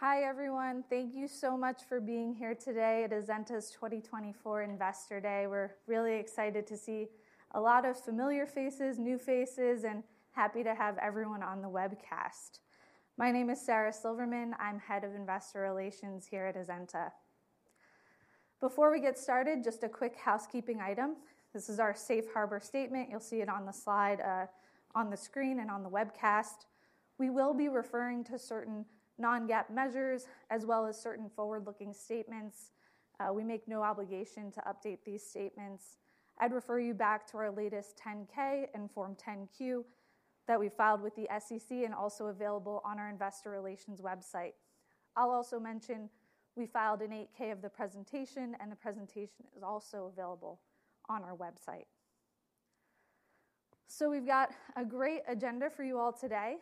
Hi everyone, thank you so much for being here today at Azenta's 2024 Investor Day. We're really excited to see a lot of familiar faces, new faces, and happy to have everyone on the webcast. My name is Sara Silverman. I'm Head of Investor Relations here at Azenta. Before we get started, just a quick housekeeping item. This is our Safe Harbor Statement. You'll see it on the slide, on the screen, and on the webcast. We will be referring to certain non-GAAP measures as well as certain forward-looking statements. We make no obligation to update these statements. I'd refer you back to our latest 10-K and Form 10-Q that we filed with the SEC and also available on our Investor Relations website. I'll also mention we filed an 8-K of the presentation, and the presentation is also available on our website. So we've got a great agenda for you all today.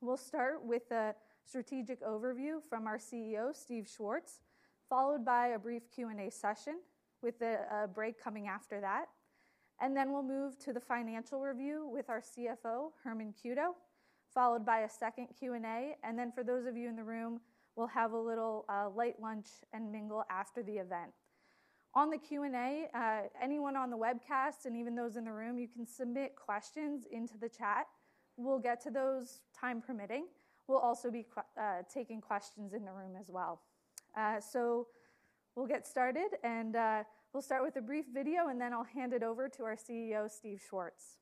We'll start with a strategic overview from our CEO, Steve Schwartz, followed by a brief Q&A session with a break coming after that. And then we'll move to the financial review with our CFO, Herman Cueto, followed by a second Q&A. And then for those of you in the room, we'll have a little light lunch and mingle after the event. On the Q&A, anyone on the webcast and even those in the room, you can submit questions into the chat. We'll get to those time permitting. We'll also be taking questions in the room as well. So we'll get started, and we'll start with a brief video, and then I'll hand it over to our CEO, Steve Schwartz.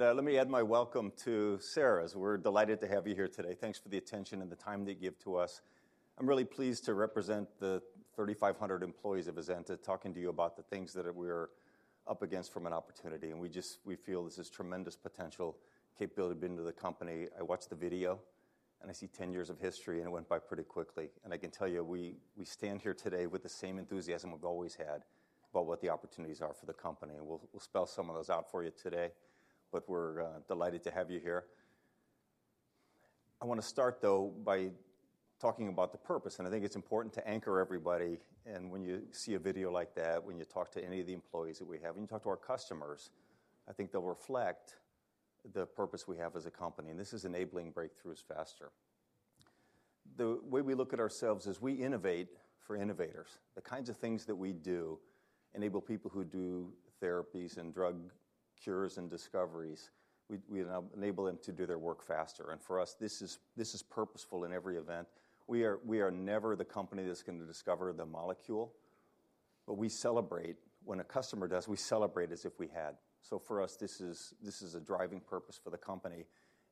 Hello everyone, and let me add my welcome to Sara. We're delighted to have you here today. Thanks for the attention and the time that you give to us. I'm really pleased to represent the 3,500 employees of Azenta talking to you about the things that we are up against from an opportunity. And we just, we feel this is tremendous potential, capability to be into the company. I watched the video, and I see 10 years of history, and it went by pretty quickly. And I can tell you we stand here today with the same enthusiasm we've always had about what the opportunities are for the company. And we'll spell some of those out for you today, but we're delighted to have you here. I want to start, though, by talking about the purpose. And I think it's important to anchor everybody. When you see a video like that, when you talk to any of the employees that we have, when you talk to our customers, I think they'll reflect the purpose we have as a company. And this is enabling breakthroughs faster. The way we look at ourselves is we innovate for innovators. The kinds of things that we do enable people who do therapies and drug cures and discoveries, we enable them to do their work faster. And for us, this is purposeful in every event. We are never the company that's going to discover the molecule, but we celebrate when a customer does, we celebrate as if we had. So for us, this is a driving purpose for the company.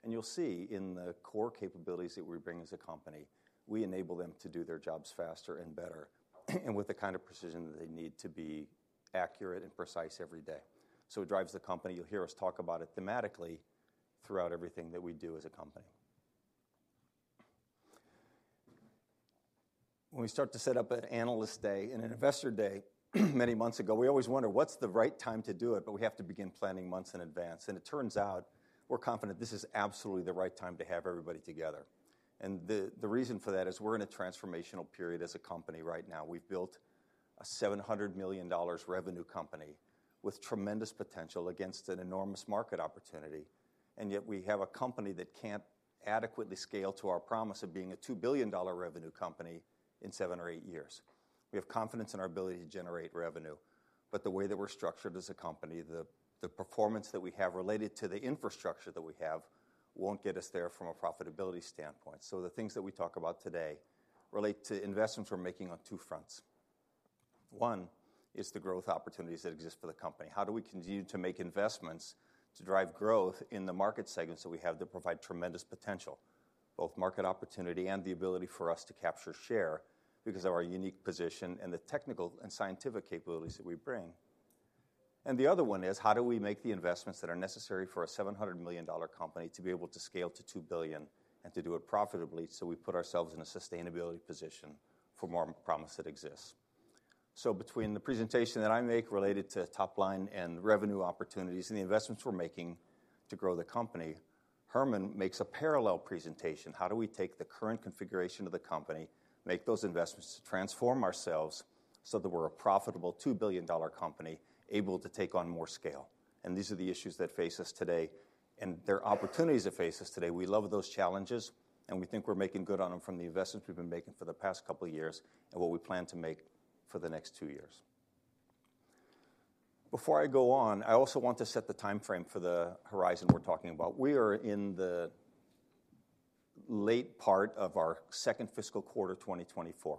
You'll see in the core capabilities that we bring as a company, we enable them to do their jobs faster and better and with the kind of precision that they need to be accurate and precise every day. It drives the company. You'll hear us talk about it thematically throughout everything that we do as a company. When we start to set up an Analyst Day and an investor day many months ago, we always wonder, what's the right time to do it? We have to begin planning months in advance. It turns out we're confident this is absolutely the right time to have everybody together. The reason for that is we're in a transformational period as a company right now. We've built a $700 million revenue company with tremendous potential against an enormous market opportunity. Yet we have a company that can't adequately scale to our promise of being a $2 billion revenue company in 7 or 8 years. We have confidence in our ability to generate revenue, but the way that we're structured as a company, the performance that we have related to the infrastructure that we have won't get us there from a profitability standpoint. The things that we talk about today relate to investments we're making on two fronts. One is the growth opportunities that exist for the company. How do we continue to make investments to drive growth in the market segments that we have that provide tremendous potential, both market opportunity and the ability for us to capture share because of our unique position and the technical and scientific capabilities that we bring? The other one is how do we make the investments that are necessary for a $700 million company to be able to scale to $2 billion and to do it profitably so we put ourselves in a sustainability position for more promise that exists? Between the presentation that I make related to top line and revenue opportunities and the investments we're making to grow the company, Herman makes a parallel presentation. How do we take the current configuration of the company, make those investments to transform ourselves so that we're a profitable $2 billion company able to take on more scale? These are the issues that face us today and they're opportunities that face us today. We love those challenges, and we think we're making good on them from the investments we've been making for the past couple of years and what we plan to make for the next two years. Before I go on, I also want to set the timeframe for the horizon we're talking about. We are in the late part of our second fiscal quarter 2024,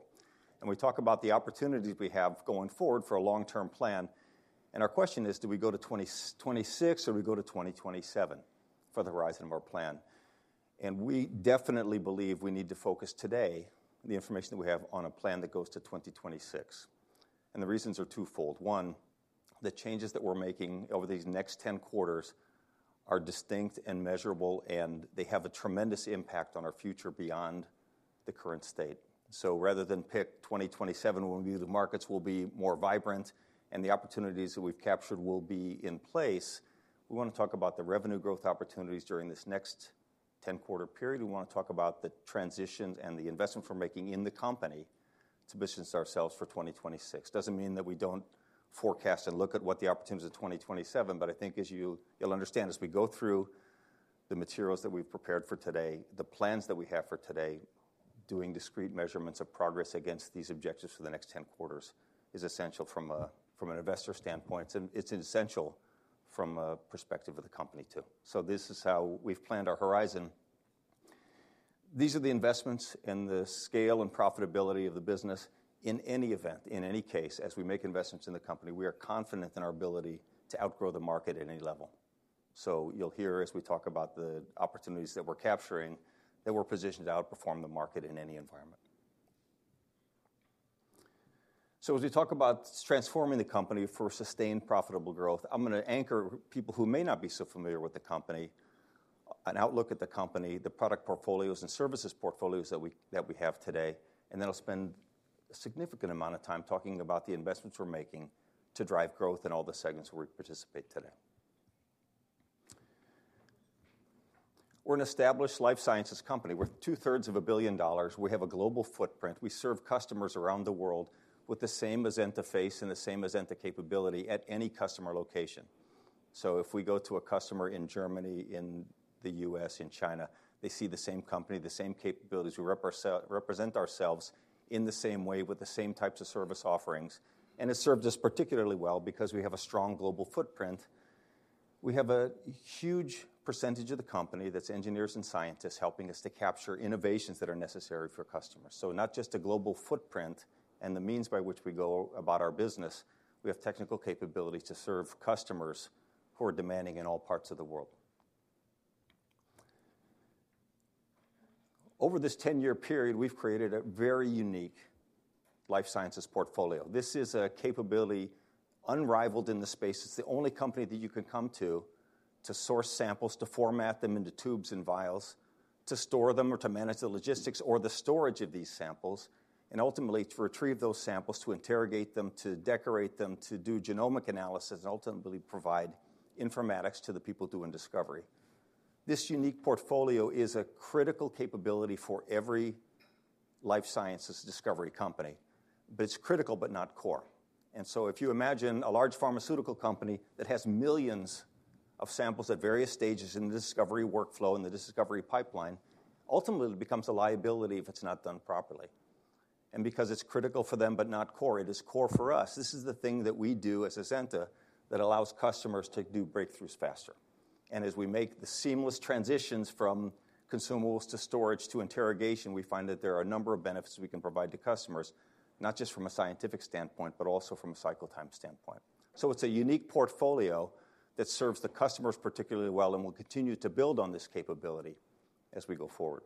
and we talk about the opportunities we have going forward for a long-term plan. Our question is, do we go to 2026 or do we go to 2027 for the horizon of our plan? We definitely believe we need to focus today, the information that we have, on a plan that goes to 2026. The reasons are twofold. 1, the changes that we're making over these next 10 quarters are distinct and measurable, and they have a tremendous impact on our future beyond the current state. So rather than pick 2027 when the markets will be more vibrant and the opportunities that we've captured will be in place, we want to talk about the revenue growth opportunities during this next 10-quarter period. We want to talk about the transitions and the investments we're making in the company to position ourselves for 2026. Doesn't mean that we don't forecast and look at what the opportunities are in 2027, but I think as you'll understand, as we go through the materials that we've prepared for today, the plans that we have for today, doing discrete measurements of progress against these objectives for the next 10 quarters is essential from an investor standpoint. It's essential from a perspective of the company too. This is how we've planned our horizon. These are the investments and the scale and profitability of the business. In any event, in any case, as we make investments in the company, we are confident in our ability to outgrow the market at any level. You'll hear as we talk about the opportunities that we're capturing that we're positioned to outperform the market in any environment. As we talk about transforming the company for sustained, profitable growth, I'm going to anchor people who may not be so familiar with the company, an outlook at the company, the product portfolios and services portfolios that we have today, and then I'll spend a significant amount of time talking about the investments we're making to drive growth in all the segments where we participate today. We're an established life sciences company worth two-thirds of $1 billion. We have a global footprint. We serve customers around the world with the same Azenta face and the same Azenta capability at any customer location. So if we go to a customer in Germany, in the U.S., in China, they see the same company, the same capabilities. We represent ourselves in the same way with the same types of service offerings. And it serves us particularly well because we have a strong global footprint. We have a huge percentage of the company that's engineers and scientists helping us to capture innovations that are necessary for customers. So not just a global footprint and the means by which we go about our business, we have technical capability to serve customers who are demanding in all parts of the world. Over this 10-year period, we've created a very unique life sciences portfolio. This is a capability unrivaled in the space. It's the only company that you can come to to source samples, to format them into tubes and vials, to store them or to manage the logistics or the storage of these samples, and ultimately to retrieve those samples, to interrogate them, to decorate them, to do genomic analysis, and ultimately provide informatics to the people doing discovery. This unique portfolio is a critical capability for every life sciences discovery company, but it's critical but not core. So if you imagine a large pharmaceutical company that has millions of samples at various stages in the discovery workflow, in the discovery pipeline, ultimately it becomes a liability if it's not done properly. Because it's critical for them but not core, it is core for us. This is the thing that we do as Azenta that allows customers to do breakthroughs faster. As we make the seamless transitions from consumables to storage to interrogation, we find that there are a number of benefits we can provide to customers, not just from a scientific standpoint but also from a cycle time standpoint. It's a unique portfolio that serves the customers particularly well and will continue to build on this capability as we go forward.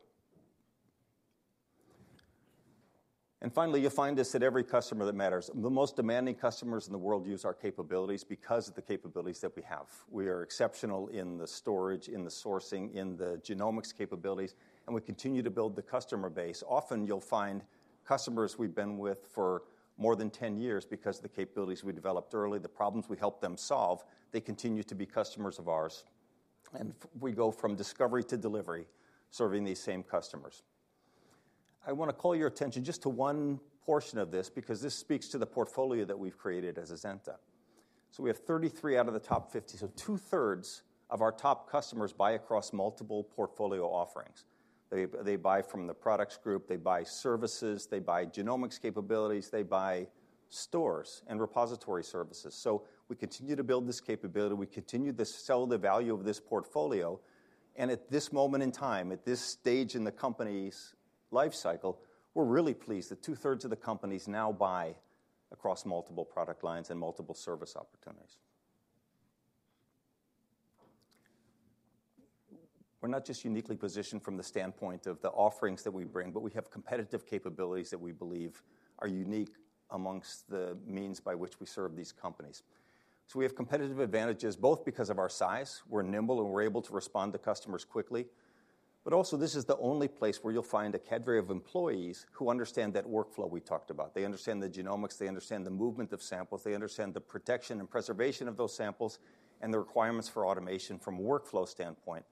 Finally, you'll find this at every customer that matters. The most demanding customers in the world use our capabilities because of the capabilities that we have. We are exceptional in the storage, in the sourcing, in the genomics capabilities, and we continue to build the customer base. Often you'll find customers we've been with for more than 10 years because of the capabilities we developed early, the problems we helped them solve; they continue to be customers of ours. We go from discovery to delivery serving these same customers. I want to call your attention just to one portion of this because this speaks to the portfolio that we've created as Azenta. So we have 33 out of the top 50. So two-thirds of our top customers buy across multiple portfolio offerings. They buy from the products group, they buy services, they buy genomics capabilities, they buy stores and repository services. So we continue to build this capability. We continue to sell the value of this portfolio. At this moment in time, at this stage in the company's life cycle, we're really pleased that two-thirds of the companies now buy across multiple product lines and multiple service opportunities. We're not just uniquely positioned from the standpoint of the offerings that we bring, but we have competitive capabilities that we believe are unique amongst the means by which we serve these companies. So we have competitive advantages both because of our size, we're nimble and we're able to respond to customers quickly, but also this is the only place where you'll find a cadre of employees who understand that workflow we talked about. They understand the genomics, they understand the movement of samples, they understand the protection and preservation of those samples and the requirements for automation from a workflow standpoint.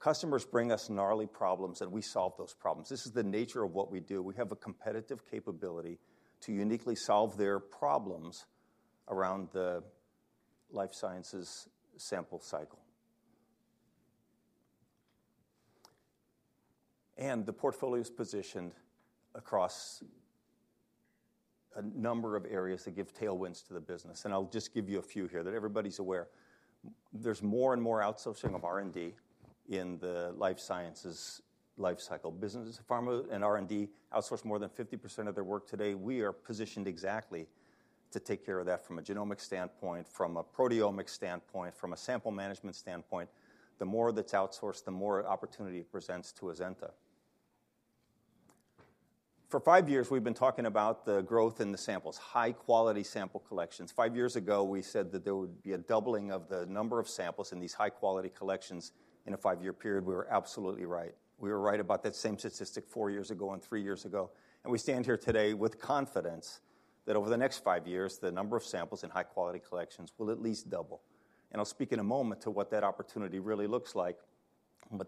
Customers bring us gnarly problems and we solve those problems. This is the nature of what we do. We have a competitive capability to uniquely solve their problems around the life sciences sample cycle. The portfolio is positioned across a number of areas that give tailwinds to the business. I'll just give you a few here that everybody's aware. There's more and more outsourcing of R&D in the life sciences life cycle. Businesses and R&D outsource more than 50% of their work today. We are positioned exactly to take care of that from a genomic standpoint, from a proteomic standpoint, from a sample management standpoint. The more that's outsourced, the more opportunity it presents to Azenta. For five years, we've been talking about the growth in the samples, high-quality sample collections. Five years ago, we said that there would be a doubling of the number of samples in these high-quality collections in a five-year period. We were absolutely right. We were right about that same statistic 4 years ago and 3 years ago. We stand here today with confidence that over the next 5 years, the number of samples in high-quality collections will at least double. I'll speak in a moment to what that opportunity really looks like.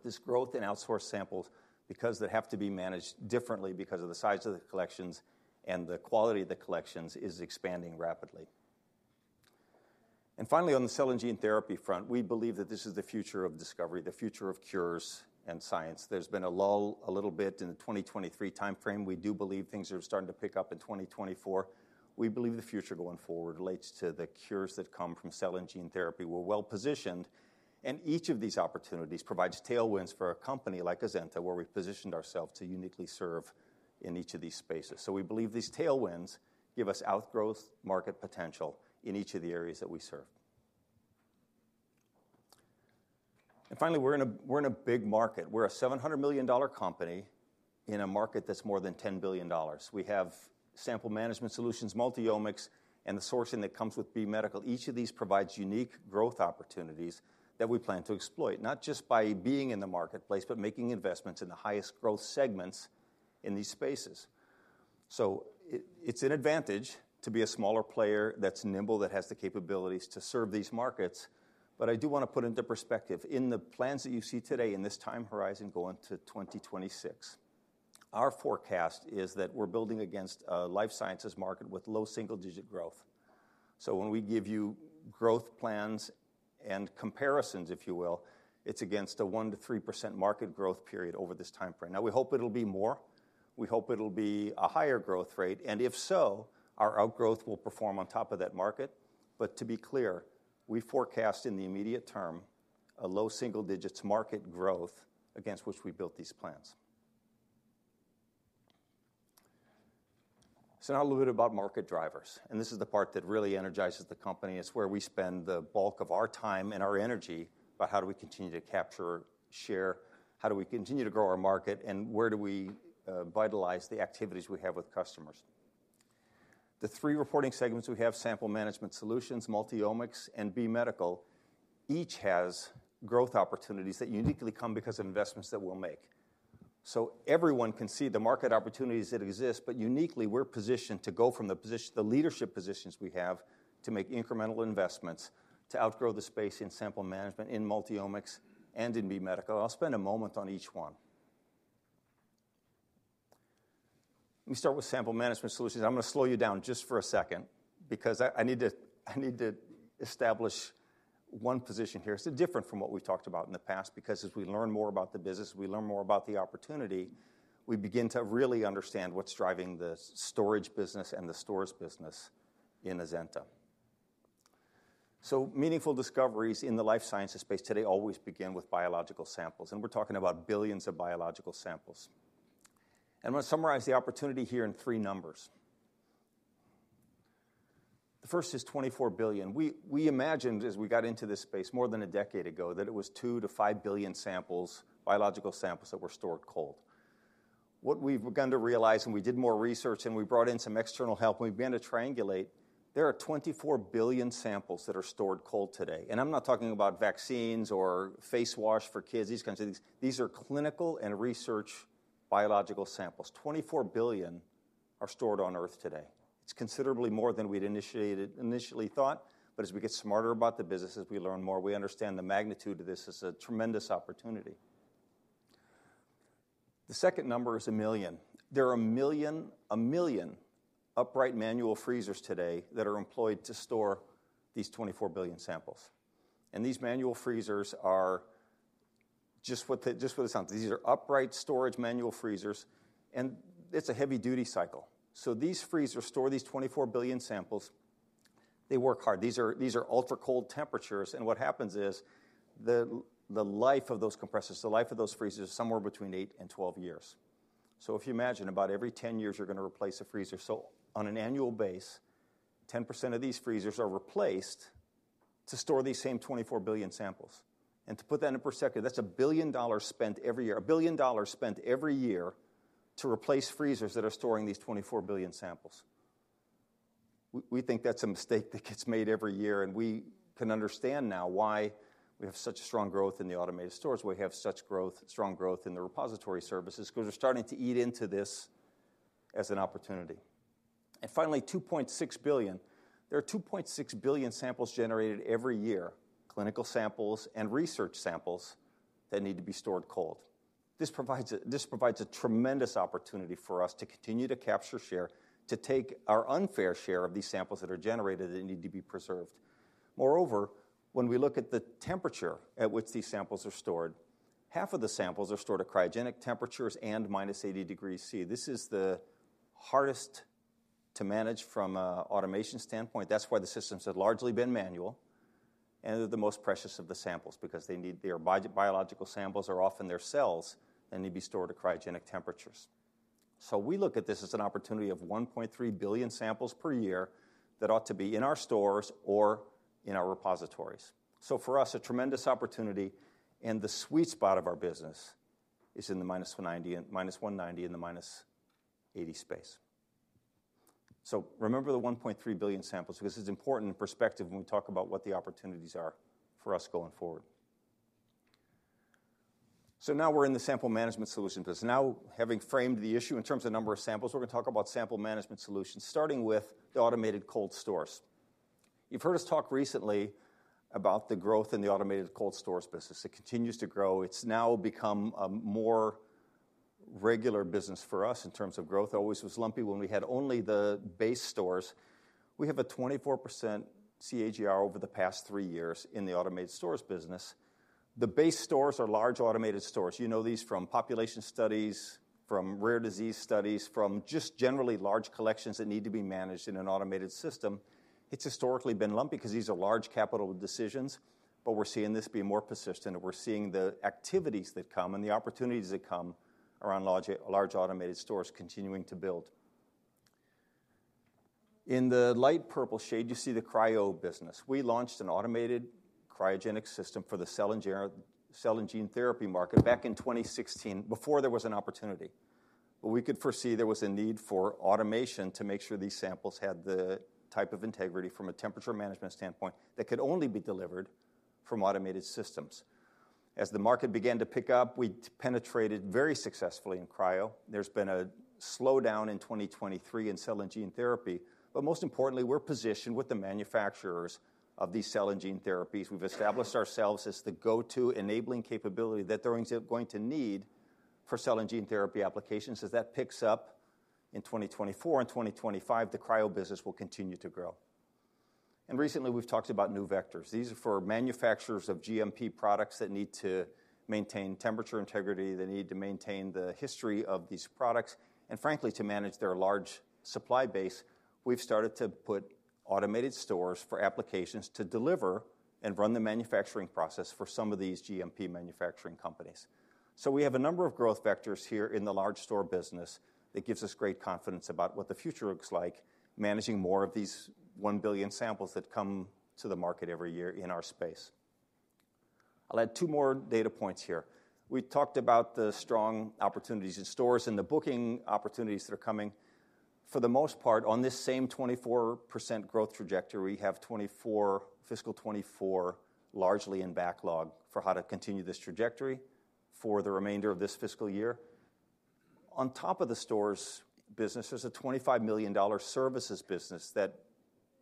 This growth in outsourced samples, because they have to be managed differently because of the size of the collections and the quality of the collections, is expanding rapidly. Finally, on the cell and gene therapy front, we believe that this is the future of discovery, the future of cures and science. There's been a lull a little bit in the 2023 timeframe. We do believe things are starting to pick up in 2024. We believe the future going forward relates to the cures that come from cell and gene therapy. We're well positioned, and each of these opportunities provides tailwinds for a company like Azenta where we've positioned ourselves to uniquely serve in each of these spaces. So we believe these tailwinds give us outgrowth market potential in each of the areas that we serve. And finally, we're in a big market. We're a $700 million company in a market that's more than $10 billion. We have Sample Management Solutions, Multiomics, and the sourcing that comes with B Medical. Each of these provides unique growth opportunities that we plan to exploit, not just by being in the marketplace, but making investments in the highest growth segments in these spaces. So it's an advantage to be a smaller player that's nimble, that has the capabilities to serve these markets. But I do want to put into perspective in the plans that you see today in this time horizon going to 2026, our forecast is that we're building against a life sciences market with low single-digit growth. So when we give you growth plans and comparisons, if you will, it's against a 1%-3% market growth period over this timeframe. Now, we hope it'll be more. We hope it'll be a higher growth rate. And if so, our outgrowth will perform on top of that market. But to be clear, we forecast in the immediate term a low single-digits market growth against which we built these plans. So now a little bit about market drivers. And this is the part that really energizes the company. It's where we spend the bulk of our time and our energy about how do we continue to capture share, how do we continue to grow our market, and where do we vitalize the activities we have with customers. The three reporting segments we have, Sample Management Solutions, Multiomics, and B Medical, each has growth opportunities that uniquely come because of investments that we'll make. So everyone can see the market opportunities that exist, but uniquely, we're positioned to go from the leadership positions we have to make incremental investments to outgrow the space in Sample Management, in Multiomics, and in B Medical. I'll spend a moment on each one. Let me start with Sample Management Solutions. I'm going to slow you down just for a second because I need to establish one position here. It's different from what we've talked about in the past because as we learn more about the business, we learn more about the opportunity, we begin to really understand what's driving the storage business and the stores business in Azenta. So meaningful discoveries in the life sciences space today always begin with biological samples. And we're talking about billions of biological samples. And I'm going to summarize the opportunity here in three numbers. The first is $24 billion. We imagined as we got into this space more than a decade ago that it was 2-5 billion samples, biological samples that were stored cold. What we've begun to realize and we did more research and we brought in some external help and we began to triangulate, there are 24 billion samples that are stored cold today. I'm not talking about vaccines or face wash for kids, these kinds of things. These are clinical and research biological samples. $24 billion are stored on Earth today. It's considerably more than we'd initially thought. As we get smarter about the business, as we learn more, we understand the magnitude of this as a tremendous opportunity. The second number is 1 million. There are 1 million upright manual freezers today that are employed to store these $24 billion samples. These manual freezers are just what it sounds like. These are upright storage manual freezers, and it's a heavy-duty cycle. These freezers store these $24 billion samples. They work hard. These are ultra-cold temperatures. What happens is the life of those compressors, the life of those freezers is somewhere between 8 and 12 years. So if you imagine about every 10 years, you're going to replace a freezer. So on an annual basis, 10% of these freezers are replaced to store these same $24 billion samples. And to put that into perspective, that's $1 billion spent every year, $1 billion spent every year to replace freezers that are storing these $24 billion samples. We think that's a mistake that gets made every year. And we can understand now why we have such strong growth in the automated stores, why we have such strong growth in the repository services because we're starting to eat into this as an opportunity. And finally, $2.6 billion. There are $2.6 billion samples generated every year, clinical samples and research samples that need to be stored cold. This provides a tremendous opportunity for us to continue to capture share, to take our unfair share of these samples that are generated that need to be preserved. Moreover, when we look at the temperature at which these samples are stored, half of the samples are stored at cryogenic temperatures and -80 degrees Celsius. This is the hardest to manage from an automation standpoint. That's why the systems have largely been manual. And they're the most precious of the samples because their biological samples are often their cells that need to be stored at cryogenic temperatures. So we look at this as an opportunity of 1.3 billion samples per year that ought to be in our stores or in our repositories. So for us, a tremendous opportunity. And the sweet spot of our business is in the -190 and -190 in the -80 space. So remember the 1.3 billion samples because it's important in perspective when we talk about what the opportunities are for us going forward. So now we're in the sample management solution business. Now having framed the issue in terms of number of samples, we're going to talk about sample management solutions, starting with the automated cold stores. You've heard us talk recently about the growth in the automated cold stores business. It continues to grow. It's now become a more regular business for us in terms of growth. It always was lumpy when we had only the base stores. We have a 24% CAGR over the past three years in the automated stores business. The base stores are large automated stores. You know these from population studies, from rare disease studies, from just generally large collections that need to be managed in an automated system. It's historically been lumpy because these are large capital decisions, but we're seeing this be more persistent. We're seeing the activities that come and the opportunities that come around large automated stores continuing to build. In the light purple shade, you see the cryo business. We launched an automated cryogenic system for the cell and gene therapy market back in 2016 before there was an opportunity. But we could foresee there was a need for automation to make sure these samples had the type of integrity from a temperature management standpoint that could only be delivered from automated systems. As the market began to pick up, we penetrated very successfully in cryo. There's been a slowdown in 2023 in cell and gene therapy. But most importantly, we're positioned with the manufacturers of these cell and gene therapies. We've established ourselves as the go-to enabling capability that they're going to need for cell and gene therapy applications. As that picks up in 2024 and 2025, the cryo business will continue to grow. Recently, we've talked about new vectors. These are for manufacturers of GMP products that need to maintain temperature integrity, that need to maintain the history of these products, and frankly, to manage their large supply base. We've started to put automated stores for applications to deliver and run the manufacturing process for some of these GMP manufacturing companies. We have a number of growth vectors here in the large store business that gives us great confidence about what the future looks like, managing more of these 1 billion samples that come to the market every year in our space. I'll add two more data points here. We talked about the strong opportunities in stores and the booking opportunities that are coming. For the most part, on this same 24% growth trajectory, we have fiscal 2024 largely in backlog for how to continue this trajectory for the remainder of this fiscal year. On top of the stores business, there's a $25 million services business that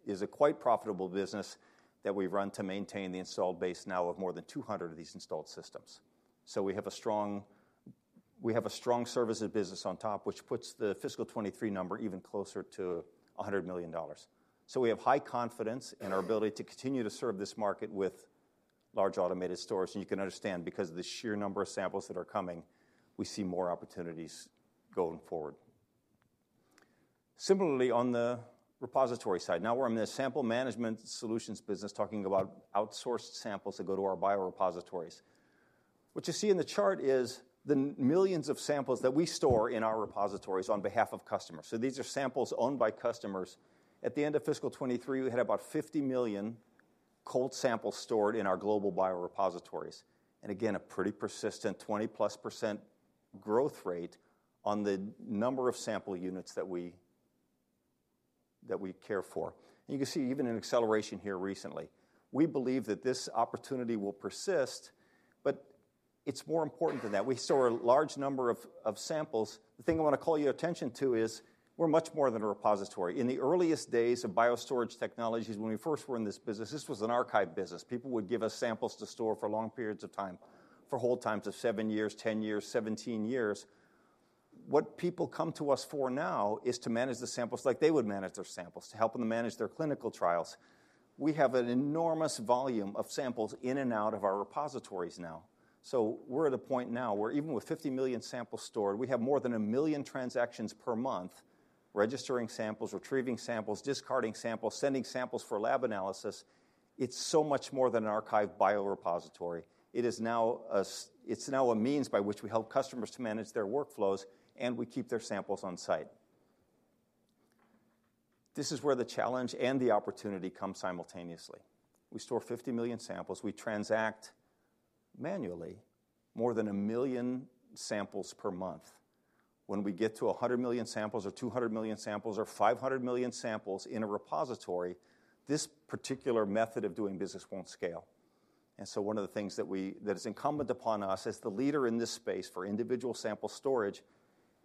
is a quite profitable business that we run to maintain the installed base now of more than 200 of these installed systems. So we have a strong services business on top, which puts the fiscal 2023 number even closer to $100 million. So we have high confidence in our ability to continue to serve this market with large automated stores. And you can understand because of the sheer number of samples that are coming, we see more opportunities going forward. Similarly, on the repository side, now we're in the sample management solutions business talking about outsourced samples that go to our biorepositories. What you see in the chart is the millions of samples that we store in our repositories on behalf of customers. So these are samples owned by customers. At the end of fiscal 2023, we had about 50 million cold samples stored in our global biorepositories. And again, a pretty persistent 20%+ growth rate on the number of sample units that we care for. And you can see even an acceleration here recently. We believe that this opportunity will persist, but it's more important than that. We store a large number of samples. The thing I want to call your attention to is we're much more than a repository. In the earliest days of BioStorage Technologies, when we first were in this business, this was an archive business. People would give us samples to store for long periods of time, for hold times of 7 years, 10 years, 17 years. What people come to us for now is to manage the samples like they would manage their samples, to help them manage their clinical trials. We have an enormous volume of samples in and out of our repositories now. So we're at a point now where even with 50 million samples stored, we have more than 1 million transactions per month registering samples, retrieving samples, discarding samples, sending samples for lab analysis. It's so much more than an archive biorepository. It's now a means by which we help customers to manage their workflows, and we keep their samples on site. This is where the challenge and the opportunity come simultaneously. We store 50 million samples. We transact manually more than 1 million samples per month. When we get to 100 million samples or 200 million samples or 500 million samples in a repository, this particular method of doing business won't scale. And so one of the things that is incumbent upon us as the leader in this space for individual sample storage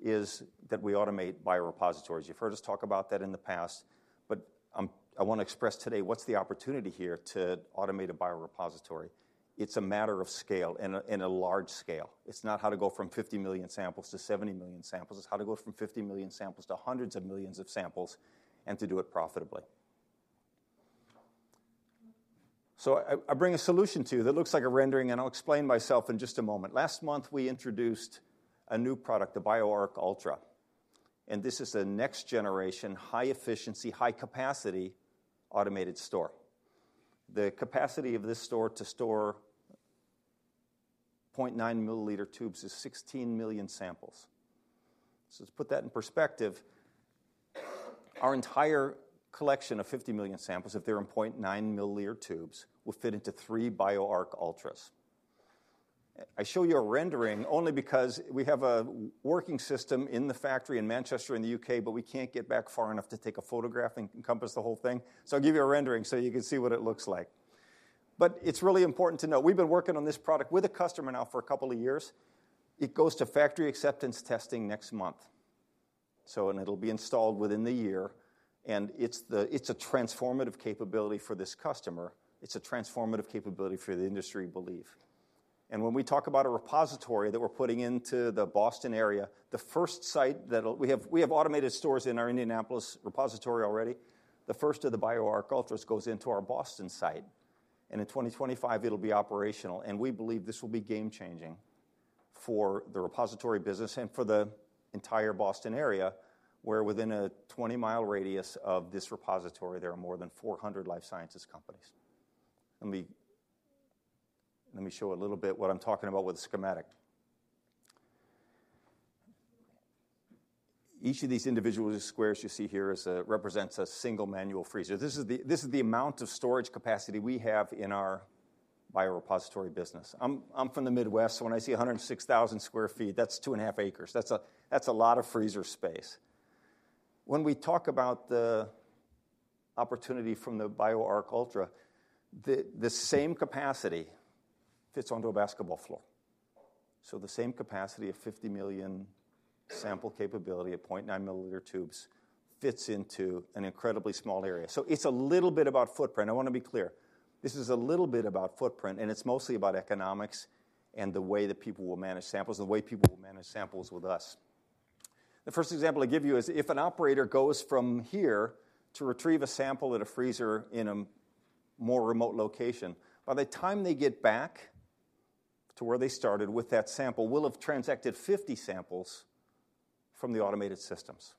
is that we automate biorepositories. You've heard us talk about that in the past, but I want to express today what's the opportunity here to automate a biorepository. It's a matter of scale and a large scale. It's not how to go from 50 million samples to 70 million samples. It's how to go from 50 million samples to hundreds of millions of samples and to do it profitably. So I bring a solution to you that looks like a rendering, and I'll explain myself in just a moment. Last month, we introduced a new product, the BioArc Ultra. This is a next-generation, high-efficiency, high-capacity automated store. The capacity of this store to store 0.9 milliliter tubes is 16 million samples. So to put that in perspective, our entire collection of 50 million samples, if they're in 0.9 milliliter tubes, will fit into three BioArc Ultras. I show you a rendering only because we have a working system in the factory in Manchester in the U.K., but we can't get back far enough to take a photograph and encompass the whole thing. So I'll give you a rendering so you can see what it looks like. But it's really important to note we've been working on this product with a customer now for a couple of years. It goes to factory acceptance testing next month. It'll be installed within the year. It's a transformative capability for this customer. It's a transformative capability for the industry, I believe. When we talk about a repository that we're putting into the Boston area, the first site that we have automated stores in our Indianapolis repository already. The first of the BioArc Ultras goes into our Boston site. In 2025, it'll be operational. We believe this will be game-changing for the repository business and for the entire Boston area where within a 20-mile radius of this repository, there are more than 400 life sciences companies. Let me show a little bit what I'm talking about with a schematic. Each of these individual squares you see here represents a single manual freezer. This is the amount of storage capacity we have in our biorepository business. I'm from the Midwest, so when I see 106,000 sq ft, that's 2.5 acres. That's a lot of freezer space. When we talk about the opportunity from the BioArc Ultra, the same capacity fits onto a basketball floor. So the same capacity of 50 million sample capability at 0.9 milliliter tubes fits into an incredibly small area. So it's a little bit about footprint. I want to be clear. This is a little bit about footprint, and it's mostly about economics and the way that people will manage samples and the way people will manage samples with us. The first example I give you is if an operator goes from here to retrieve a sample at a freezer in a more remote location, by the time they get back to where they started with that sample, we'll have transacted 50 samples from the automated systems.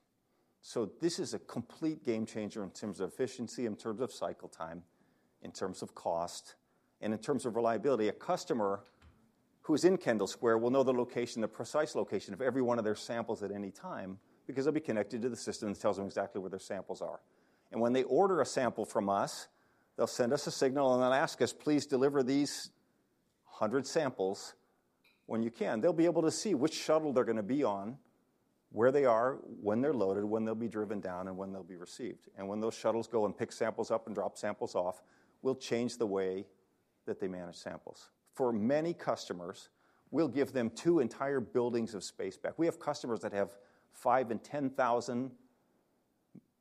So this is a complete game-changer in terms of efficiency, in terms of cycle time, in terms of cost, and in terms of reliability. A customer who is in Kendall Square will know the precise location of every one of their samples at any time because they'll be connected to the system that tells them exactly where their samples are. And when they order a sample from us, they'll send us a signal, and they'll ask us, "Please deliver these 100 samples when you can." They'll be able to see which shuttle they're going to be on, where they are, when they're loaded, when they'll be driven down, and when they'll be received. And when those shuttles go and pick samples up and drop samples off, we'll change the way that they manage samples. For many customers, we'll give them two entire buildings of space back. We have customers that have 5 and 10,000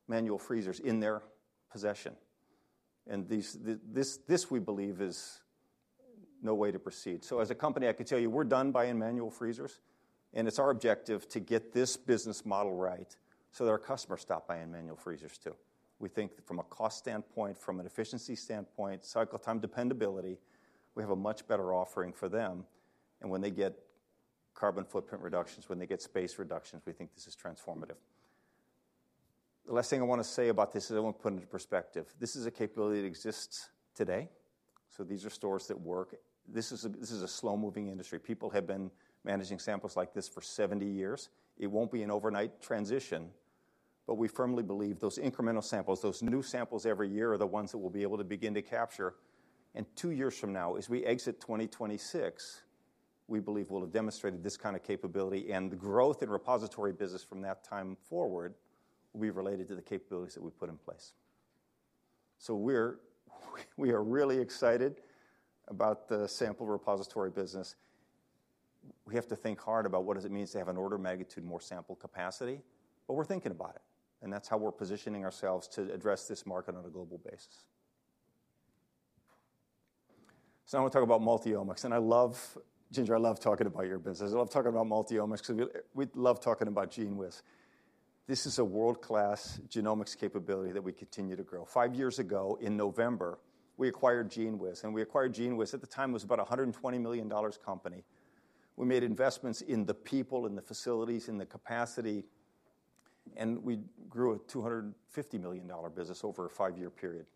manual freezers in their possession. This, we believe, is no way to proceed. As a company, I could tell you we're done buying manual freezers. It's our objective to get this business model right so that our customers stop buying manual freezers too. We think from a cost standpoint, from an efficiency standpoint, cycle time, dependability, we have a much better offering for them. When they get carbon footprint reductions, when they get space reductions, we think this is transformative. The last thing I want to say about this is I want to put it into perspective. This is a capability that exists today. These are stores that work. This is a slow-moving industry. People have been managing samples like this for 70 years. It won't be an overnight transition, but we firmly believe those incremental samples, those new samples every year are the ones that we'll be able to begin to capture. Two years from now, as we exit 2026, we believe we'll have demonstrated this kind of capability. The growth in repository business from that time forward will be related to the capabilities that we put in place. So we are really excited about the sample repository business. We have to think hard about what does it mean to have an order magnitude more sample capacity, but we're thinking about it. That's how we're positioning ourselves to address this market on a global basis. Now I want to talk about Multiomics. I love, Ginger, I love talking about your business. I love talking about Multiomics because we love talking about GENEWIZ. This is a world-class genomics capability that we continue to grow. Five years ago, in November, we acquired GENEWIZ. And we acquired GENEWIZ. At the time, it was about a $120 million company. We made investments in the people, in the facilities, in the capacity, and we grew a $250 million business over a five-year period.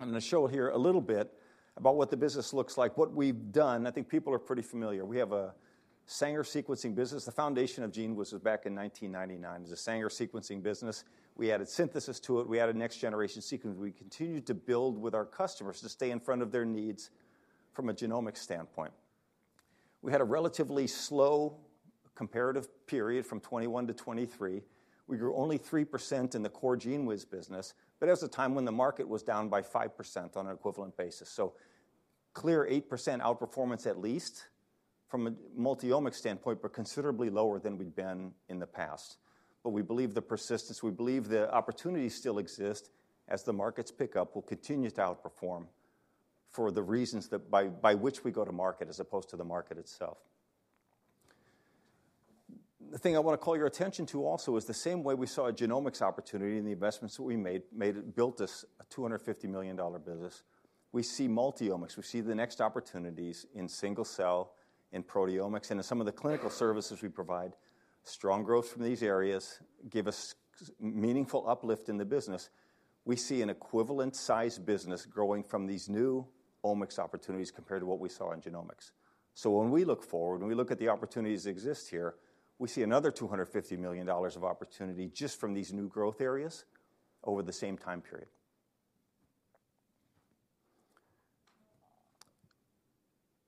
I'm going to show here a little bit about what the business looks like, what we've done. I think people are pretty familiar. We have a Sanger sequencing business. The foundation of GENEWIZ was back in 1999. It's a Sanger sequencing business. We added synthesis to it. We added next-generation sequencing. We continued to build with our customers to stay in front of their needs from a genomics standpoint. We had a relatively slow comparative period from 2021 to 2023. We grew only 3% in the core GENEWIZ business, but it was a time when the market was down by 5% on an equivalent basis. So clear 8% outperformance at least from a Multiomics standpoint, but considerably lower than we'd been in the past. But we believe the persistence, we believe the opportunities still exist as the markets pick up, will continue to outperform for the reasons by which we go to market as opposed to the market itself. The thing I want to call your attention to also is the same way we saw a genomics opportunity in the investments that we made, built us a $250 million business. We see Multiomics. We see the next opportunities in single cell, in proteomics, and in some of the clinical services we provide. Strong growth from these areas gives us meaningful uplift in the business. We see an equivalent-sized business growing from these new omics opportunities compared to what we saw in genomics. So when we look forward, when we look at the opportunities that exist here, we see another $250 million of opportunity just from these new growth areas over the same time period.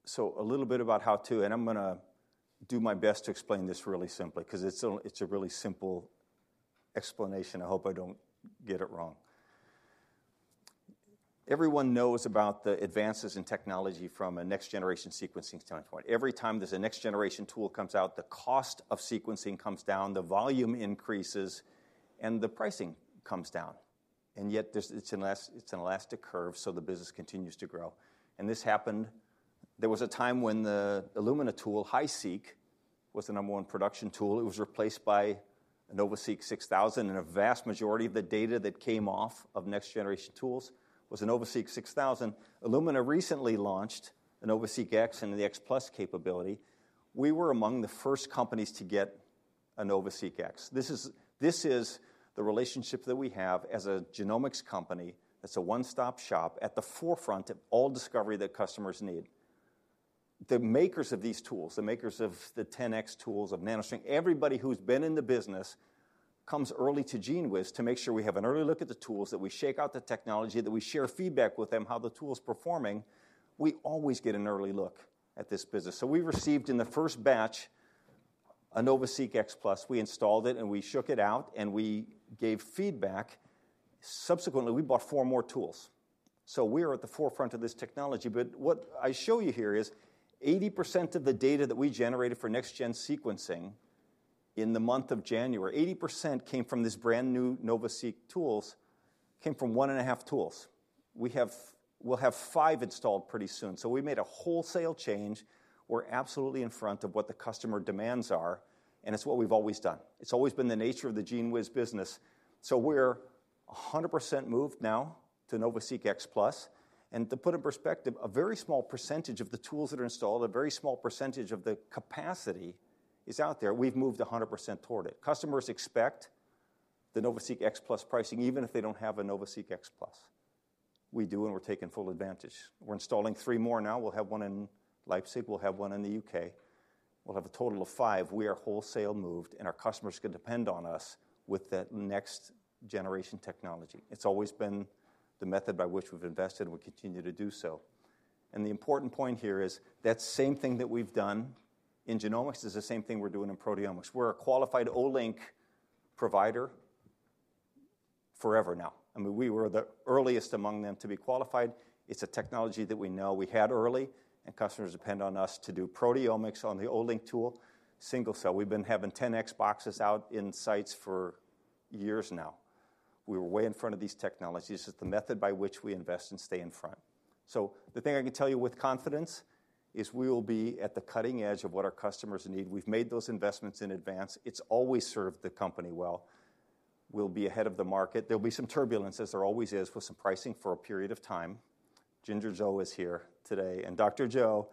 So a little bit about how to, and I'm going to do my best to explain this really simply because it's a really simple explanation. I hope I don't get it wrong. Everyone knows about the advances in technology from a next-generation sequencing standpoint. Every time there's a next-generation tool comes out, the cost of sequencing comes down, the volume increases, and the pricing comes down. And yet, it's an elastic curve so the business continues to grow. And this happened. There was a time when the Illumina tool, HiSeq, was the number one production tool. It was replaced by a NovaSeq 6000. A vast majority of the data that came off of next-generation tools was a NovaSeq 6000. Illumina recently launched a NovaSeq X and the X Plus capability. We were among the first companies to get a NovaSeq X. This is the relationship that we have as a genomics company that's a one-stop shop at the forefront of all discovery that customers need. The makers of these tools, the makers of the 10x tools, NanoString, everybody who's been in the business comes early to GENEWIZ to make sure we have an early look at the tools, that we shake out the technology, that we share feedback with them how the tool's performing. We always get an early look at this business. So we received in the first batch a NovaSeq X Plus. We installed it, and we shook it out, and we gave feedback. Subsequently, we bought 4 more tools. So we are at the forefront of this technology. But what I show you here is 80% of the data that we generated for next-gen sequencing in the month of January, 80% came from these brand new NovaSeq tools, came from 1.5 tools. We'll have 5 installed pretty soon. So we made a wholesale change. We're absolutely in front of what the customer demands are, and it's what we've always done. It's always been the nature of the GENEWIZ business. So we're 100% moved now to NovaSeq X Plus. And to put in perspective, a very small percentage of the tools that are installed, a very small percentage of the capacity is out there. We've moved 100% toward it. Customers expect the NovaSeq X Plus pricing even if they don't have a NovaSeq X Plus. We do, and we're taking full advantage. We're installing 3 more now. We'll have 1 in Leipzig. We'll have 1 in the UK. We'll have a total of 5. We are wholly moved, and our customers can depend on us with that next-generation technology. It's always been the method by which we've invested, and we continue to do so. The important point here is that same thing that we've done in genomics is the same thing we're doing in proteomics. We're a qualified Olink provider forever now. I mean, we were the earliest among them to be qualified. It's a technology that we know we had early, and customers depend on us to do proteomics on the Olink tool single cell. We've been having 10x boxes out in sites for years now. We were way in front of these technologies. It's the method by which we invest and stay in front. So the thing I can tell you with confidence is we will be at the cutting edge of what our customers need. We've made those investments in advance. It's always served the company well. We'll be ahead of the market. There'll be some turbulence, as there always is with some pricing for a period of time. Ginger Zhou is here today. And Dr. Zhou,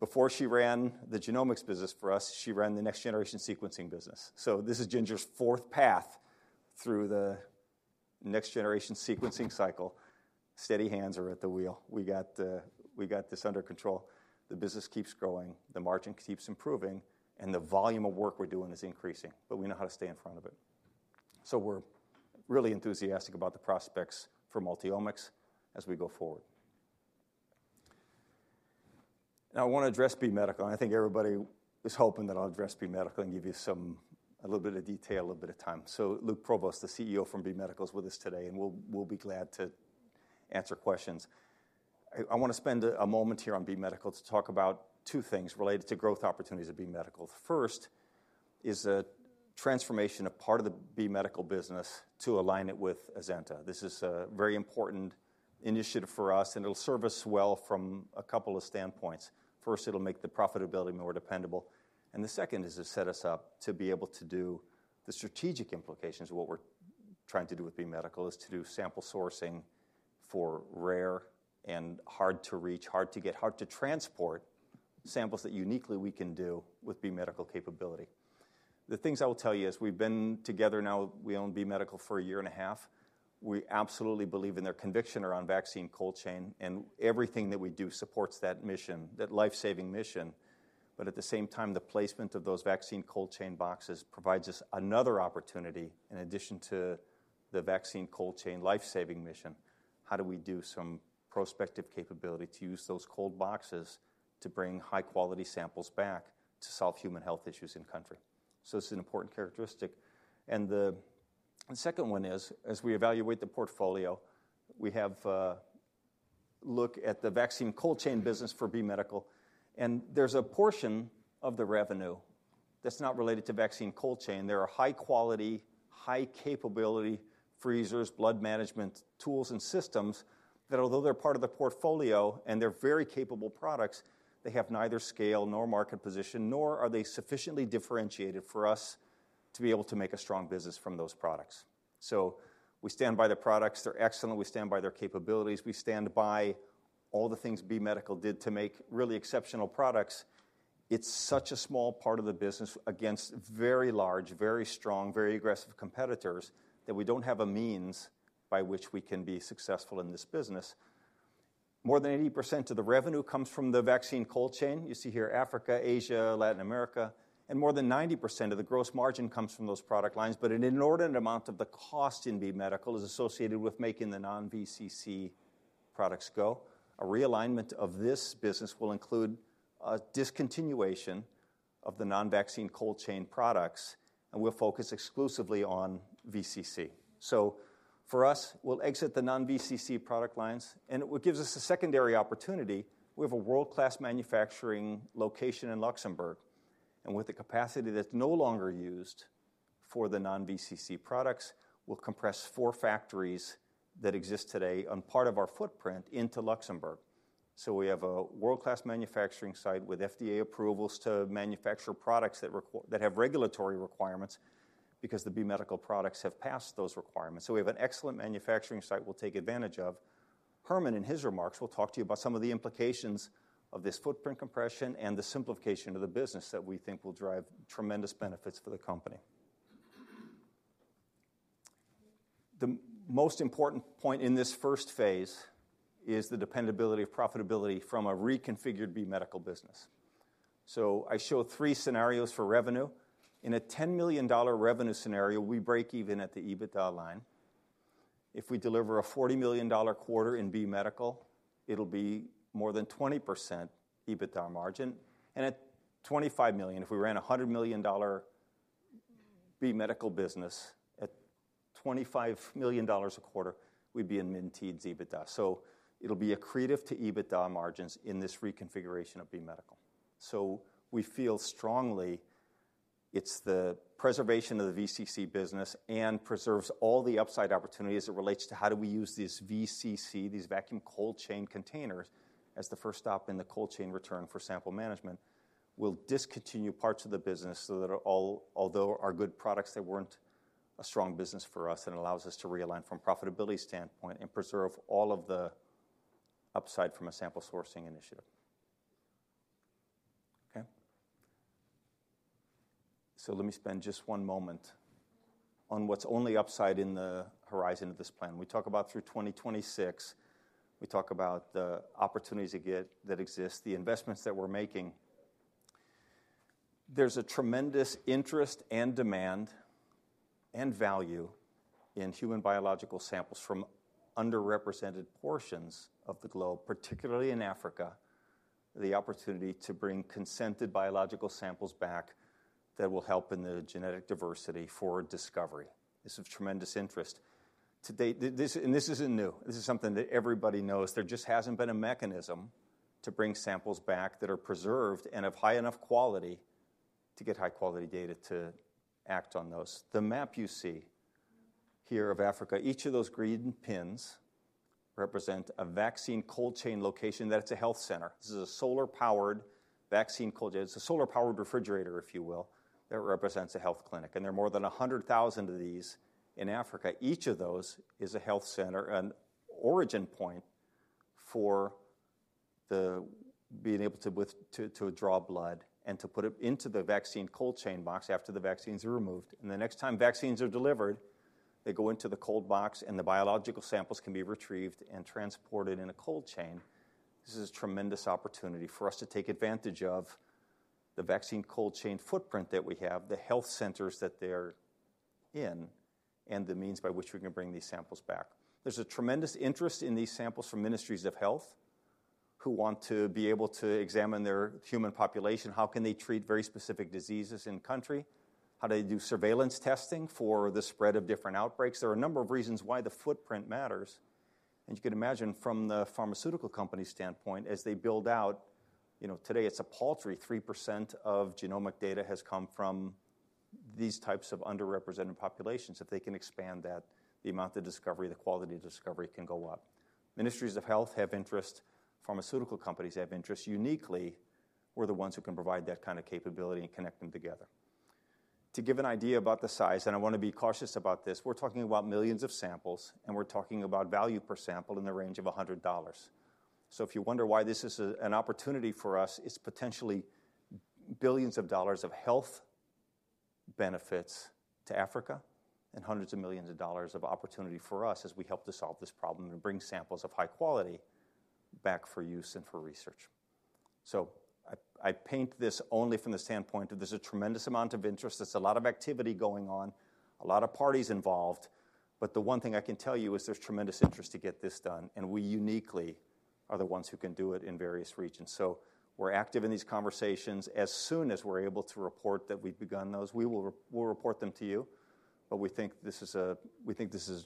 before she ran the genomics business for us, she ran the next-generation sequencing business. So this is Ginger's fourth path through the next-generation sequencing cycle. Steady hands are at the wheel. We got this under control. The business keeps growing. The margin keeps improving. And the volume of work we're doing is increasing, but we know how to stay in front of it. So we're really enthusiastic about the prospects for Multiomics as we go forward. Now, I want to address B Medical. I think everybody is hoping that I'll address B Medical and give you a little bit of detail, a little bit of time. So Luc Provost, the CEO from B Medical, is with us today, and we'll be glad to answer questions. I want to spend a moment here on B Medical to talk about two things related to growth opportunities at B Medical. First is a transformation of part of the B Medical business to align it with Azenta. This is a very important initiative for us, and it'll serve us well from a couple of standpoints. First, it'll make the profitability more dependable. And the second is to set us up to be able to do the strategic implications. What we're trying to do with B Medical is to do sample sourcing for rare and hard to reach, hard to get, hard to transport samples that uniquely we can do with B Medical capability. The things I will tell you is we've been together now. We own B Medical for a year and a half. We absolutely believe in their conviction around vaccine cold chain, and everything that we do supports that mission, that lifesaving mission. But at the same time, the placement of those vaccine cold chain boxes provides us another opportunity. In addition to the vaccine cold chain lifesaving mission, how do we do some prospective capability to use those cold boxes to bring high-quality samples back to solve human health issues in country? So this is an important characteristic. The second one is, as we evaluate the portfolio, we look at the vaccine cold chain business for B Medical. There's a portion of the revenue that's not related to vaccine cold chain. There are high-quality, high-capability freezers, blood management tools, and systems that, although they're part of the portfolio and they're very capable products, they have neither scale nor market position, nor are they sufficiently differentiated for us to be able to make a strong business from those products. So we stand by the products. They're excellent. We stand by their capabilities. We stand by all the things B Medical did to make really exceptional products. It's such a small part of the business against very large, very strong, very aggressive competitors that we don't have a means by which we can be successful in this business. More than 80% of the revenue comes from the vaccine cold chain. You see here Africa, Asia, Latin America. More than 90% of the gross margin comes from those product lines. An inordinate amount of the cost in B Medical is associated with making the non-VCC products go. A realignment of this business will include a discontinuation of the non-vaccine cold chain products, and we'll focus exclusively on VCC. For us, we'll exit the non-VCC product lines, and it gives us a secondary opportunity. We have a world-class manufacturing location in Luxembourg. With the capacity that's no longer used for the non-VCC products, we'll compress four factories that exist today on part of our footprint into Luxembourg. We have a world-class manufacturing site with FDA approvals to manufacture products that have regulatory requirements because the B Medical products have passed those requirements. So we have an excellent manufacturing site we'll take advantage of. Herman and his remarks will talk to you about some of the implications of this footprint compression and the simplification of the business that we think will drive tremendous benefits for the company. The most important point in this first phase is the dependability of profitability from a reconfigured B Medical business. So I show three scenarios for revenue. In a $10 million revenue scenario, we break even at the EBITDA line. If we deliver a $40 million quarter in B Medical, it'll be more than 20% EBITDA margin. And at $25 million, if we ran a $100 million B Medical business at $25 million a quarter, we'd be in mid-teens EBITDA. So it'll be accretive to EBITDA margins in this reconfiguration of B Medical. So we feel strongly it's the preservation of the VCC business and preserves all the upside opportunities as it relates to how do we use these VCC, these vaccine cold chain containers, as the first stop in the cold chain return for sample management. We'll discontinue parts of the business so that although our good products, they weren't a strong business for us, it allows us to realign from a profitability standpoint and preserve all of the upside from a sample sourcing initiative. Okay? So let me spend just one moment on what's only upside in the horizon of this plan. We talk about through 2026. We talk about the opportunities that exist, the investments that we're making. There's a tremendous interest and demand and value in human biological samples from underrepresented portions of the globe, particularly in Africa, the opportunity to bring consented biological samples back that will help in the genetic diversity for discovery. This is of tremendous interest. This isn't new. This is something that everybody knows. There just hasn't been a mechanism to bring samples back that are preserved and of high enough quality to get high-quality data to act on those. The map you see here of Africa, each of those green pins represent a vaccine cold chain location that it's a health center. This is a solar-powered vaccine cold chain. It's a solar-powered refrigerator, if you will, that represents a health clinic. There are more than 100,000 of these in Africa. Each of those is a health center, an origin point for being able to draw blood and to put it into the vaccine cold chain box after the vaccines are removed. The next time vaccines are delivered, they go into the cold box, and the biological samples can be retrieved and transported in a cold chain. This is a tremendous opportunity for us to take advantage of the vaccine cold chain footprint that we have, the health centers that they're in, and the means by which we can bring these samples back. There's a tremendous interest in these samples from ministries of health who want to be able to examine their human population. How can they treat very specific diseases in country? How do they do surveillance testing for the spread of different outbreaks? There are a number of reasons why the footprint matters. You can imagine from the pharmaceutical company standpoint, as they build out, today it's a paltry 3% of genomic data has come from these types of underrepresented populations. If they can expand that, the amount of discovery, the quality of discovery can go up. Ministries of health have interest. Pharmaceutical companies have interest. Uniquely, we're the ones who can provide that kind of capability and connect them together. To give an idea about the size, and I want to be cautious about this, we're talking about millions of samples, and we're talking about value per sample in the range of $100. So if you wonder why this is an opportunity for us, it's potentially $billions of health benefits to Africa and $hundreds of millions of opportunity for us as we help to solve this problem and bring samples of high quality back for use and for research. So I paint this only from the standpoint of there's a tremendous amount of interest. There's a lot of activity going on, a lot of parties involved. But the one thing I can tell you is there's tremendous interest to get this done, and we uniquely are the ones who can do it in various regions. So we're active in these conversations. As soon as we're able to report that we've begun those, we will report them to you. But we think this is a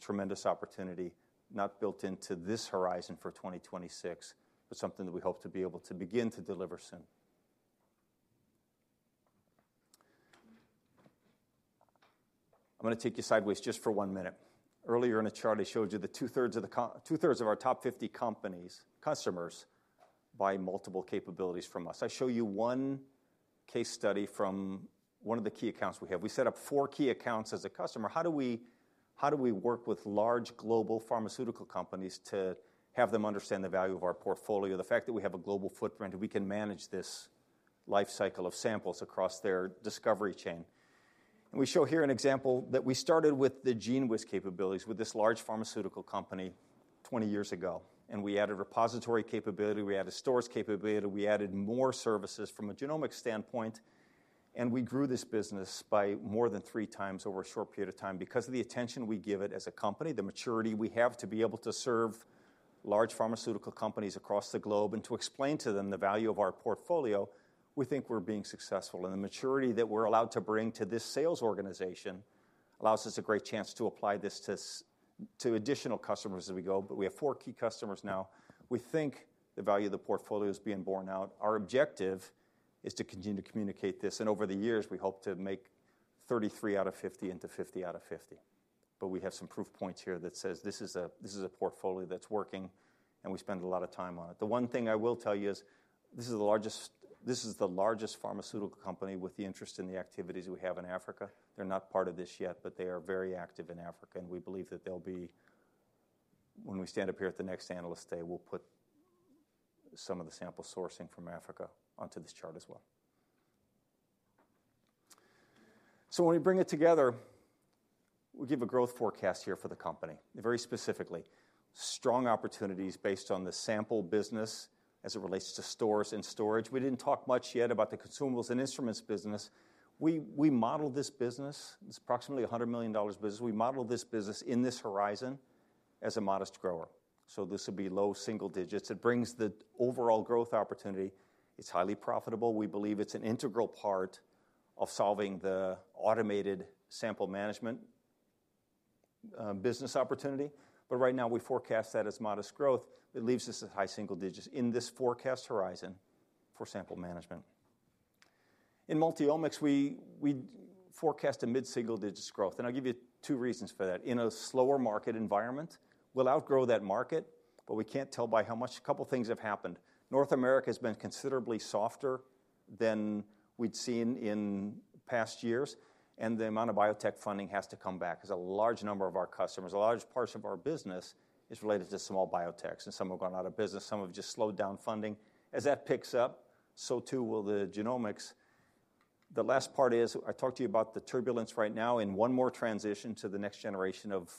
tremendous opportunity, not built into this horizon for 2026, but something that we hope to be able to begin to deliver soon. I'm going to take you sideways just for one minute. Earlier in the chart, I showed you the two-thirds of our top 50 companies, customers, buy multiple capabilities from us. I show you one case study from one of the key accounts we have. We set up four key accounts as a customer. How do we work with large global pharmaceutical companies to have them understand the value of our portfolio, the fact that we have a global footprint, that we can manage this lifecycle of samples across their discovery chain? And we show here an example that we started with the GENEWIZ capabilities with this large pharmaceutical company 20 years ago. And we added repository capability. We added stores capability. We added more services from a genomic standpoint. We grew this business by more than three times over a short period of time because of the attention we give it as a company, the maturity we have to be able to serve large pharmaceutical companies across the globe. To explain to them the value of our portfolio, we think we're being successful. The maturity that we're allowed to bring to this sales organization allows us a great chance to apply this to additional customers as we go. But we have four key customers now. We think the value of the portfolio is being borne out. Our objective is to continue to communicate this. Over the years, we hope to make 33 out of 50 into 50 out of 50. But we have some proof points here that says this is a portfolio that's working, and we spend a lot of time on it. The one thing I will tell you is this is the largest pharmaceutical company with the interest in the activities we have in Africa. They're not part of this yet, but they are very active in Africa. We believe that they'll be when we stand up here at the next analyst day; we'll put some of the sample sourcing from Africa onto this chart as well. So when we bring it together, we give a growth forecast here for the company very specifically, strong opportunities based on the sample business as it relates to stores and storage. We didn't talk much yet about the consumables and instruments business. We modeled this business. It's approximately a $100 million business. We modeled this business in this horizon as a modest grower. So this would be low single digits. It brings the overall growth opportunity. It's highly profitable. We believe it's an integral part of solving the automated sample management business opportunity. But right now, we forecast that as modest growth. It leaves us at high single digits in this forecast horizon for sample management. In Multiomics, we forecast a mid-single digits growth. And I'll give you two reasons for that. In a slower market environment, we'll outgrow that market, but we can't tell by how much. A couple of things have happened. North America has been considerably softer than we'd seen in past years, and the amount of biotech funding has to come back because a large number of our customers, a large part of our business is related to small biotechs, and some have gone out of business. Some have just slowed down funding. As that picks up, so too will the genomics. The last part is I talked to you about the turbulence right now in one more transition to the next generation of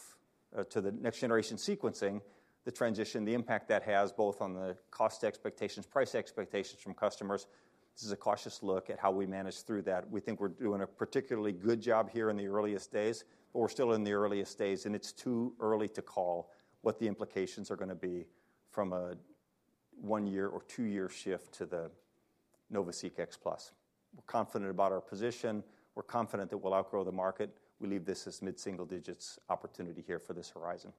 to the next generation sequencing, the transition, the impact that has both on the cost expectations, price expectations from customers. This is a cautious look at how we manage through that. We think we're doing a particularly good job here in the earliest days, but we're still in the earliest days, and it's too early to call what the implications are going to be from a one-year or two-year shift to the NovaSeq X Plus. We're confident about our position. We're confident that we'll outgrow the market. We leave this as mid-single digits opportunity here for this horizon.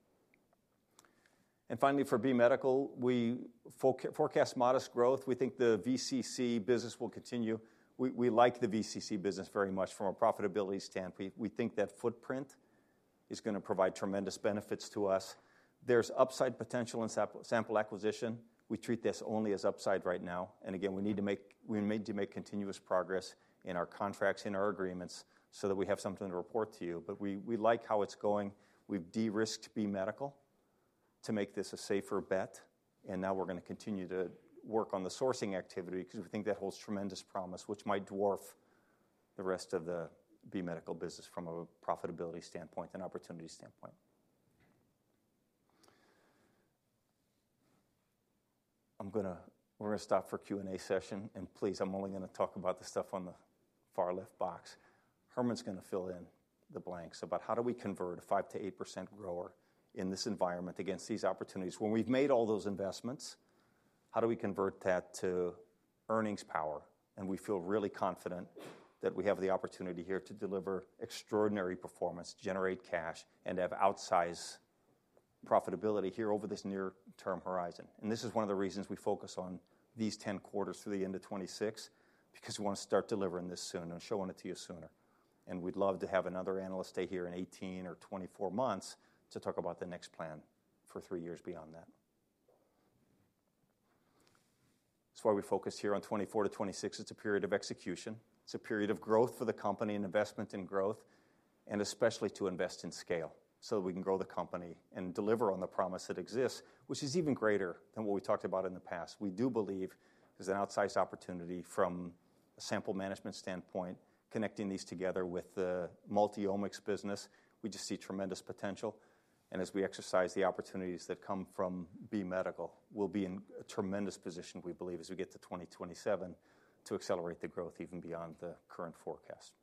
And finally, for B Medical, we forecast modest growth. We think the VCC business will continue. We like the VCC business very much from a profitability standpoint. We think that footprint is going to provide tremendous benefits to us. There's upside potential in sample acquisition. We treat this only as upside right now. And again, we need to make continuous progress in our contracts, in our agreements so that we have something to report to you. But we like how it's going. We've de-risked B Medical to make this a safer bet. And now we're going to continue to work on the sourcing activity because we think that holds tremendous promise, which might dwarf the rest of the B Medical business from a profitability standpoint, an opportunity standpoint. We're going to stop for Q&A session. And please, I'm only going to talk about the stuff on the far left box. Herman's going to fill in the blanks about how do we convert a 5%-8% grower in this environment against these opportunities? When we've made all those investments, how do we convert that to earnings power? And we feel really confident that we have the opportunity here to deliver extraordinary performance, generate cash, and have outsized profitability here over this near-term horizon. And this is one of the reasons we focus on these 10 quarters through the end of 2026 because we want to start delivering this soon and showing it to you sooner. And we'd love to have another Analyst Day here in 18 or 24 months to talk about the next plan for three years beyond that. That's why we focus here on 2024 to 2026. It's a period of execution. It's a period of growth for the company and investment in growth, and especially to invest in scale so that we can grow the company and deliver on the promise that exists, which is even greater than what we talked about in the past. We do believe there's an outsized opportunity from a sample management standpoint connecting these together with the Multiomics business. We just see tremendous potential. And as we exercise the opportunities that come from B Medical, we'll be in a tremendous position, we believe, as we get to 2027 to accelerate the growth even beyond the current forecast.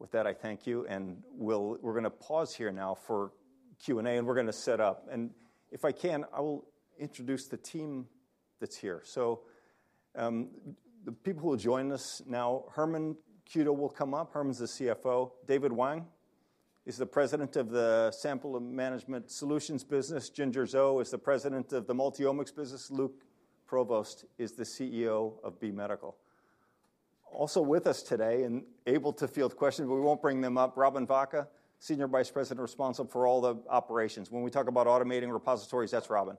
With that, I thank you. And we're going to pause here now for Q&A, and we're going to set up. And if I can, I will introduce the team that's here. So the people who will join us now, Herman Cueto will come up. Herman's the CFO. David Wang is the President of the Sample Management Solutions business. Ginger Zhou is the President of the Multiomics business. Luc Provost is the CEO of B Medical. Also with us today and able to field questions, but we won't bring them up, Robin Vacha, Senior Vice President responsible for all the operations. When we talk about automating repositories, that's Robin.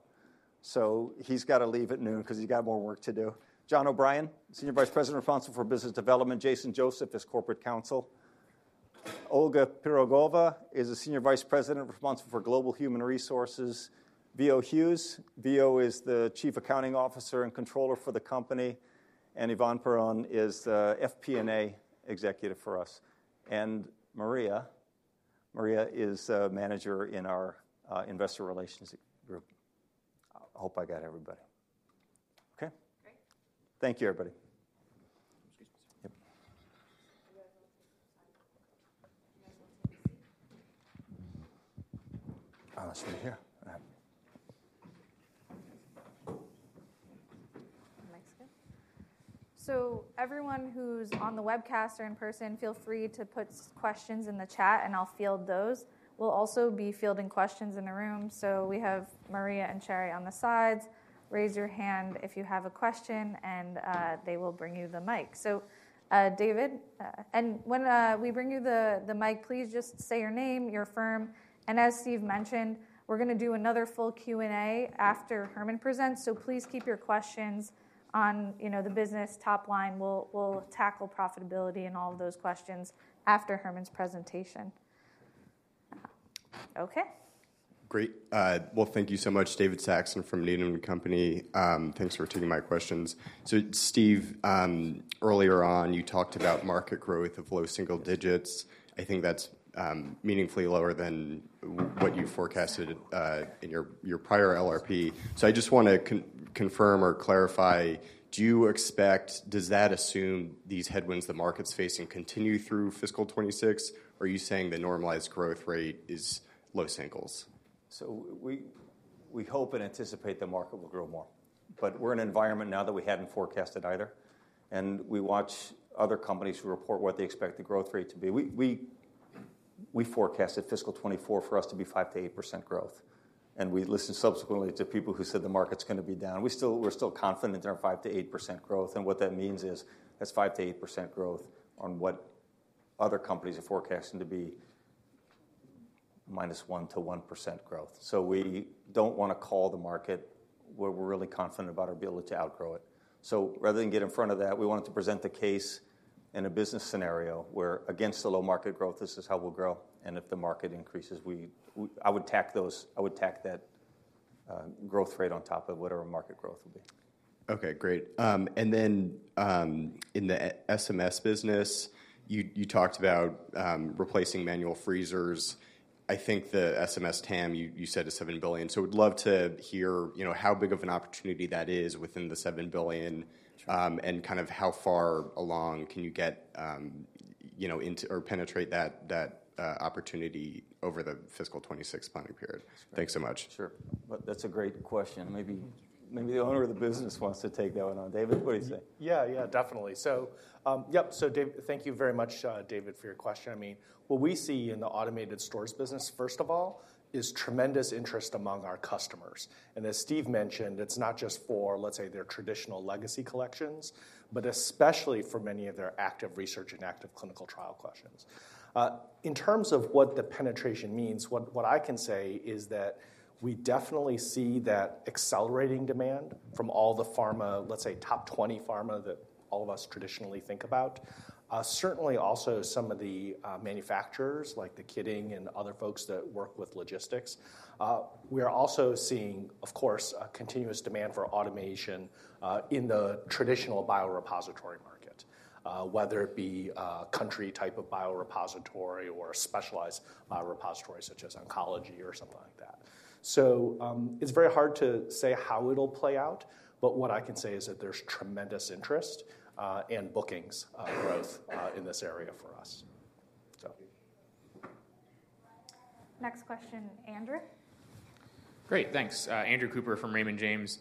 So he's got to leave at noon because he's got more work to do. John O'Brien, Senior Vice President responsible for Business Development. Jason Joseph is Corporate Counsel. Olga Pirogova is a Senior Vice President responsible for Global Human Resources. Vio Hughes, Vio is the Chief Accounting Officer and Controller for the company, and Yvonne Perron is the FP&A executive for us. And Maria is a manager in our Investor Relations group. I hope I got everybody. Okay? Great. Thank you, everybody. Excuse me, sir. Yep. Do you guys want to take a side? Do you guys want to take a seat? Let's meet here. Thanks, again. So everyone who's on the webcast or in person, feel free to put questions in the chat, and I'll field those. We'll also be fielding questions in the room. So we have Maria and Cheri on the sides. Raise your hand if you have a question, and they will bring you the mic. So David, and when we bring you the mic, please just say your name, your firm. And as Steve mentioned, we're going to do another full Q&A after Herman presents. So please keep your questions on the business top line. We'll tackle profitability and all of those questions after Herman's presentation. Okay? Great. Well, thank you so much, David Saxon from Needham & Company. Thanks for taking my questions. So Steve, earlier on, you talked about market growth of low single digits. I think that's meaningfully lower than what you forecasted in your prior LRP. So I just want to confirm or clarify, do you expect does that assume these headwinds the market's facing continue through fiscal 2026? Or are you saying the normalized growth rate is low singles? So we hope and anticipate the market will grow more. But we're in an environment now that we hadn't forecast it either. And we watch other companies who report what they expect the growth rate to be. We forecasted fiscal 2024 for us to be 5%-8% growth. And we listened subsequently to people who said the market's going to be down. We're still confident in our 5%-8% growth. And what that means is that's 5%-8% growth on what other companies are forecasting to be -1% to 1% growth. So we don't want to call the market where we're really confident about our ability to outgrow it. So rather than get in front of that, we wanted to present the case in a business scenario where, against the low market growth, this is how we'll grow. And if the market increases, I would tack that growth rate on top of whatever market growth would be. Okay, great. Then in the SMS business, you talked about replacing manual freezers. I think the SMS TAM, you said is $7 billion. So we'd love to hear how big of an opportunity that is within the $7 billion and kind of how far along can you get into or penetrate that opportunity over the fiscal 2026 planning period? Thanks so much. Sure. That's a great question. Maybe the owner of the business wants to take that one on. David, what do you say? Yeah, yeah, definitely. So yep, thank you very much, David, for your question. I mean, what we see in the automated stores business, first of all, is tremendous interest among our customers. And as Steve mentioned, it's not just for, let's say, their traditional legacy collections, but especially for many of their active research and active clinical trial questions. In terms of what the penetration means, what I can say is that we definitely see that accelerating demand from all the pharma, let's say, top 20 pharma that all of us traditionally think about, certainly also some of the manufacturers like Takeda and other folks that work with logistics. We are also seeing, of course, continuous demand for automation in the traditional biorepository market, whether it be country type of biorepository or specialized biorepository such as oncology or something like that. It's very hard to say how it'll play out. But what I can say is that there's tremendous interest and bookings growth in this area for us, so. Next question, Andrew. Great, thanks. Andrew Cooper from Raymond James.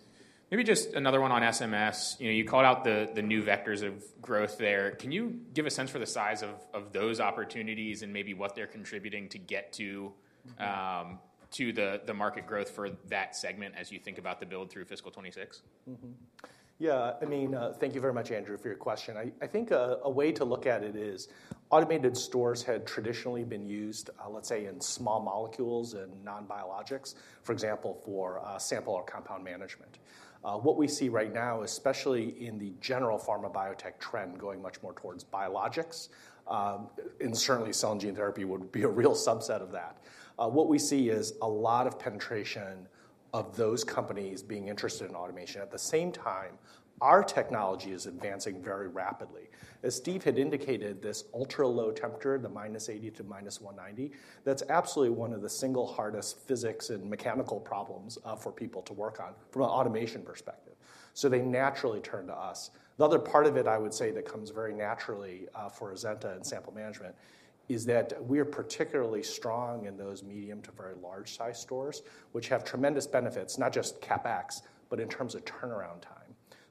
Maybe just another one on SMS. You called out the new vectors of growth there. Can you give a sense for the size of those opportunities and maybe what they're contributing to get to the market growth for that segment as you think about the build through fiscal 2026? Yeah, I mean, thank you very much, Andrew, for your question. I think a way to look at it is automated stores had traditionally been used, let's say, in small molecules and non-biologics, for example, for sample or compound management. What we see right now, especially in the general pharma biotech trend going much more towards biologics, and certainly cell and gene therapy would be a real subset of that, what we see is a lot of penetration of those companies being interested in automation. At the same time, our technology is advancing very rapidly. As Steve had indicated, this ultra-low temperature, the -80 to -190, that's absolutely one of the single hardest physics and mechanical problems for people to work on from an automation perspective. So they naturally turn to us. The other part of it, I would say, that comes very naturally for Azenta and sample management is that we are particularly strong in those medium to very large size stores, which have tremendous benefits, not just CapEx, but in terms of turnaround time.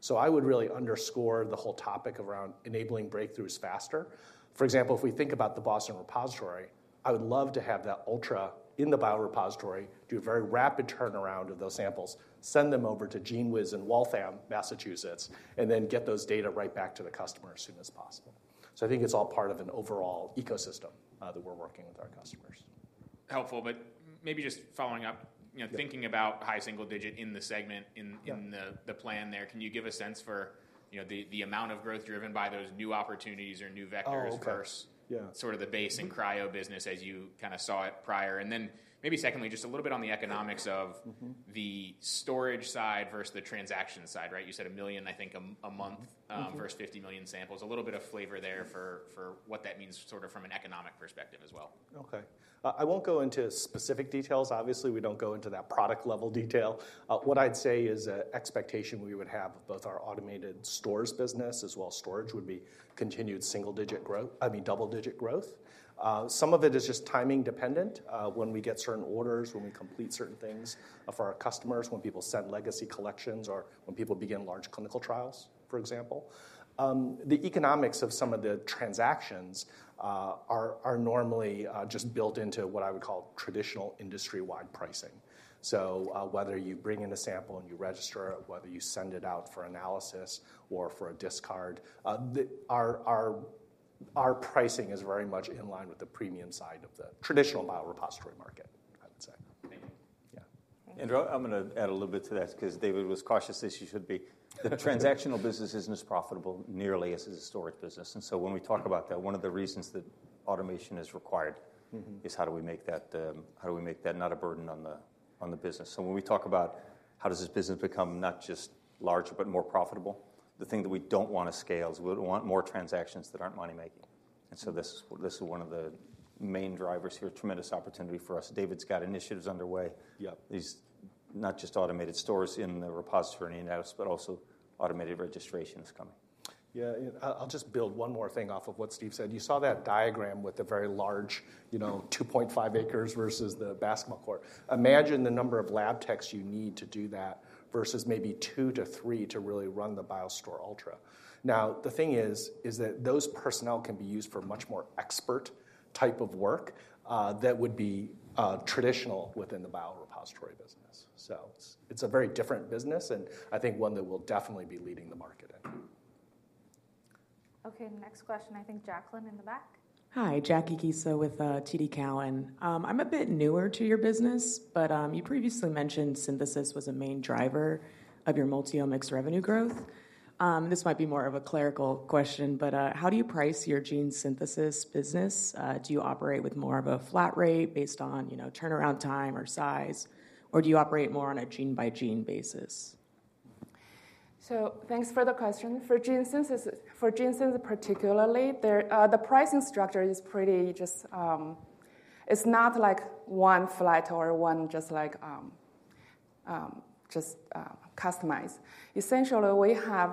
So I would really underscore the whole topic around enabling breakthroughs faster. For example, if we think about the Boston repository, I would love to have that ultra in the biorepository do a very rapid turnaround of those samples, send them over to GENEWIZ and Waltham, Massachusetts, and then get those data right back to the customer as soon as possible. So I think it's all part of an overall ecosystem that we're working with our customers. Helpful. But maybe just following up, thinking about high single-digit in the segment, in the plan there, can you give a sense for the amount of growth driven by those new opportunities or new vectors versus sort of the base and cryo business as you kind of saw it prior? And then maybe secondly, just a little bit on the economics of the storage side versus the transaction side, right? You said 1 million, I think, a month versus 50 million samples. A little bit of flavor there for what that means sort of from an economic perspective as well. Okay. I won't go into specific details. Obviously, we don't go into that product-level detail. What I'd say is an expectation we would have of both our automated stores business as well as storage would be continued single digit growth I mean, double digit growth. Some of it is just timing dependent when we get certain orders, when we complete certain things for our customers, when people send legacy collections, or when people begin large clinical trials, for example. The economics of some of the transactions are normally just built into what I would call traditional industry-wide pricing. So whether you bring in a sample and you register it, whether you send it out for analysis or for a discard, our pricing is very much in line with the premium side of the traditional biorepository market, I would say. Thank you. Yeah. Andrew, I'm going to add a little bit to that because David was cautious as he should be. The transactional business isn't as profitable nearly as the storage business. And so when we talk about that, one of the reasons that automation is required is how do we make that not a burden on the business? So when we talk about how does this business become not just larger but more profitable, the thing that we don't want to scale is we want more transactions that aren't money-making. And so this is one of the main drivers here, tremendous opportunity for us. David's got initiatives underway. These not just automated stores in the repository and in-house, but also automated registration is coming. Yeah, I'll just build one more thing off of what Steve said. You saw that diagram with the very large 2.5 acres versus the basketball court. Imagine the number of lab techs you need to do that versus maybe 2 to 3 to really run the BioArc Ultra. Now, the thing is that those personnel can be used for much more expert type of work that would be traditional within the biorepository business. So it's a very different business and I think one that will definitely be leading the market in. OK, next question. I think Jackie in the back. Hi, Jackie Kisa with TD Cowen. I'm a bit newer to your business, but you previously mentioned synthesis was a main driver of your Multiomics revenue growth. This might be more of a clerical question, but how do you price your gene synthesis business? Do you operate with more of a flat rate based on turnaround time or size, or do you operate more on a gene-by-gene basis? So thanks for the question. For gene synthesis particularly, the pricing structure is pretty just it's not like one flat or one just like customized. Essentially, we have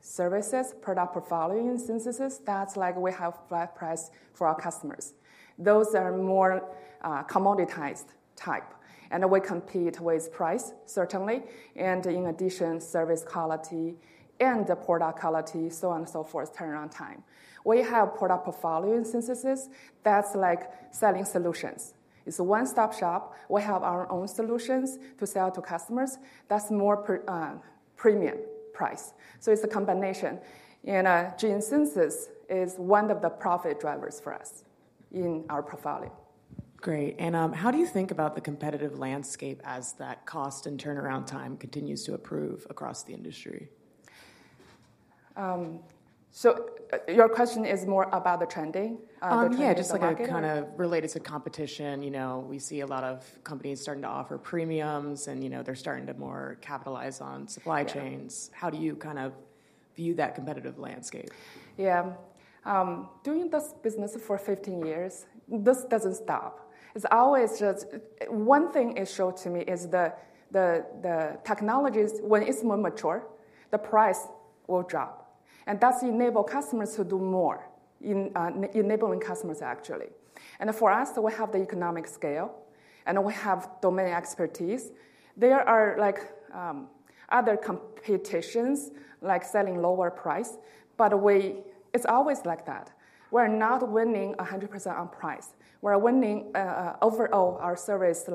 services, product portfolio in synthesis. That's like we have flat price for our customers. Those are more commoditized type. And we compete with price, certainly, and in addition, service quality and product quality, so on and so forth, turnaround time. We have product portfolio in synthesis. That's like selling solutions. It's a one-stop shop. We have our own solutions to sell to customers. That's more premium price. So it's a combination. And gene synthesis is one of the profit drivers for us in our portfolio. Great. How do you think about the competitive landscape as that cost and turnaround time continues to improve across the industry? Your question is more about the trending? Yeah, just like a kind of related to competition. We see a lot of companies starting to offer premiums, and they're starting to more capitalize on supply chains. How do you kind of view that competitive landscape? Yeah. Doing this business for 15 years, this doesn't stop. It's always just one thing is shown to me is the technologies, when it's more mature, the price will drop. And that's enabling customers to do more, enabling customers, actually. And for us, we have the economic scale, and we have domain expertise. There are other competitions, like selling lower price, but it's always like that. We are not winning 100% on price. We are winning, overall, our service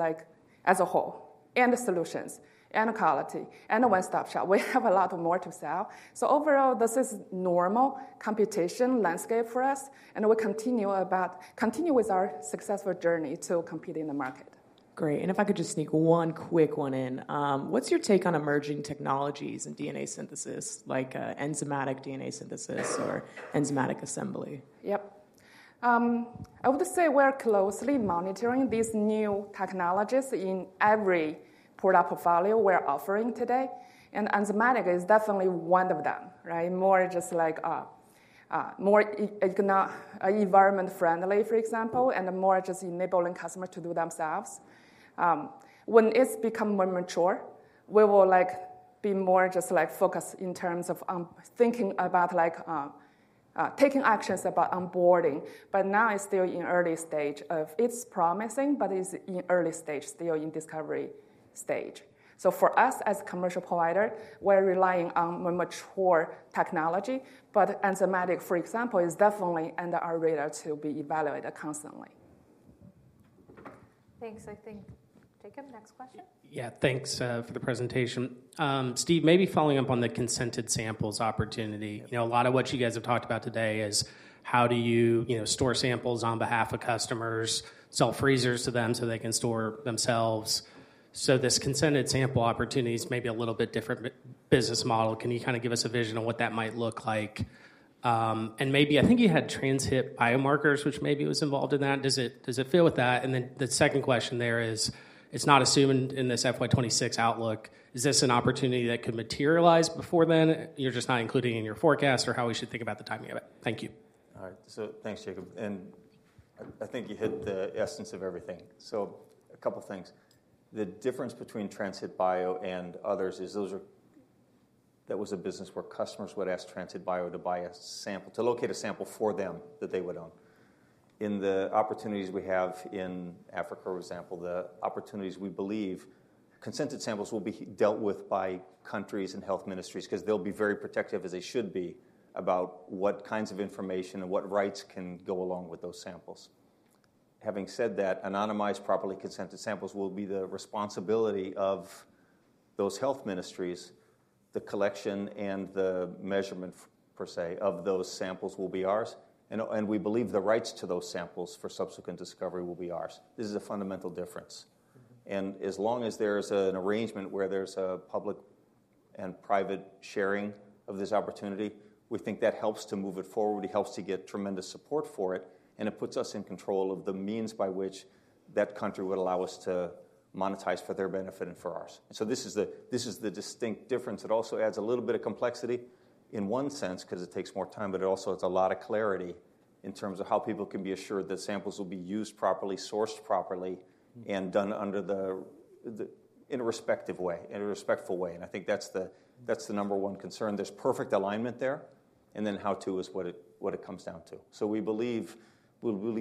as a whole and solutions and quality and a one-stop shop. We have a lot more to sell. So overall, this is normal competition landscape for us. And we continue with our successful journey to compete in the market. Great. If I could just sneak one quick one in, what's your take on emerging technologies in DNA synthesis, like enzymatic DNA synthesis or enzymatic assembly? Yep. I would say we are closely monitoring these new technologies in every product portfolio we are offering today. Enzymatic is definitely one of them, right? More just like more environment-friendly, for example, and more just enabling customers to do themselves. When it's become more mature, we will be more just focused in terms of thinking about taking actions about onboarding. Now it's still in early stage of it's promising, but it's in early stage, still in discovery stage. So for us as a commercial provider, we're relying on more mature technology. Enzymatic, for example, is definitely on our radar to be evaluated constantly. Thanks. I think, Jacob, next question. Yeah, thanks for the presentation. Steve, maybe following up on the consented samples opportunity. A lot of what you guys have talked about today is how do you store samples on behalf of customers, sell freezers to them so they can store themselves. So this consented sample opportunity is maybe a little bit different business model. Can you kind of give us a vision of what that might look like? And maybe I think you had Trans-Hit Bio, which maybe was involved in that. Does it fit with that? And then the second question there is, it's not assumed in this FY26 outlook. Is this an opportunity that could materialize before then? You're just not including in your forecast or how we should think about the timing of it. Thank you. All right, so thanks, Jacob. I think you hit the essence of everything. A couple of things. The difference between Trans-Hit Bio and others is that was a business where customers would ask Trans-Hit Bio to buy a sample, to locate a sample for them that they would own. In the opportunities we have in Africa, for example, the opportunities we believe consented samples will be dealt with by countries and health ministries because they'll be very protective, as they should be, about what kinds of information and what rights can go along with those samples. Having said that, anonymized, properly consented samples will be the responsibility of those health ministries. The collection and the measurement, per se, of those samples will be ours. We believe the rights to those samples for subsequent discovery will be ours. This is a fundamental difference. As long as there is an arrangement where there's a public and private sharing of this opportunity, we think that helps to move it forward. It helps to get tremendous support for it. And it puts us in control of the means by which that country would allow us to monetize for their benefit and for ours. And so this is the distinct difference. It also adds a little bit of complexity in one sense because it takes more time, but it also adds a lot of clarity in terms of how people can be assured that samples will be used properly, sourced properly, and done in a respective way, in a respectful way. And I think that's the number one concern. There's perfect alignment there. And then how to is what it comes down to. So we believe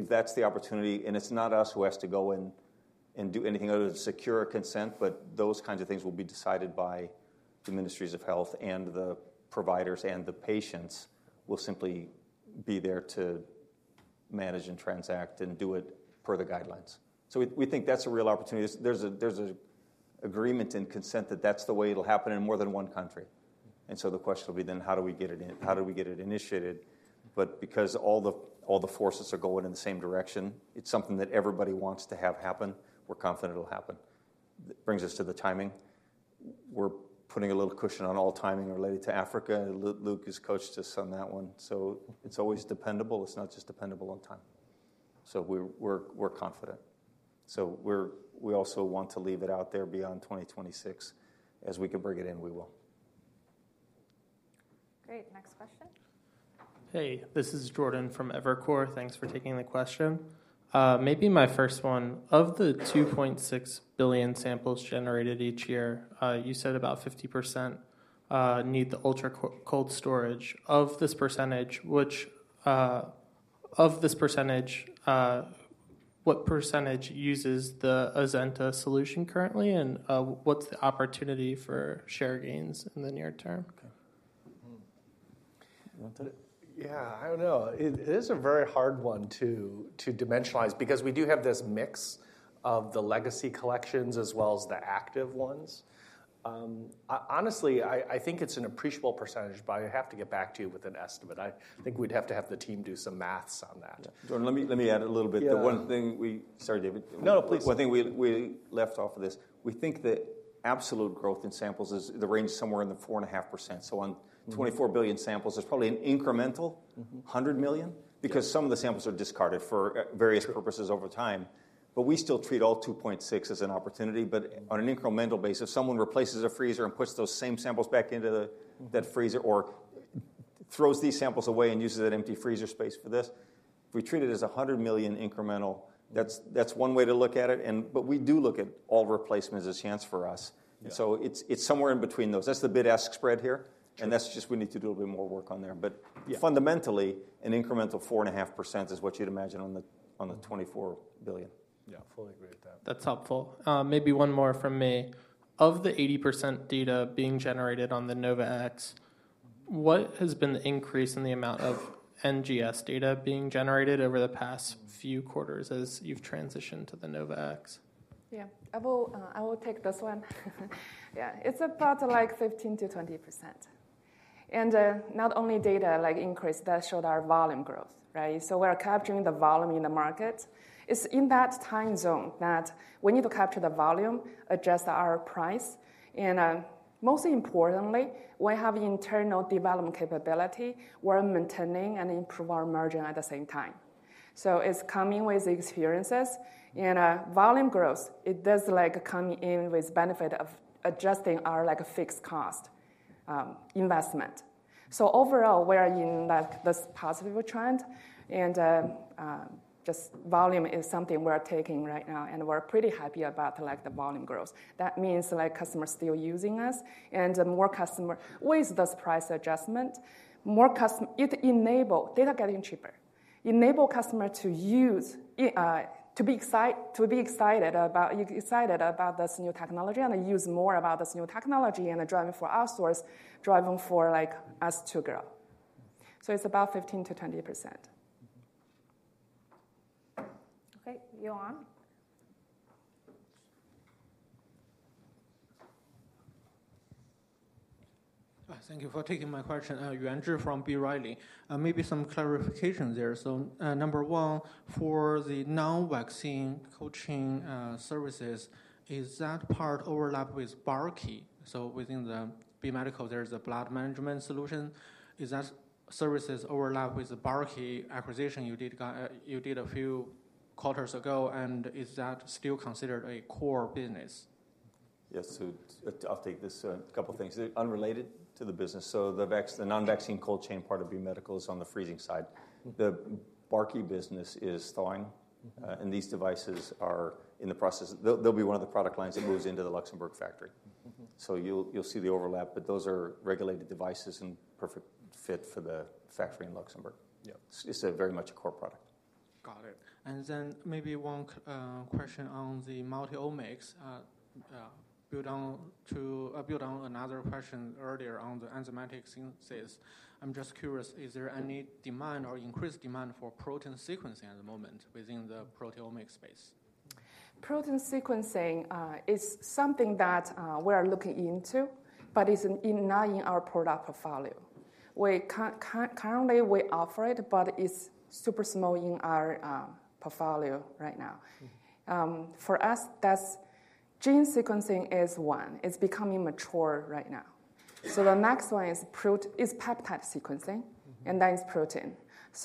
that's the opportunity. And it's not us who has to go and do anything other than secure consent. But those kinds of things will be decided by the ministries of health and the providers and the patients will simply be there to manage and transact and do it per the guidelines. So we think that's a real opportunity. There's an agreement in consent that that's the way it'll happen in more than one country. And so the question will be then, how do we get it in? How do we get it initiated? But because all the forces are going in the same direction, it's something that everybody wants to have happen. We're confident it'll happen. Brings us to the timing. We're putting a little cushion on all timing related to Africa. Luc has coached us on that one. So it's always dependable. It's not just dependable on time. So we're confident. We also want to leave it out there beyond 2026. As we can bring it in, we will. Great. Next question. Hey, this is Jordan from Evercore. Thanks for taking the question. Maybe my first one. Of the 2.6 billion samples generated each year, you said about 50% need the ultra-cold storage. Of this percentage, what percentage uses the Azenta solution currently? And what's the opportunity for share gains in the near term? Yeah, I don't know. It is a very hard one to dimensionalize because we do have this mix of the legacy collections as well as the active ones. Honestly, I think it's an appreciable percentage, but I have to get back to you with an estimate. I think we'd have to have the team do some math on that. Jordan, let me add a little bit. The one thing we sorry, David. No, no, please. One thing we left off of this. We think that absolute growth in samples is the range is somewhere in the 4.5%. So on 24 billion samples, there's probably an incremental 100 million because some of the samples are discarded for various purposes over time. But we still treat all 2.6 as an opportunity. But on an incremental basis, if someone replaces a freezer and puts those same samples back into that freezer or throws these samples away and uses that empty freezer space for this, if we treat it as 100 million incremental, that's one way to look at it. But we do look at all replacements as a chance for us. So it's somewhere in between those. That's the bid-ask spread here. And that's just we need to do a little bit more work on there. Fundamentally, an incremental 4.5% is what you'd imagine on the $24 billion. Yeah, fully agree with that. That's helpful. Maybe one more from me. Of the 80% data being generated on the NovaSeq X, what has been the increase in the amount of NGS data being generated over the past few quarters as you've transitioned to the NovaSeq X? Yeah, I will take this one. Yeah, it's about like 15%-20%. Not only data increased, that showed our volume growth, right? We are capturing the volume in the market. It's in that time zone that we need to capture the volume, adjust our price. Most importantly, we have internal development capability. We're maintaining and improving our margin at the same time. It's coming with experiences. Volume growth, it does come in with the benefit of adjusting our fixed cost investment. Overall, we are in this positive trend. Just volume is something we are taking right now. We're pretty happy about the volume growth. That means customers are still using us. With this price adjustment, it enables data getting cheaper, enables customers to be excited about this new technology and use more of this new technology and drive for outsource, driving for us to grow. It's about 15%-20%. OK, you're on. Thank you for taking my question. Yuan Zhi from B. Riley. Maybe some clarification there. So number one, for the non-vaccine cold chain services, is that part overlap with Barkey? So within the B Medical, there is a blood management solution. Is that service overlap with the Barkey acquisition you did a few quarters ago? And is that still considered a core business? Yes, so I'll take this couple of things. Unrelated to the business. So the non-vaccine cold chain part of B Medical is on the freezing side. The Barkey business is thawing. And these devices are in the process. They'll be one of the product lines that moves into the Luxembourg factory. So you'll see the overlap. But those are regulated devices and a perfect fit for the factory in Luxembourg. It's very much a core product. Got it. And then maybe one question on the Multiomics, built on another question earlier on the enzymatic synthesis. I'm just curious, is there any demand or increased demand for protein sequencing at the moment within the Proteomics space? Protein sequencing is something that we are looking into, but it's not in our product portfolio. Currently, we offer it, but it's super small in our portfolio right now. For us, gene sequencing is one. It's becoming mature right now. The next one is peptide sequencing. That is protein.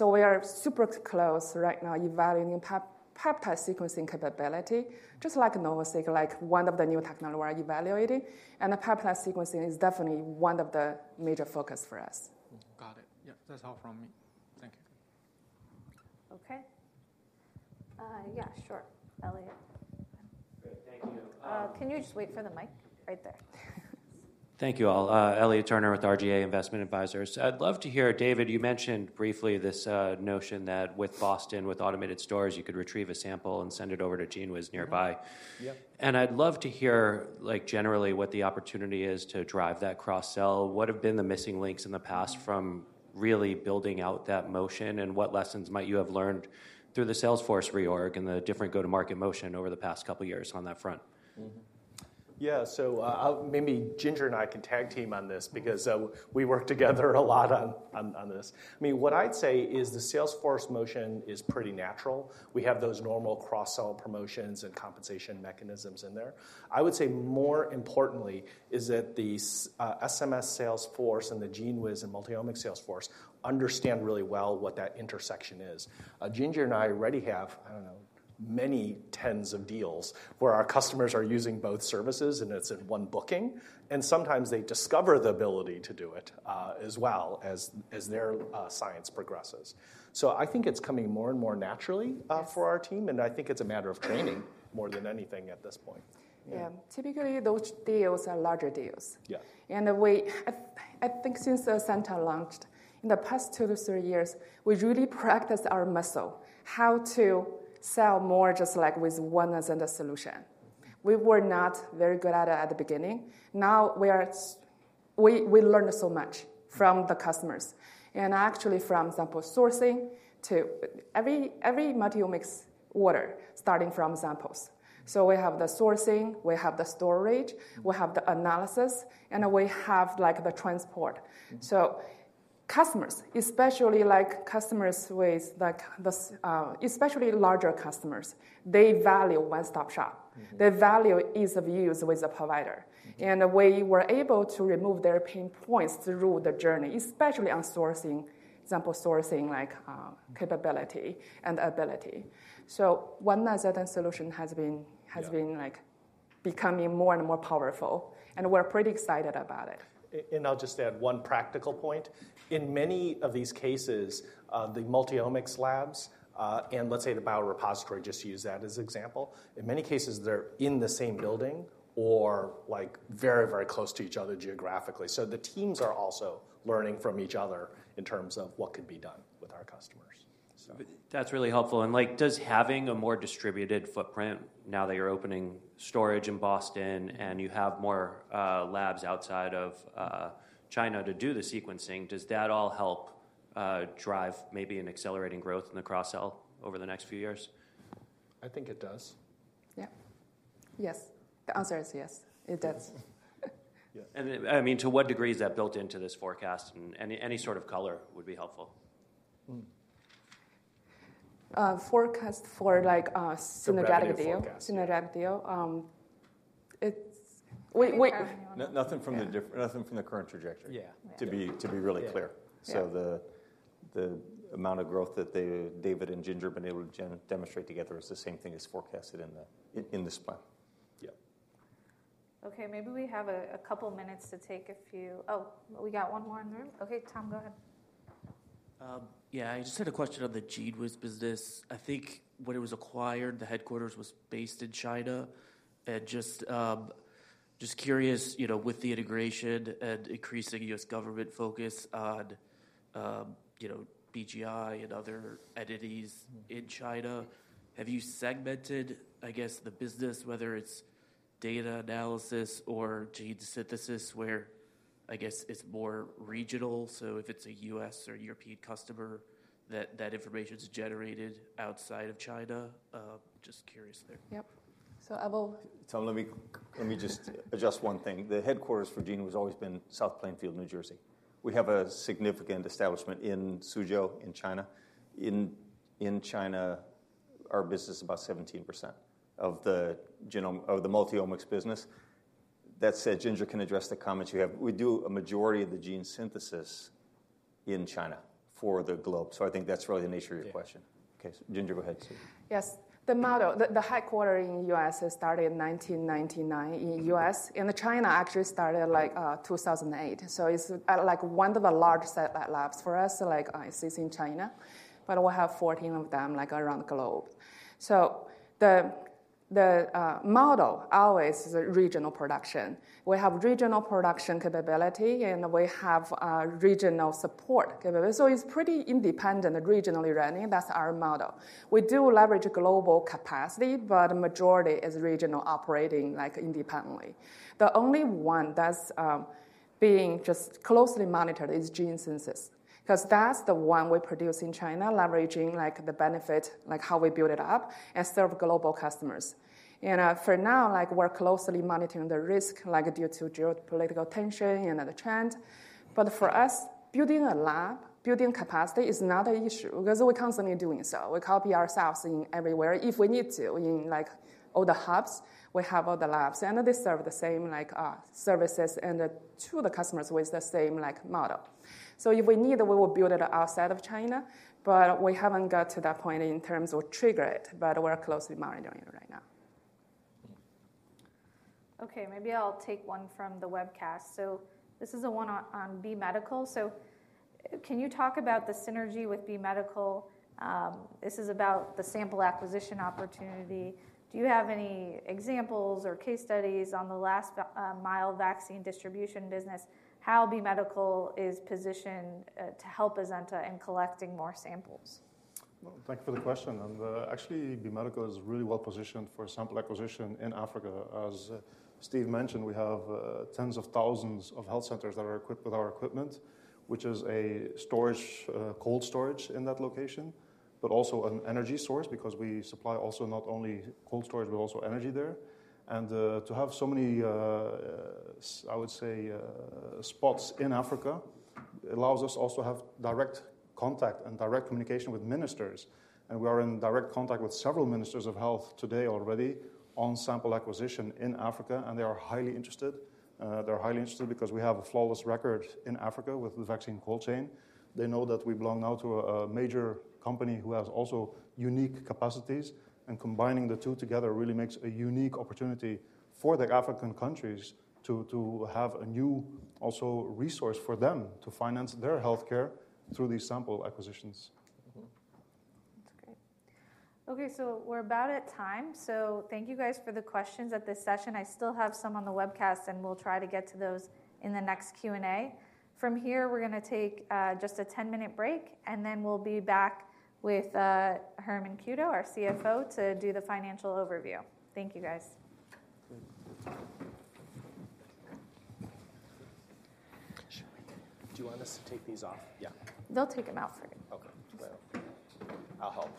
We are super close right now evaluating peptide sequencing capability, just like NovaSeq, like one of the new technologies we are evaluating. The peptide sequencing is definitely one of the major focuses for us. Got it. Yeah, that's all from me. Thank you. OK. Yeah, sure. Elliot. Great, thank you. Can you just wait for the mic right there? Thank you all. Elliot Turner with RGA Investment Advisors. I'd love to hear, David, you mentioned briefly this notion that with Boston, with automated stores, you could retrieve a sample and send it over to GENEWIZ nearby. I'd love to hear, generally, what the opportunity is to drive that cross-sell. What have been the missing links in the past from really building out that motion? What lessons might you have learned through the sales force reorg and the different go-to-market motion over the past couple of years on that front? Yeah, so maybe Ginger and I can tag team on this because we work together a lot on this. I mean, what I'd say is the sales force motion is pretty natural. We have those normal cross-sell promotions and compensation mechanisms in there. I would say, more importantly, is that the SMS sales force and the GENEWIZ and Multiomics sales force understand really well what that intersection is. Ginger and I already have, I don't know, many tens of deals where our customers are using both services. And it's in one booking. And sometimes they discover the ability to do it as well as their science progresses. So I think it's coming more and more naturally for our team. And I think it's a matter of training more than anything at this point. Yeah, typically, those deals are larger deals. I think since Azenta launched, in the past 2-3 years, we really practiced our muscle, how to sell more just with one Azenta solution. We were not very good at it at the beginning. Now we learned so much from the customers, and actually from sample sourcing to every Multiomics order, starting from samples. So we have the sourcing. We have the storage. We have the analysis. And we have the transport. So customers, especially larger customers, they value one-stop shop. They value ease of use with the provider. And we were able to remove their pain points through the journey, especially on sample sourcing capability and ability. So one Azenta solution has been becoming more and more powerful. And we're pretty excited about it. I'll just add one practical point. In many of these cases, the Multiomics labs and let's say the biorepository, just use that as an example, in many cases, they're in the same building or very, very close to each other geographically. So the teams are also learning from each other in terms of what could be done with our customers. That's really helpful. Does having a more distributed footprint, now that you're opening storage in Boston and you have more labs outside of China to do the sequencing, does that all help drive maybe an accelerating growth in the cross-sell over the next few years? I think it does. Yeah. Yes, the answer is yes. It does. I mean, to what degree is that built into this forecast? Any sort of color would be helpful. Forecast for synergistic deal. Nothing from the current trajectory, to be really clear. So the amount of growth that David and Ginger have been able to demonstrate together is the same thing as forecasted in this plan. Yeah. OK, maybe we have a couple of minutes to take a few. We got one more in the room. OK, Tom, go ahead. Yeah, I just had a question on the GENEWIZ business. I think when it was acquired, the headquarters was based in China. And just curious, with the integration and increasing U.S. government focus on BGI and other entities in China, have you segmented, I guess, the business, whether it's data analysis or gene synthesis, where, I guess, it's more regional? So if it's a U.S. or European customer, that information is generated outside of China? Just curious there. Yep. So I will. Tom, let me just adjust one thing. The headquarters for GENEWIZ has always been South Plainfield, New Jersey. We have a significant establishment in Suzhou, China. In China, our business is about 17% of the Multiomics business. That said, Ginger can address the comments you have. We do a majority of the gene synthesis in China for the globe. So I think that's really the nature of your question. OK, Ginger, go ahead. Yes, the headquarters in the U.S. started in 1999 in the U.S. China actually started like 2008. It's one of the large satellite labs. For us, it's in China. We have 14 of them around the globe. The model always is regional production. We have regional production capability. We have regional support capability. It's pretty independent, regionally running. That's our model. We do leverage global capacity. The majority is regional, operating independently. The only one that's being just closely monitored is gene synthesis because that's the one we produce in China, leveraging the benefit, how we build it up, and serve global customers. For now, we're closely monitoring the risk due to geopolitical tension and the trend. For us, building a lab, building capacity is not an issue because we're constantly doing so. We copy ourselves everywhere if we need to. In all the hubs, we have all the labs. They serve the same services to the customers with the same model. If we need, we will build it outside of China. We haven't got to that point in terms of trigger it. We're closely monitoring it right now. OK. Maybe I'll take one from the webcast. This is the one on B Medical. Can you talk about the synergy with B Medical? This is about the sample acquisition opportunity. Do you have any examples or case studies on the last-mile vaccine distribution business, how B Medical is positioned to help Azenta in collecting more samples? Well, thank you for the question. Actually, B Medical is really well positioned for sample acquisition in Africa. As Steve mentioned, we have tens of thousands of health centers that are equipped with our equipment, which is cold storage in that location, but also an energy source because we supply also not only cold storage, but also energy there. To have so many, I would say, spots in Africa allows us also to have direct contact and direct communication with ministers. We are in direct contact with several ministers of health today already on sample acquisition in Africa. They are highly interested. They're highly interested because we have a flawless record in Africa with the vaccine cold chain. They know that we belong now to a major company who has also unique capacities. Combining the two together really makes a unique opportunity for the African countries to have a new, also, resource for them to finance their health care through these sample acquisitions. That's great. OK, so we're about at time. So thank you, guys, for the questions at this session. I still have some on the webcast. We'll try to get to those in the next Q&A. From here, we're going to take just a 10-minute break. Then we'll be back with Herman Cueto, our CFO, to do the financial overview. Thank you, guys. Do you want us to take these off? Yeah. They'll take them out for you. OK, great. I'll help.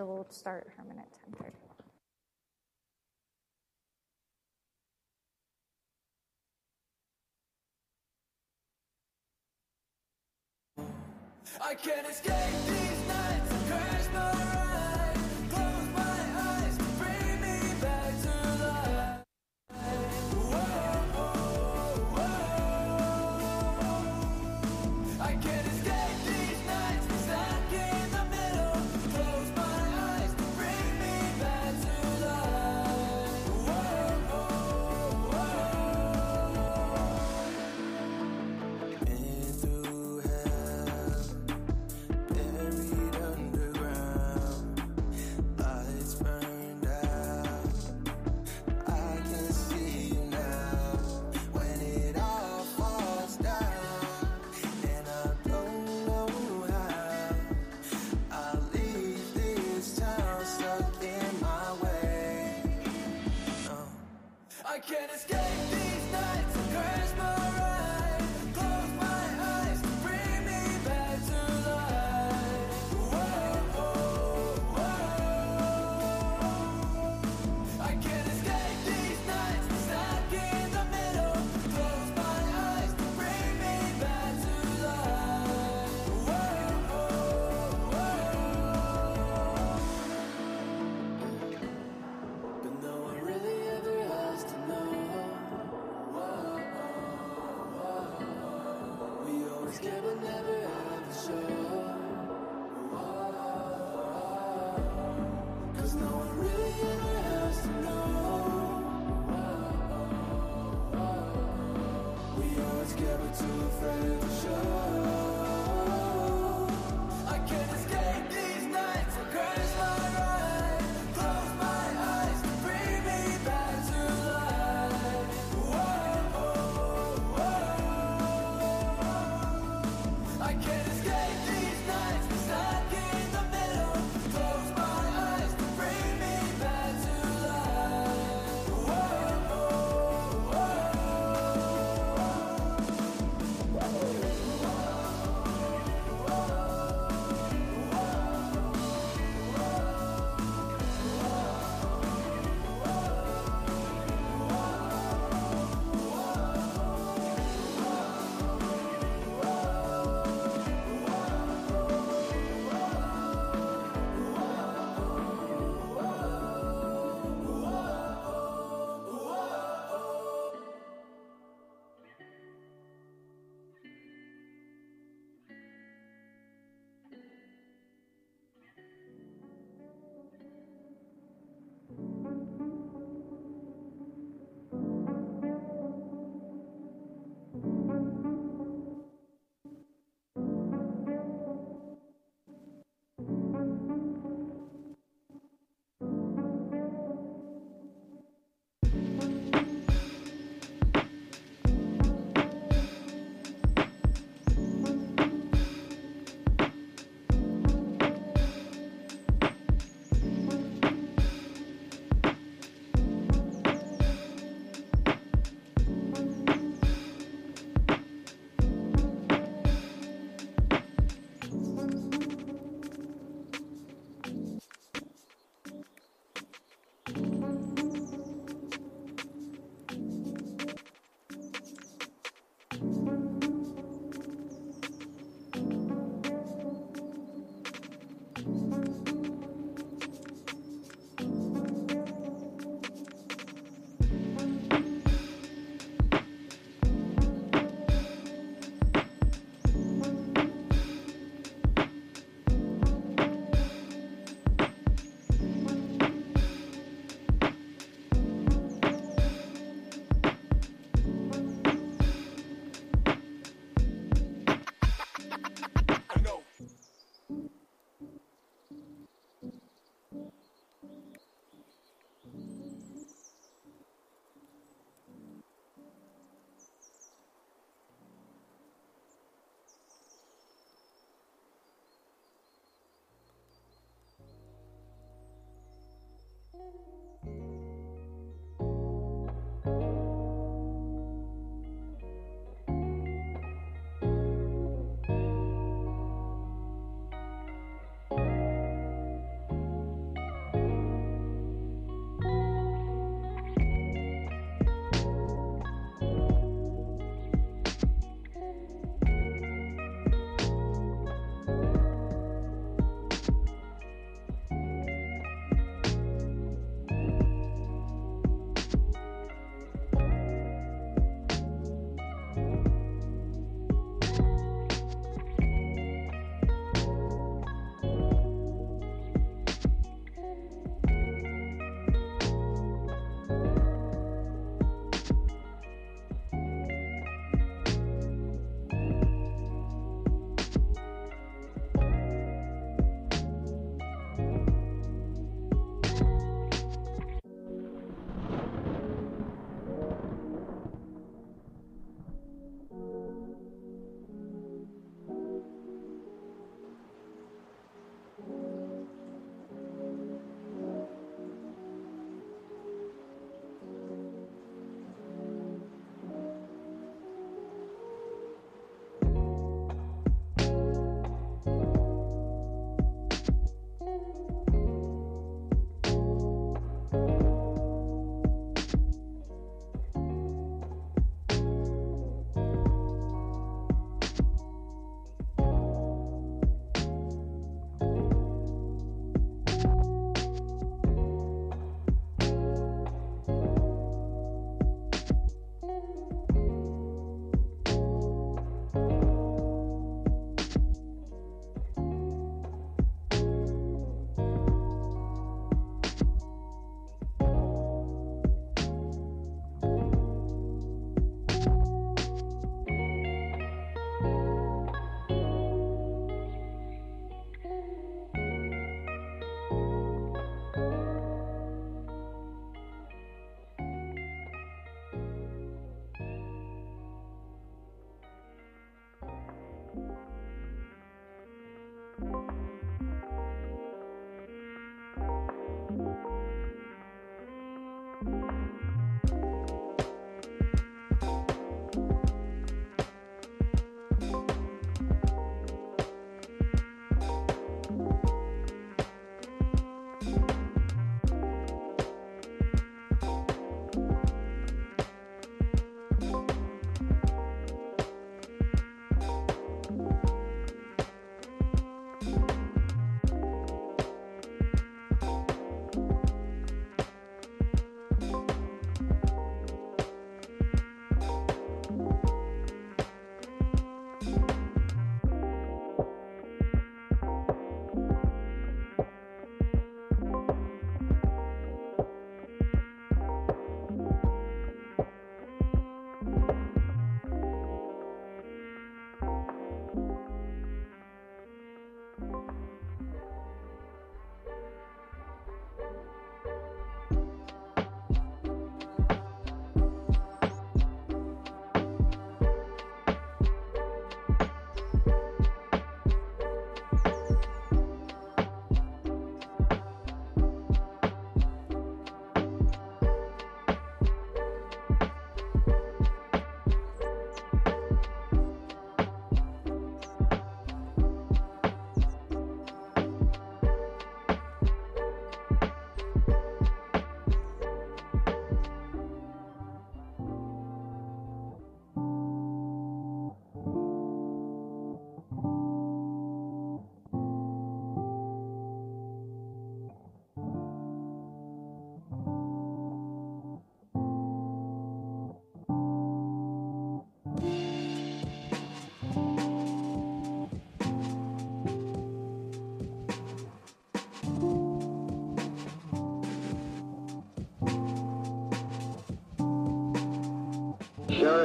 We'll start Herman at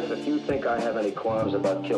A.M.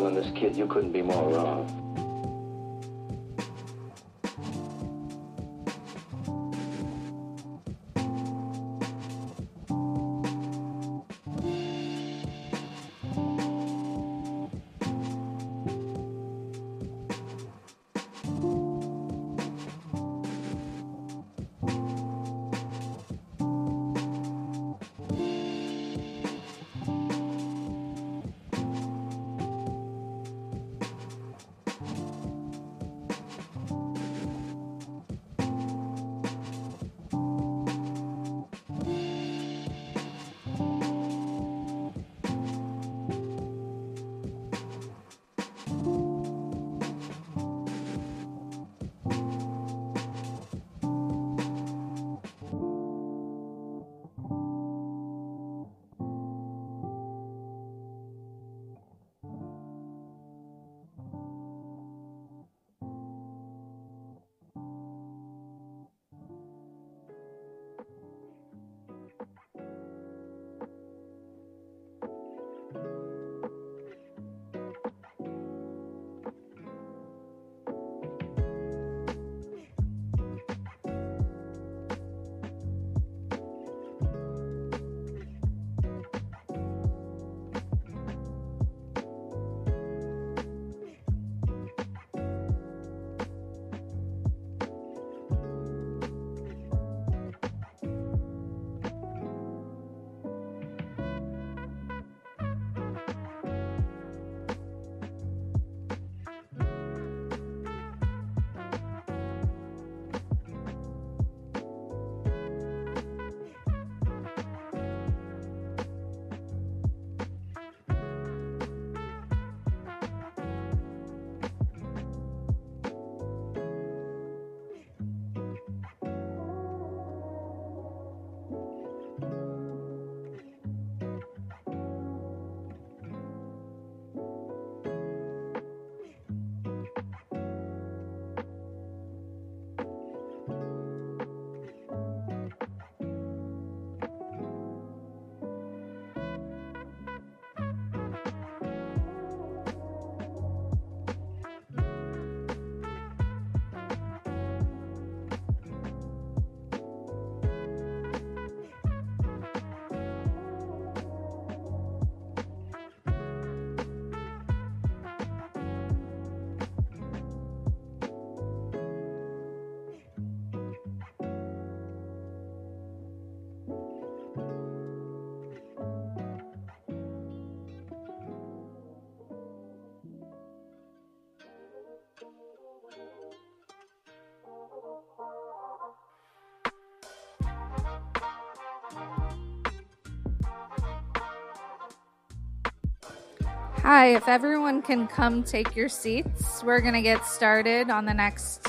Hi. If everyone can come take your seats, we're going to get started on the next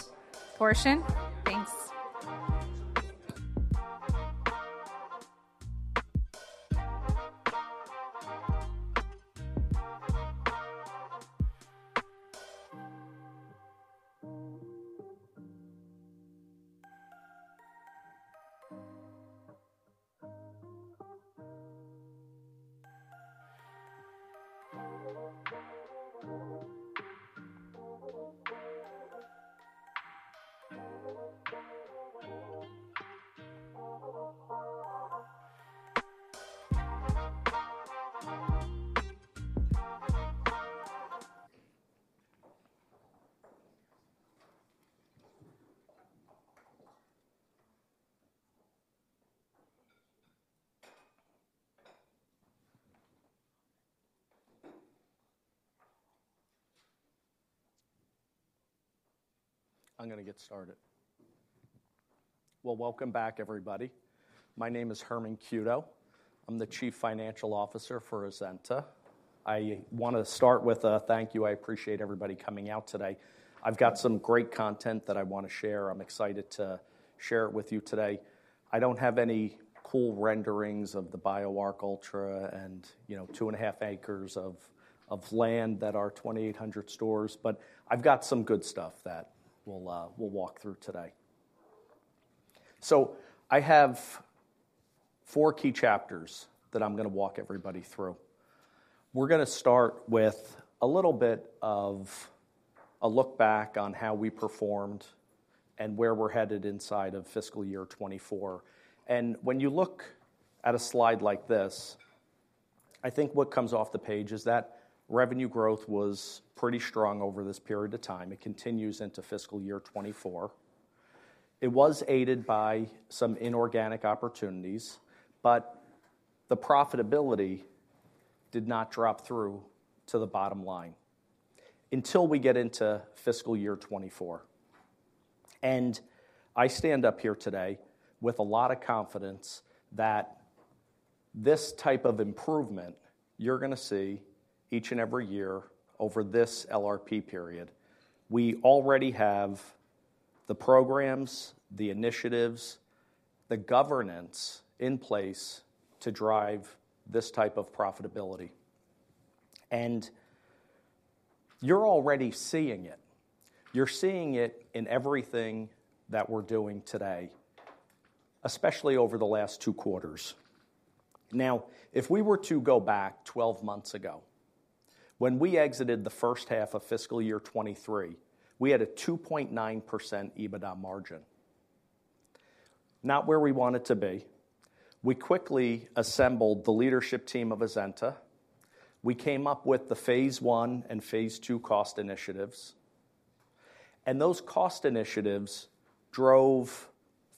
portion. Thanks. I'm going to get started. Well, welcome back, everybody. My name is Herman Cueto. I'm the Chief Financial Officer for Azenta. I want to start with a thank you. I appreciate everybody coming out today. I've got some great content that I want to share. I'm excited to share it with you today. I don't have any cool renderings of the BioArc Ultra and 2.5 acres of land that are 2,800 stores. But I've got some good stuff that we'll walk through today. So I have four key chapters that I'm going to walk everybody through. We're going to start with a little bit of a look back on how we performed and where we're headed inside of fiscal year 2024. And when you look at a slide like this, I think what comes off the page is that revenue growth was pretty strong over this period of time. It continues into fiscal year 2024. It was aided by some inorganic opportunities. But the profitability did not drop through to the bottom line until we get into fiscal year 2024. And I stand up here today with a lot of confidence that this type of improvement you're going to see each and every year over this LRP period. We already have the programs, the initiatives, the governance in place to drive this type of profitability. And you're already seeing it. You're seeing it in everything that we're doing today, especially over the last two quarters. Now, if we were to go back 12 months ago, when we exited the first half of fiscal year 2023, we had a 2.9% EBITDA margin, not where we wanted to be. We quickly assembled the leadership team of Azenta. We came up with the phase one and phase two cost initiatives. Those cost initiatives drove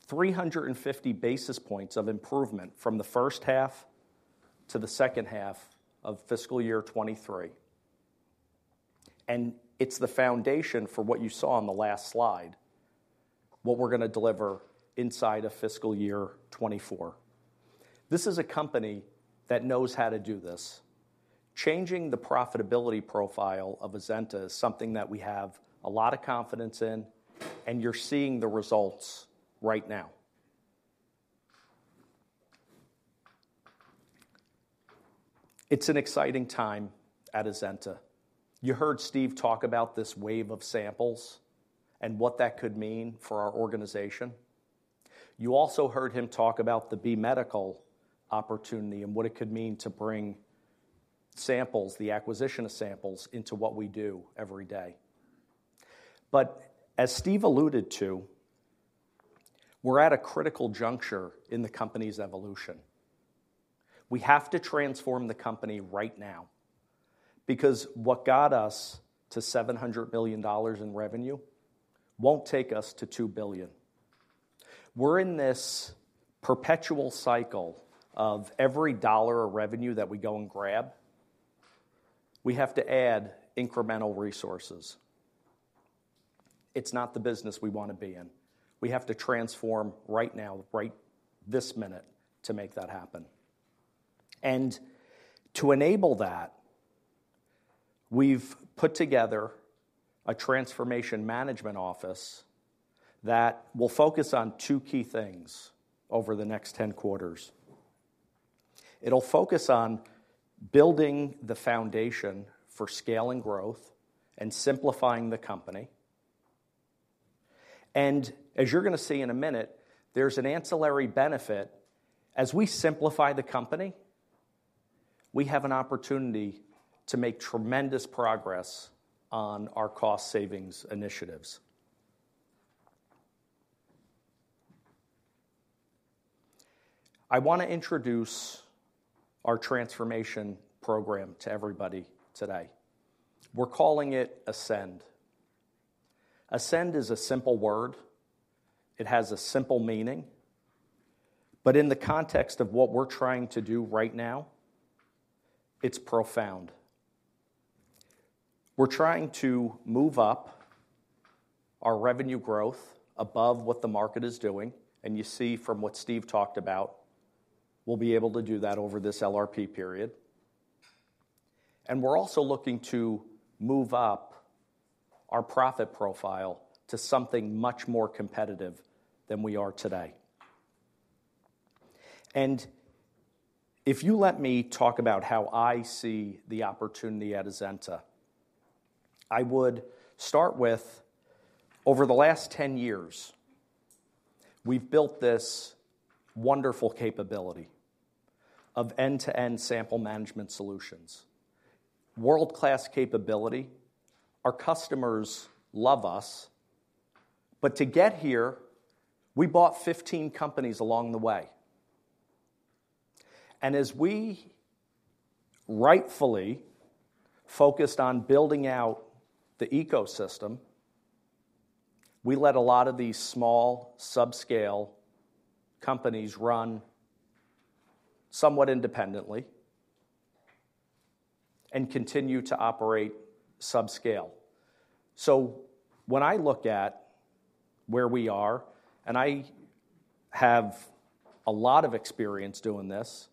350 basis points of improvement from the first half to the second half of fiscal year 2023. It's the foundation for what you saw on the last slide, what we're going to deliver inside of fiscal year 2024. This is a company that knows how to do this. Changing the profitability profile of Azenta is something that we have a lot of confidence in. You're seeing the results right now. It's an exciting time at Azenta. You heard Steve talk about this wave of samples and what that could mean for our organization. You also heard him talk about the B Medical opportunity and what it could mean to bring samples, the acquisition of samples, into what we do every day. But as Steve alluded to, we're at a critical juncture in the company's evolution. We have to transform the company right now because what got us to $700 million in revenue won't take us to $2 billion. We're in this perpetual cycle of every dollar of revenue that we go and grab, we have to add incremental resources. It's not the business we want to be in. We have to transform right now, right this minute, to make that happen. And to enable that, we've put together a transformation management office that will focus on two key things over the next 10 quarters. It'll focus on building the foundation for scaling growth and simplifying the company. And as you're going to see in a minute, there's an ancillary benefit. As we simplify the company, we have an opportunity to make tremendous progress on our cost savings initiatives. I want to introduce our transformation program to everybody today. We're calling it Ascend. Ascend is a simple word. It has a simple meaning. But in the context of what we're trying to do right now, it's profound. We're trying to move up our revenue growth above what the market is doing. And you see from what Steve talked about, we'll be able to do that over this LRP period. And we're also looking to move up our profit profile to something much more competitive than we are today. If you let me talk about how I see the opportunity at Azenta, I would start with, over the last 10 years, we've built this wonderful capability of end-to-end sample management solutions, world-class capability. Our customers love us. But to get here, we bought 15 companies along the way. And as we rightfully focused on building out the ecosystem, we let a lot of these small, subscale companies run somewhat independently and continue to operate subscale. So when I look at where we are and I have a lot of experience doing this,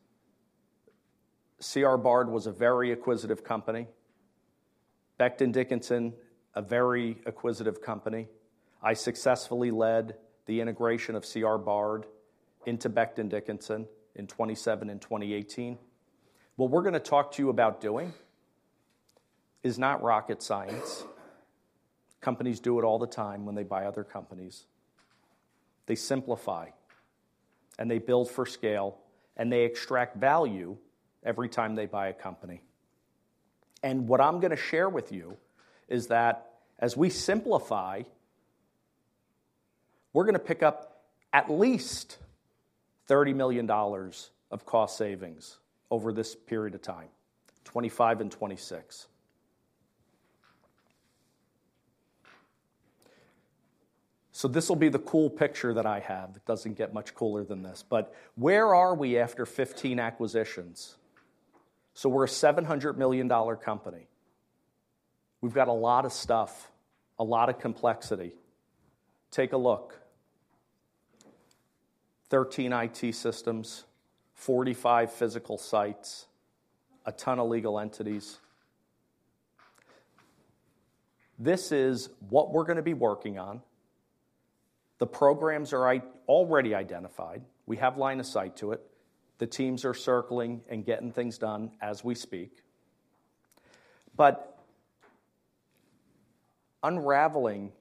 C. R. Bard was a very acquisitive company. Becton Dickinson, a very acquisitive company. I successfully led the integration of C. R. Bard into Becton Dickinson in 2017 and 2018. What we're going to talk to you about doing is not rocket science. Companies do it all the time when they buy other companies. They simplify. They build for scale. They extract value every time they buy a company. What I'm going to share with you is that as we simplify, we're going to pick up at least $30 million of cost savings over this period of time, 2025 and 2026. This will be the cool picture that I have. It doesn't get much cooler than this. Where are we after 15 acquisitions? We're a $700 million company. We've got a lot of stuff, a lot of complexity. Take a look: 13 IT systems, 45 physical sites, a ton of legal entities. This is what we're going to be working on. The programs are already identified. We have line of sight to it. The teams are circling and getting things done as we speak. Unraveling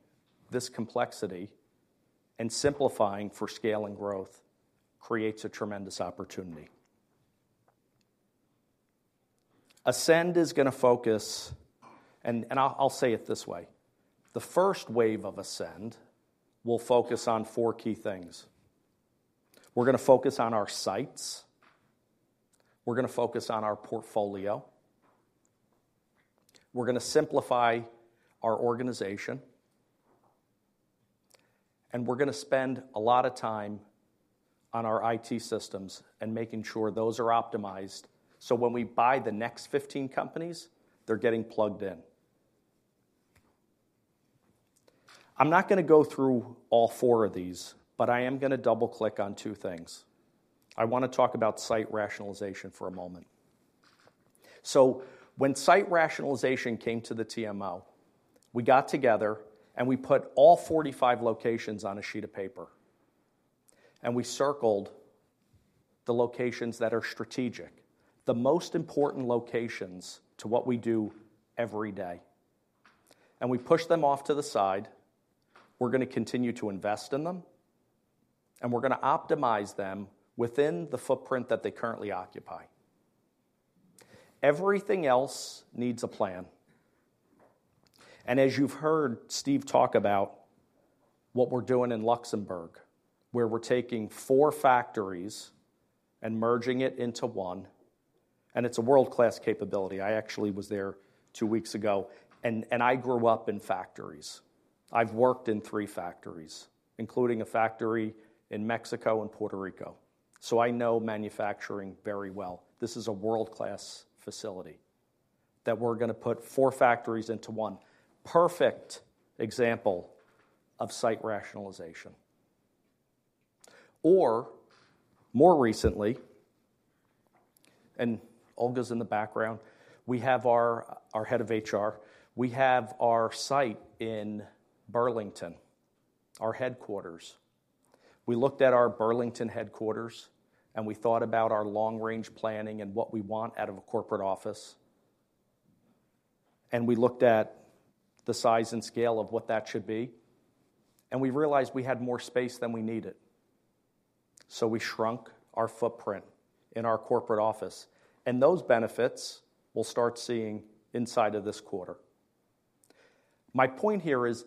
this complexity and simplifying for scaling growth creates a tremendous opportunity. Ascend is going to focus and I'll say it this way: the first wave of Ascend will focus on four key things. We're going to focus on our sites. We're going to focus on our portfolio. We're going to simplify our organization. And we're going to spend a lot of time on our IT systems and making sure those are optimized so when we buy the next 15 companies, they're getting plugged in. I'm not going to go through all four of these. But I am going to double-click on two things. I want to talk about site rationalization for a moment. So when site rationalization came to the TMO, we got together. And we put all 45 locations on a sheet of paper. And we circled the locations that are strategic, the most important locations to what we do every day. And we pushed them off to the side. We're going to continue to invest in them. And we're going to optimize them within the footprint that they currently occupy. Everything else needs a plan. And as you've heard Steve talk about what we're doing in Luxembourg, where we're taking four factories and merging it into one, and it's a world-class capability. I actually was there two weeks ago. And I grew up in factories. I've worked in three factories, including a factory in Mexico and Puerto Rico. So I know manufacturing very well. This is a world-class facility that we're going to put four factories into one, perfect example of site rationalization. Or more recently and Olga's in the background. We have our head of HR. We have our site in Burlington, our headquarters. We looked at our Burlington headquarters. And we thought about our long-range planning and what we want out of a corporate office. We looked at the size and scale of what that should be. We realized we had more space than we needed. So we shrunk our footprint in our corporate office. And those benefits we'll start seeing inside of this quarter. My point here is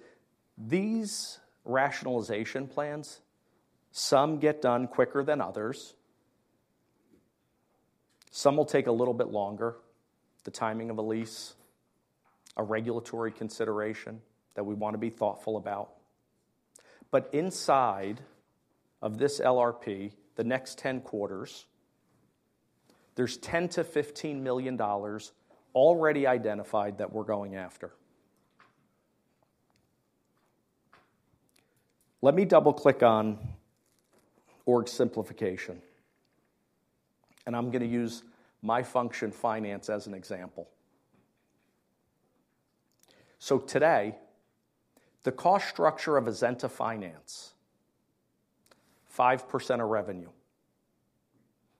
these rationalization plans, some get done quicker than others. Some will take a little bit longer, the timing of a lease, a regulatory consideration that we want to be thoughtful about. But inside of this LRP, the next 10 quarters, there's $10 million-$15 million already identified that we're going after. Let me double-click on org simplification. And I'm going to use my function, finance, as an example. So today, the cost structure of Azenta Finance, 5% of revenue.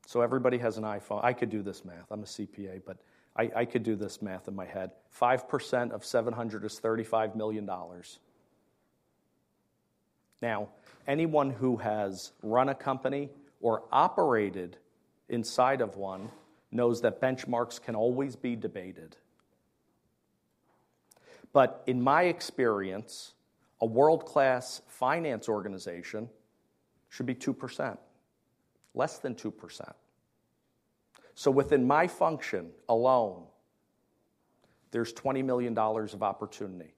So everybody has an iPhone. I could do this math. I'm a CPA. But I could do this math in my head. 5% of $700 is $35 million. Now, anyone who has run a company or operated inside of one knows that benchmarks can always be debated. But in my experience, a world-class finance organization should be 2%, less than 2%. So within my function alone, there's $20 million of opportunity,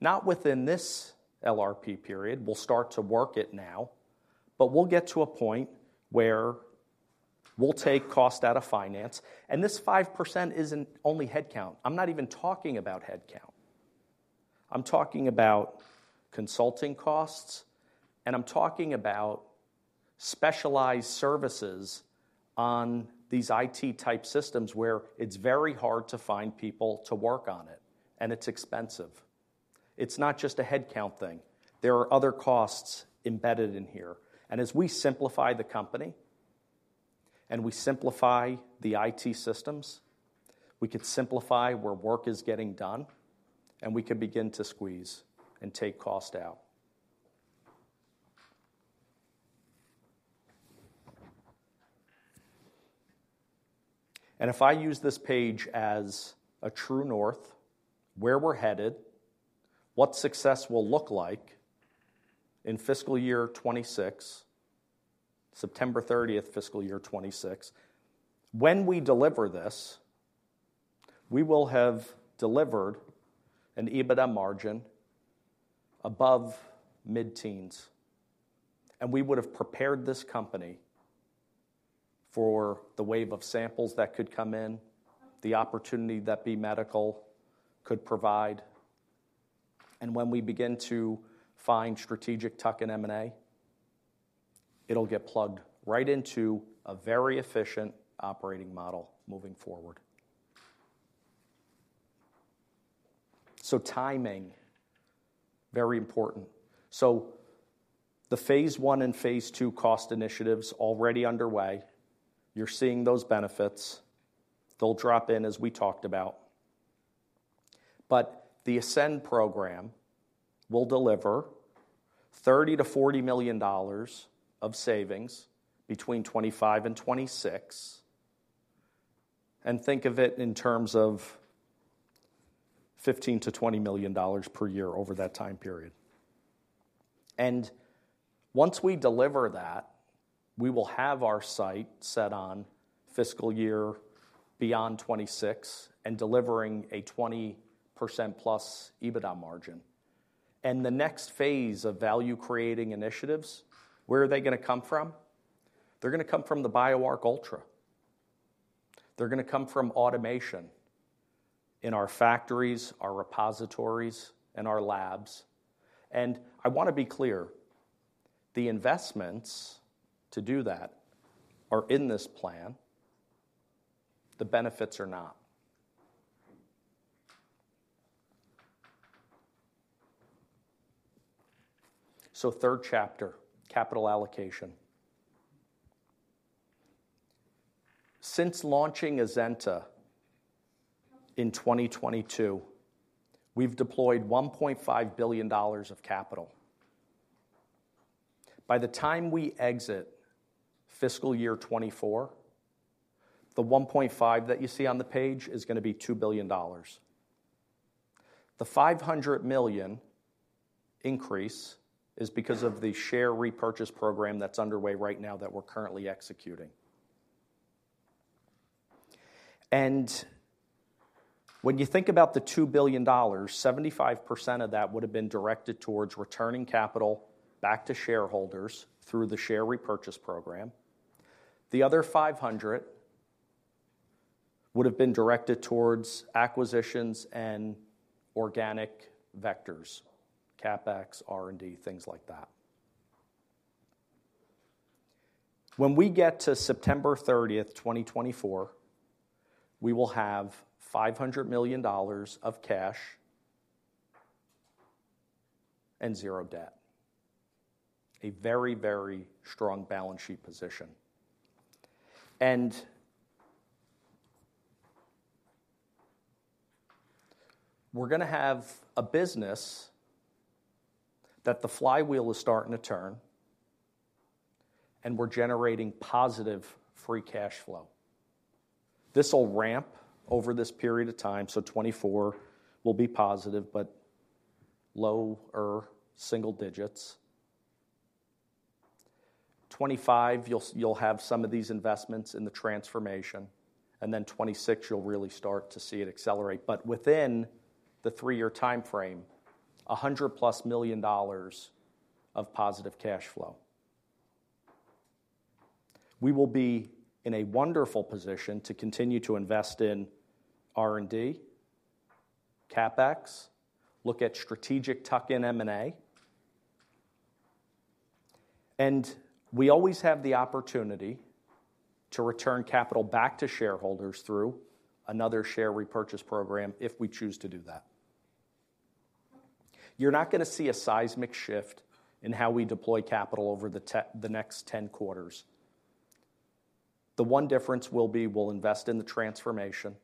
not within this LRP period. We'll start to work it now. But we'll get to a point where we'll take cost out of finance. And this 5% isn't only headcount. I'm not even talking about headcount. I'm talking about consulting costs. And I'm talking about specialized services on these IT-type systems where it's very hard to find people to work on it. And it's expensive. It's not just a headcount thing. There are other costs embedded in here. And as we simplify the company and we simplify the IT systems, we could simplify where work is getting done. We could begin to squeeze and take cost out. If I use this page as a true north, where we're headed, what success will look like in fiscal year 2026, September 30, 2026, when we deliver this, we will have delivered an EBITDA margin above mid-teens. We would have prepared this company for the wave of samples that could come in, the opportunity that B Medical could provide. When we begin to find strategic tuck-in M&A, it'll get plugged right into a very efficient operating model moving forward. Timing, very important. The phase one and phase two cost initiatives already underway. You're seeing those benefits. They'll drop in, as we talked about. But the Ascend program will deliver $30-$40 million of savings between 2025 and 2026. And think of it in terms of $15-$20 million per year over that time period. And once we deliver that, we will have our site set on fiscal year beyond 2026 and delivering a 20%+ EBITDA margin. And the next phase of value-creating initiatives, where are they going to come from? They're going to come from the BioArc Ultra. They're going to come from automation in our factories, our repositories, and our labs. And I want to be clear: the investments to do that are in this plan. The benefits are not. So third chapter, capital allocation. Since launching Azenta in 2022, we've deployed $1.5 billion of capital. By the time we exit fiscal year 2024, the $1.5 that you see on the page is going to be $2 billion. The $500 million increase is because of the share repurchase program that's underway right now that we're currently executing. And when you think about the $2 billion, 75% of that would have been directed towards returning capital back to shareholders through the share repurchase program. The other $500 would have been directed towards acquisitions and organic vectors, CapEx, R&D, things like that. When we get to September 30, 2024, we will have $500 million of cash and zero debt, a very, very strong balance sheet position. And we're going to have a business that the flywheel is starting to turn. And we're generating positive free cash flow. This will ramp over this period of time. So 2024 will be positive but lower single digits. 2025, you'll have some of these investments in the transformation. And then 2026, you'll really start to see it accelerate. But within the three-year time frame, $100+ million of positive cash flow. We will be in a wonderful position to continue to invest in R&D, CapEx, look at strategic tuck-in M&A. And we always have the opportunity to return capital back to shareholders through another share repurchase program if we choose to do that. You're not going to see a seismic shift in how we deploy capital over the next 10 quarters. The one difference will be we'll invest in the transformation.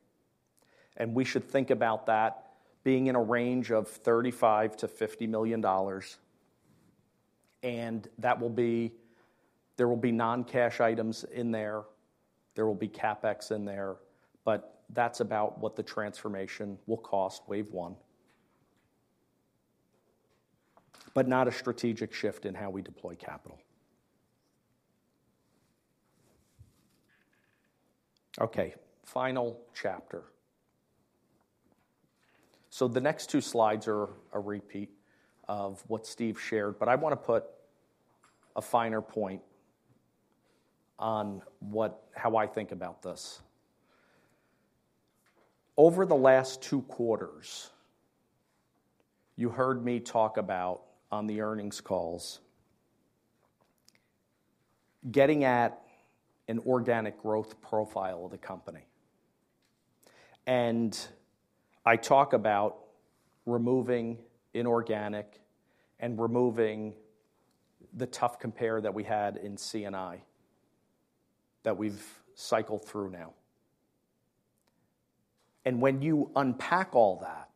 And we should think about that being in a range of $35-$50 million. And there will be non-cash items in there. There will be CapEx in there. But that's about what the transformation will cost, wave one, but not a strategic shift in how we deploy capital. OK, final chapter. So the next two slides are a repeat of what Steve shared. But I want to put a finer point on how I think about this. Over the last two quarters, you heard me talk about, on the earnings calls, getting at an organic growth profile of the company. And I talk about removing inorganic and removing the tough compare that we had in C&I that we've cycled through now. And when you unpack all that,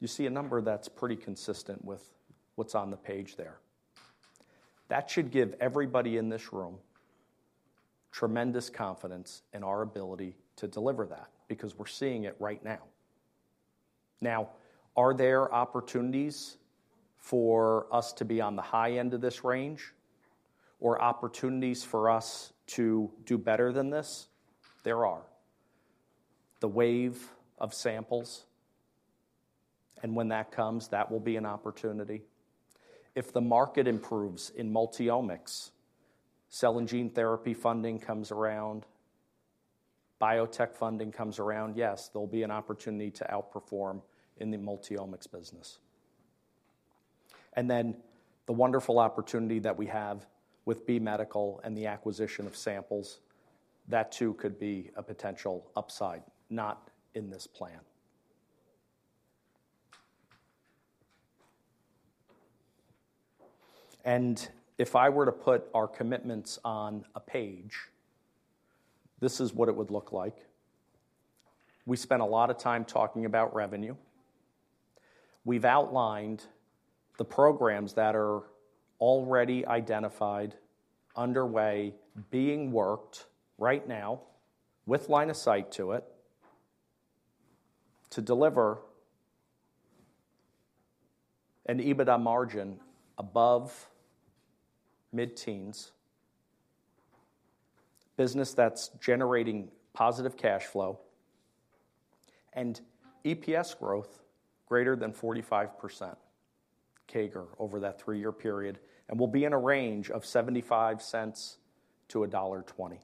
you see a number that's pretty consistent with what's on the page there. That should give everybody in this room tremendous confidence in our ability to deliver that because we're seeing it right now. Now, are there opportunities for us to be on the high end of this range or opportunities for us to do better than this? There are. The wave of samples. And when that comes, that will be an opportunity. If the market improves in Multiomics, cell and gene therapy funding comes around, biotech funding comes around, yes, there'll be an opportunity to outperform in the Multiomics business. And then the wonderful opportunity that we have with B Medical and the acquisition of samples, that too could be a potential upside, not in this plan. And if I were to put our commitments on a page, this is what it would look like. We spent a lot of time talking about revenue. We've outlined the programs that are already identified, underway, being worked right now with line of sight to it to deliver an EBITDA margin above mid-teens, business that's generating positive cash flow, and EPS growth greater than 45% CAGR over that three-year period and will be in a range of $0.75-$1.20.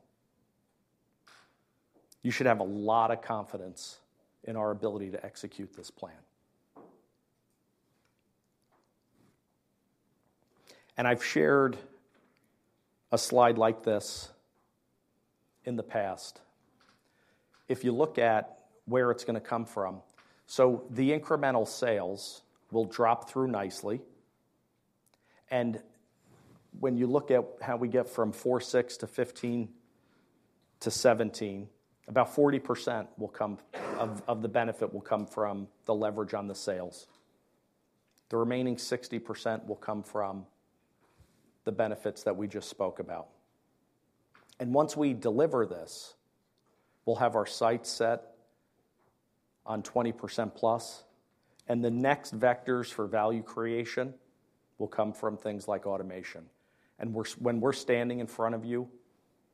You should have a lot of confidence in our ability to execute this plan. I've shared a slide like this in the past. If you look at where it's going to come from, so the incremental sales will drop through nicely. When you look at how we get from 4.6 to 15 to 17, about 40% of the benefit will come from the leverage on the sales. The remaining 60% will come from the benefits that we just spoke about. Once we deliver this, we'll have our sites set on 20%+. The next vectors for value creation will come from things like automation. When we're standing in front of you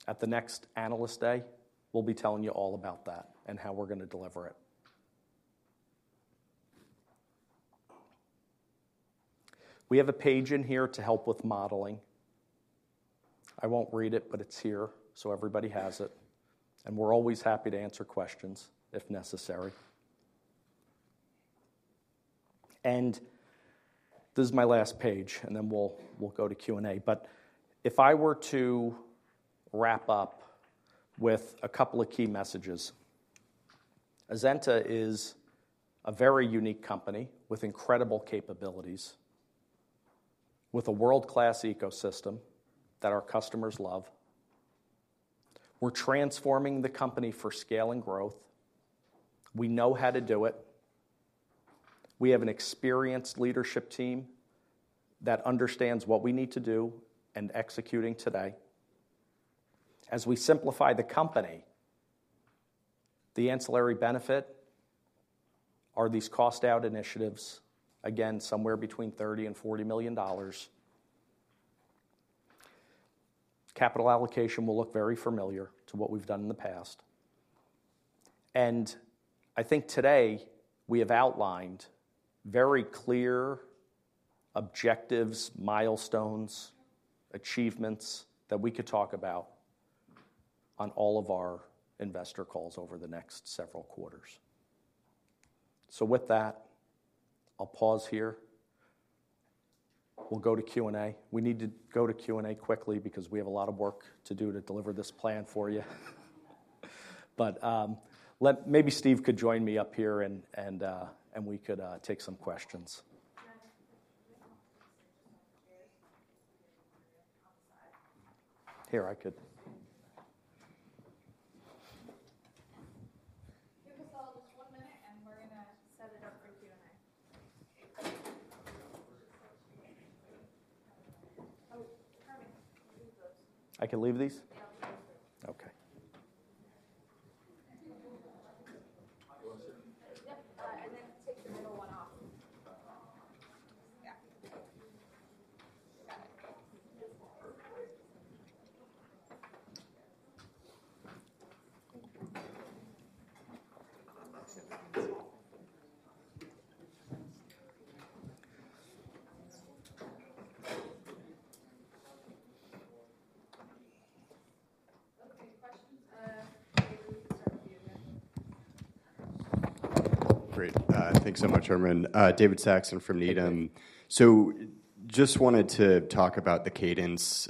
at the next analyst day, we'll be telling you all about that and how we're going to deliver it. We have a page in here to help with modeling. I won't read it, but it's here so everybody has it. We're always happy to answer questions if necessary. This is my last page. Then we'll go to Q&A. But if I were to wrap up with a couple of key messages, Azenta is a very unique company with incredible capabilities, with a world-class ecosystem that our customers love. We're transforming the company for scale and growth. We know how to do it. We have an experienced leadership team that understands what we need to do and executing today. As we simplify the company, the ancillary benefit are these cost-out initiatives, again, somewhere between $30-$40 million. Capital allocation will look very familiar to what we've done in the past. I think today, we have outlined very clear objectives, milestones, achievements that we could talk about on all of our investor calls over the next several quarters. With that, I'll pause here. We'll go to Q&A. We need to go to Q&A quickly because we have a lot of work to do to deliver this plan for you. But maybe Steve could join me up here. And we could take some questions. Yeah. If you could. We have a little space here just on the chairs just to give the area on the side. Here, I could. Give us all just one minute. We're going to set it up for Q&A. Oh, Carmen, leave those. I can leave these? Yeah, leave those. OK. You want to sit? Yep. And then take the middle one off. Yeah. Got it. OK, questions? David, we can start with you again. Great. Thanks so much, Herman. David Saxon from Needham. So just wanted to talk about the cadence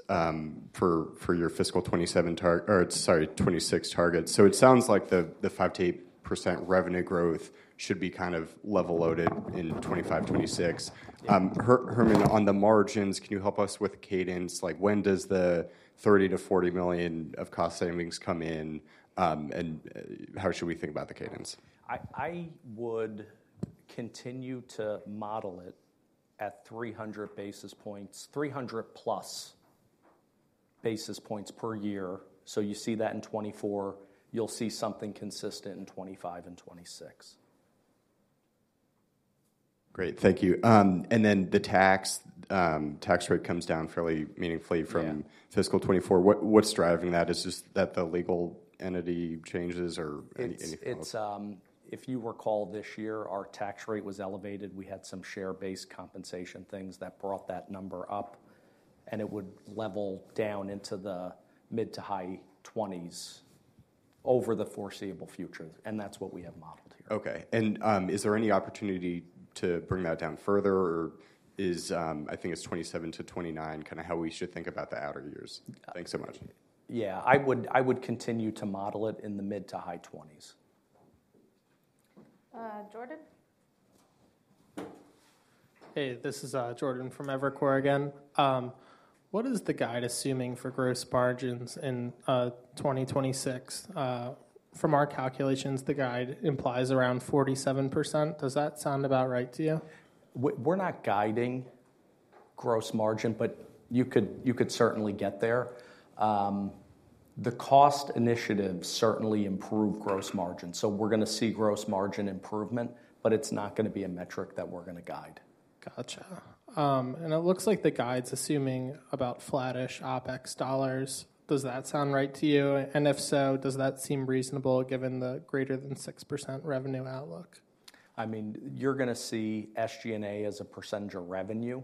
for your fiscal 2027 or sorry, 2026 target. So it sounds like the 5%-8% revenue growth should be kind of level loaded in 2025, 2026. Herman, on the margins, can you help us with cadence? When does the $30-$40 million of cost savings come in? And how should we think about the cadence? I would continue to model it at 300 basis points, 300+ basis points per year. So you see that in 2024. You'll see something consistent in 2025 and 2026. Great. Thank you. And then the tax rate comes down fairly meaningfully from fiscal 2024. What's driving that? Is it just that the legal entity changes or anything else? If you recall, this year, our tax rate was elevated. We had some share-based compensation things that brought that number up. It would level down into the mid- to high-20s over the foreseeable future. That's what we have modeled here. OK. Is there any opportunity to bring that down further? Or I think it's 2027 to 2029 kind of how we should think about the outer years. Thanks so much. Yeah, I would continue to model it in the mid- to high 20s. Jordan? Hey, this is Jordan from Evercore again. What is the guide assuming for gross margins in 2026? From our calculations, the guide implies around 47%. Does that sound about right to you? We're not guiding gross margin. You could certainly get there. The cost initiatives certainly improve gross margin. We're going to see gross margin improvement. It's not going to be a metric that we're going to guide. Gotcha. And it looks like the guide's assuming about flattish OPEX dollars. Does that sound right to you? And if so, does that seem reasonable given the greater than 6% revenue outlook? I mean, you're going to see SG&A as a percentage of revenue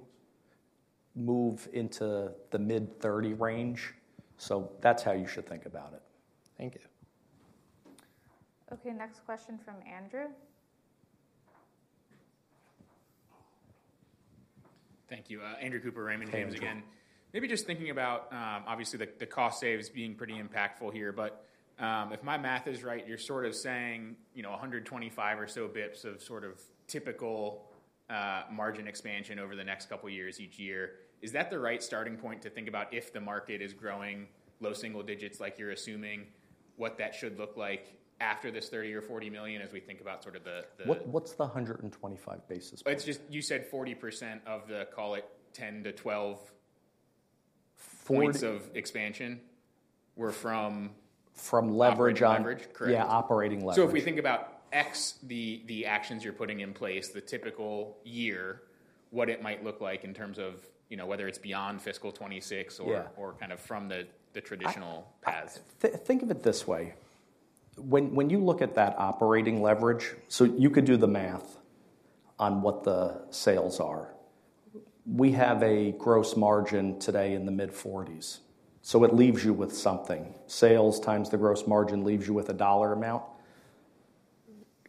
move into the mid-30% range. So that's how you should think about it. Thank you. OK, next question from Andrew. Thank you. Andrew Cooper, Raymond James again. Maybe just thinking about, obviously, the cost saves being pretty impactful here. But if my math is right, you're sort of saying 125 or so basis points of sort of typical margin expansion over the next couple of years each year. Is that the right starting point to think about if the market is growing low single digits like you're assuming, what that should look like after this $30 or $40 million as we think about sort of the. What's the 125 basis point? You said 40% of the call it 10-12 points of expansion were from. From leverage on. Leverage, correct. Yeah, operating leverage. So if we think about x, the actions you're putting in place, the typical year, what it might look like in terms of whether it's beyond fiscal 2026 or kind of from the traditional path. Think of it this way. When you look at that operating leverage so you could do the math on what the sales are. We have a gross margin today in the mid-40s. So it leaves you with something. Sales times the gross margin leaves you with a dollar amount.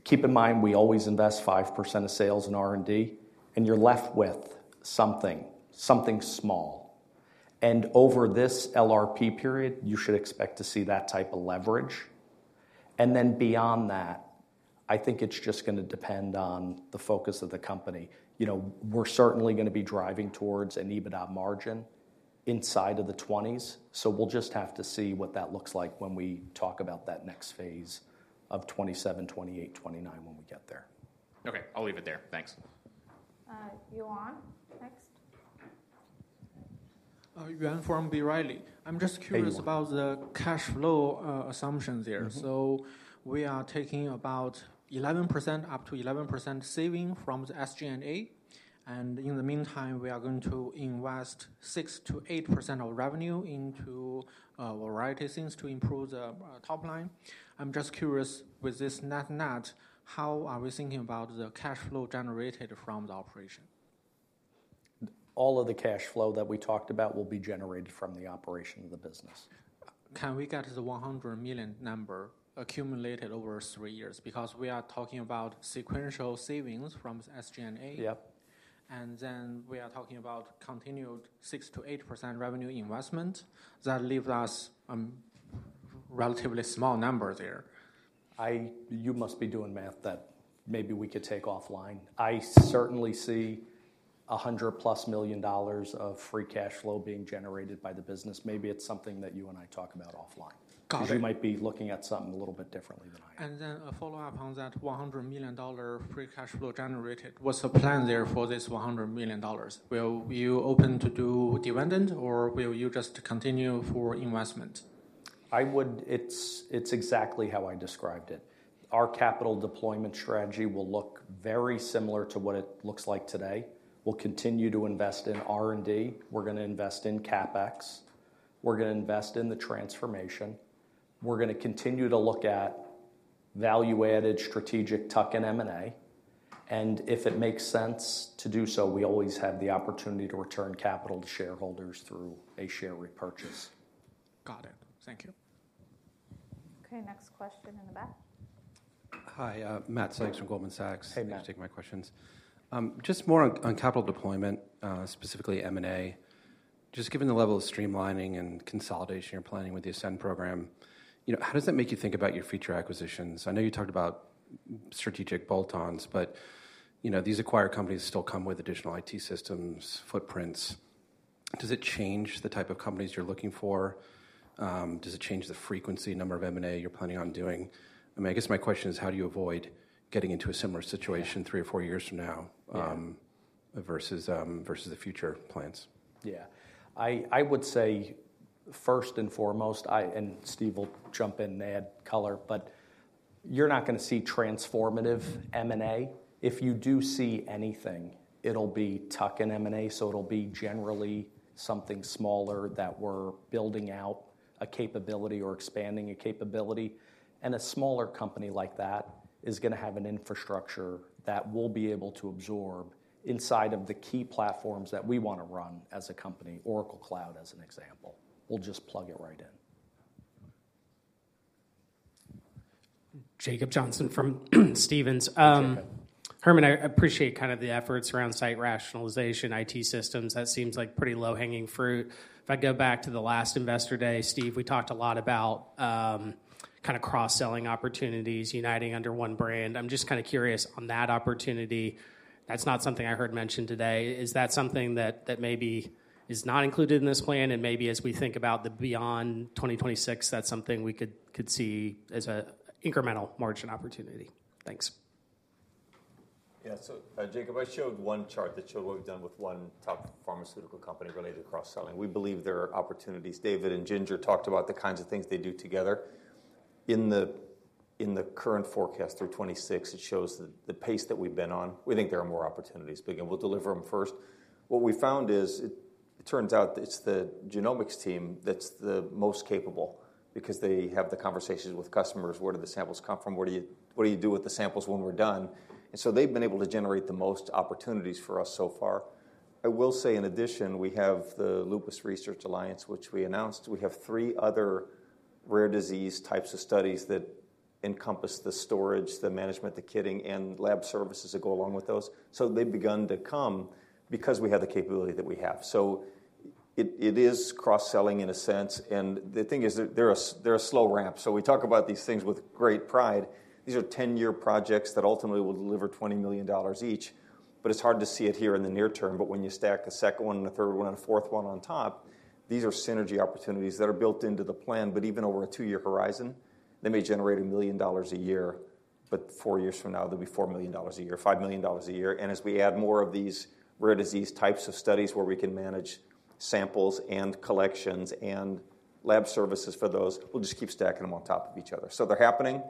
Keep in mind, we always invest 5% of sales in R&D. And you're left with something, something small. And over this LRP period, you should expect to see that type of leverage. And then beyond that, I think it's just going to depend on the focus of the company. We're certainly going to be driving towards an EBITDA margin inside of the 20s. So we'll just have to see what that looks like when we talk about that next phase of 2027, 2028, 2029 when we get there. OK, I'll leave it there. Thanks. Yuan, next. Yuan from B. Riley. I'm just curious about the cash flow assumptions here. So we are talking about 11% up to 11% savings from the SG&A. And in the meantime, we are going to invest 6%-8% of revenue into a variety of things to improve the top line. I'm just curious, with this net-net, how are we thinking about the cash flow generated from the operation? All of the cash flow that we talked about will be generated from the operation of the business. Can we get to the $100 million number accumulated over three years? Because we are talking about sequential savings from SG&A. Yep. And then we are talking about continued 6%-8% revenue investment. That leaves us a relatively small number there. You must be doing math that maybe we could take offline. I certainly see $100+ million of free cash flow being generated by the business. Maybe it's something that you and I talk about offline because you might be looking at something a little bit differently than I am. Then a follow-up on that $100 million free cash flow generated, what's the plan there for this $100 million? Will you open to do dividend? Or will you just continue for investment? It's exactly how I described it. Our capital deployment strategy will look very similar to what it looks like today. We'll continue to invest in R&D. We're going to invest in CapEx. We're going to invest in the transformation. We're going to continue to look at value-added strategic tuck-in M&A. If it makes sense to do so, we always have the opportunity to return capital to shareholders through a share repurchase. Got it. Thank you. OK, next question in the back. Hi, Matthew Sykes from Goldman Sachs. Hey, Matt. Thanks for taking my questions. Just more on capital deployment, specifically M&A. Just given the level of streamlining and consolidation you're planning with the Ascend program, how does that make you think about your future acquisitions? I know you talked about strategic bolt-ons. But these acquired companies still come with additional IT systems, footprints. Does it change the type of companies you're looking for? Does it change the frequency, number of M&A you're planning on doing? I mean, I guess my question is, how do you avoid getting into a similar situation three or four years from now versus the future plans? Yeah, I would say first and foremost, and Steve will jump in and add color. But you're not going to see transformative M&A. If you do see anything, it'll be tuck-in M&A. So it'll be generally something smaller that we're building out a capability or expanding a capability. And a smaller company like that is going to have an infrastructure that will be able to absorb inside of the key platforms that we want to run as a company, Oracle Cloud as an example. We'll just plug it right in. Jacob Johnson from Stephens. Herman, I appreciate kind of the efforts around site rationalization, IT systems. That seems like pretty low-hanging fruit. If I go back to the last Investor Day, Steve, we talked a lot about kind of cross-selling opportunities, uniting under one brand. I'm just kind of curious on that opportunity. That's not something I heard mentioned today. Is that something that maybe is not included in this plan? And maybe as we think about the beyond 2026, that's something we could see as an incremental margin opportunity. Thanks. Yeah, so Jacob, I showed one chart that showed what we've done with one top pharmaceutical company related to cross-selling. We believe there are opportunities. David and Ginger talked about the kinds of things they do together. In the current forecast through 2026, it shows the pace that we've been on. We think there are more opportunities. But again, we'll deliver them first. What we found is it turns out it's the genomics team that's the most capable because they have the conversations with customers. Where do the samples come from? What do you do with the samples when we're done? And so they've been able to generate the most opportunities for us so far. I will say, in addition, we have the Lupus Research Alliance, which we announced. We have three other rare disease types of studies that encompass the storage, the management, the kitting, and lab services that go along with those. So they've begun to come because we have the capability that we have. So it is cross-selling in a sense. And the thing is, they're a slow ramp. So we talk about these things with great pride. These are 10-year projects that ultimately will deliver $20 million each. But it's hard to see it here in the near term. But when you stack a second one and a third one and a fourth one on top, these are synergy opportunities that are built into the plan. But even over a two-year horizon, they may generate $1 million a year. But four years from now, there'll be $4 million a year, $5 million a year. And as we add more of these rare disease types of studies where we can manage samples and collections and lab services for those, we'll just keep stacking them on top of each other. So they're happening.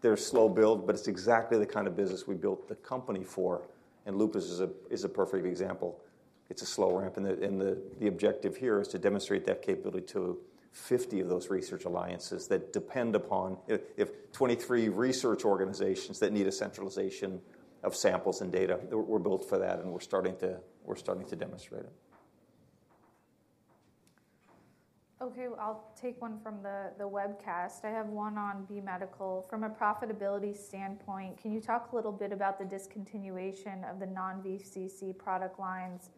They're slow-built. But it's exactly the kind of business we built the company for. And Lupus is a perfect example. It's a slow ramp. And the objective here is to demonstrate that capability to 50 of those research alliances that depend upon if 23 research organizations that need a centralization of samples and data, we're built for that. And we're starting to demonstrate it. OK, I'll take one from the webcast. I have one on B Medical. From a profitability standpoint, can you talk a little bit about the discontinuation of the non-VCC product lines,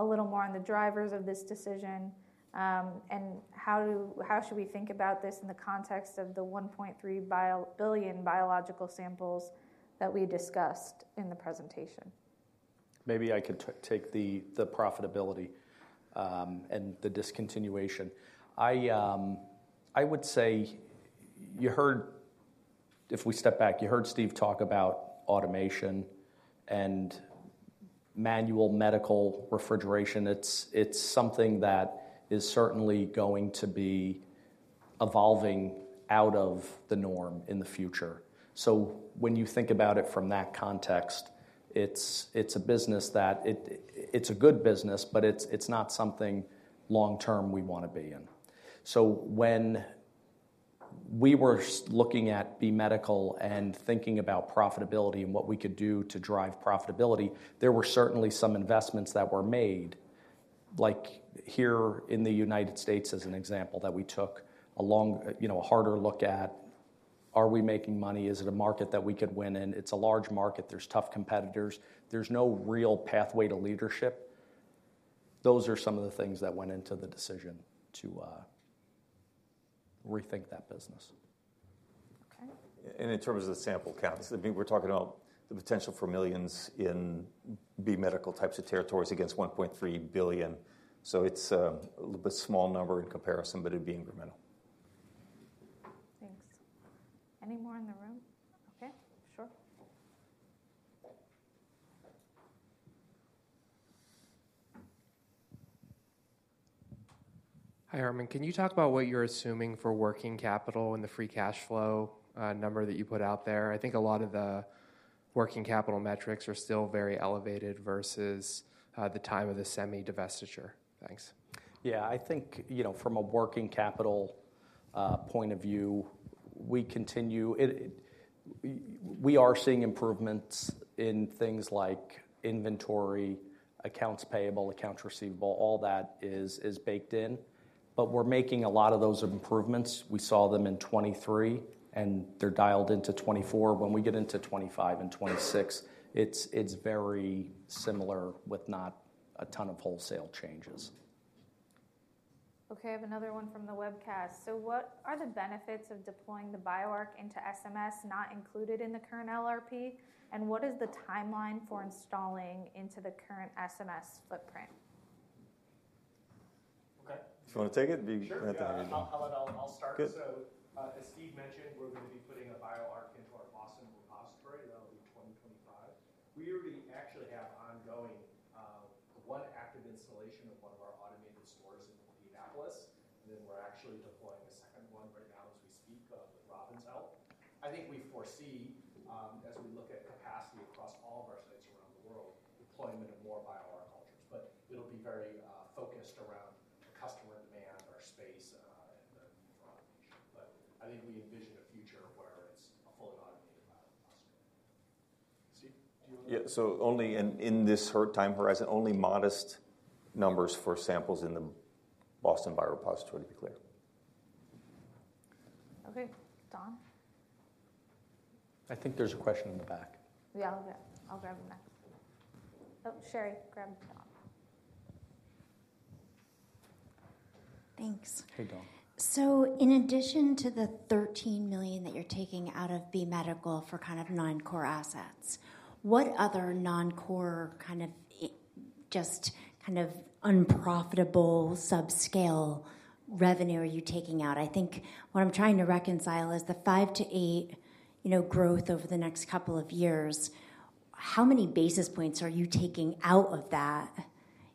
a little more on the drivers of this decision, and how should we think about this in the context of the 1.3 billion biological samples that we discussed in the presentation? Maybe I could take the profitability and the discontinuation. I would say you heard if we step back, you heard Steve talk about automation and manual medical refrigeration. It's something that is certainly going to be evolving out of the norm in the future. So when you think about it from that context, it's a business that it's a good business. But it's not something long-term we want to be in. So when we were looking at B Medical and thinking about profitability and what we could do to drive profitability, there were certainly some investments that were made, like here in the United States as an example, that we took a harder look at. Are we making money? Is it a market that we could win in? It's a large market. There's tough competitors. There's no real pathway to leadership. Those are some of the things that went into the decision to rethink that business. OK. In terms of the sample counts, I mean, we're talking about the potential for millions in B Medical types of territories against 1.3 billion. It's a little bit small number in comparison. It'd be incremental. Thanks. Any more in the room? OK, sure. Hi, Herman. Can you talk about what you're assuming for working capital and the free cash flow number that you put out there? I think a lot of the working capital metrics are still very elevated versus the time of the semi-divestiture. Thanks. Yeah, I think from a working capital point of view, we are seeing improvements in things like inventory, accounts payable, accounts receivable. All that is baked in. But we're making a lot of those improvements. We saw them in 2023. And they're dialed into 2024. When we get into 2025 and 2026, it's very similar with not a ton of wholesale changes. OK, I have another one from the webcast. What are the benefits of deploying the BioArc into SMS not included in the current LRP? And what is the timeline for installing into the current SMS footprint? OK. If you want to take it, Matt, go ahead. Sure. I'll start. So as Steve mentioned, we're going to be putting a BioArc into our Boston biorepository. That'll be 2025. We already actually have one ongoing active installation of one of our automated stores in Indianapolis. And then we're actually deploying a second one right now as we speak with Robin's help. I think we foresee, as we look at capacity across all of our sites around the world, deployment of more BioArc Ultras. But it'll be very focused around the customer demand, our space, and the need for automation. But I think we envision a future where it's a fully automated biorepository. Steve, do you want to? Yeah, so only in this time horizon, only modest numbers for samples in the Boston biorepository, to be clear. OK, Dan? I think there's a question in the back. Yeah, I'll grab the next. Oh, Sherry, grab Dan. Thanks. So in addition to the $13 million that you're taking out of B Medical for kind of non-core assets, what other non-core kind of just kind of unprofitable subscale revenue are you taking out? I think what I'm trying to reconcile is the 5%-8% growth over the next couple of years. How many basis points are you taking out of that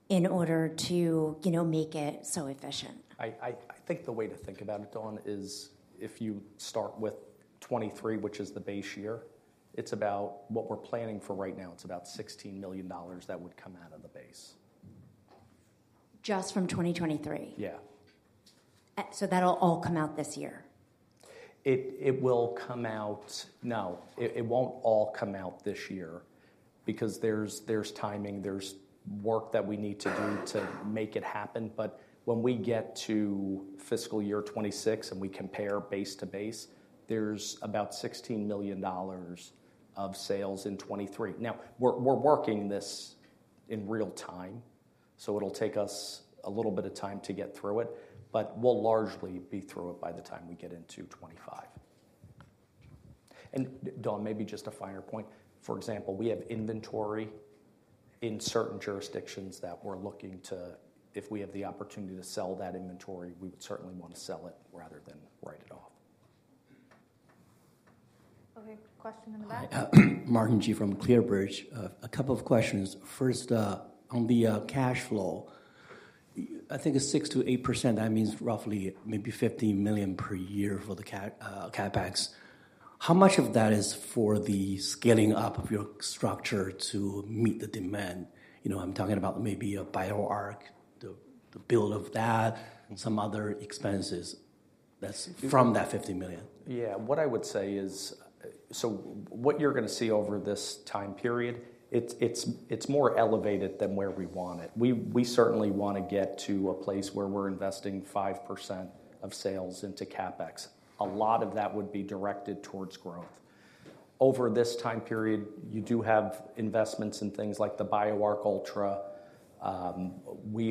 in order to make it so efficient? I think the way to think about it, Dan, is if you start with 2023, which is the base year, it's about what we're planning for right now. It's about $16 million that would come out of the base. Just from 2023? Yeah. So that'll all come out this year? It will come out, no, it won't all come out this year because there's timing. There's work that we need to do to make it happen. But when we get to fiscal year 2026 and we compare base to base, there's about $16 million of sales in 2023. Now, we're working this in real time. So it'll take us a little bit of time to get through it. But we'll largely be through it by the time we get into 2025. And Dan, maybe just a finer point. For example, we have inventory in certain jurisdictions that we're looking to if we have the opportunity to sell that inventory, we would certainly want to sell it rather than write it off. OK, question in the back. Marshall Gordon from ClearBridge, a couple of questions. First, on the cash flow, I think a 6%-8%, that means roughly maybe $15 million per year for the CapEx. How much of that is for the scaling up of your structure to meet the demand? I'm talking about maybe a BioArc, the build of that, some other expenses. That's from that $15 million. Yeah, what I would say is, so what you're going to see over this time period, it's more elevated than where we want it. We certainly want to get to a place where we're investing 5% of sales into CapEx. A lot of that would be directed towards growth. Over this time period, you do have investments in things like the BioArc Ultra. We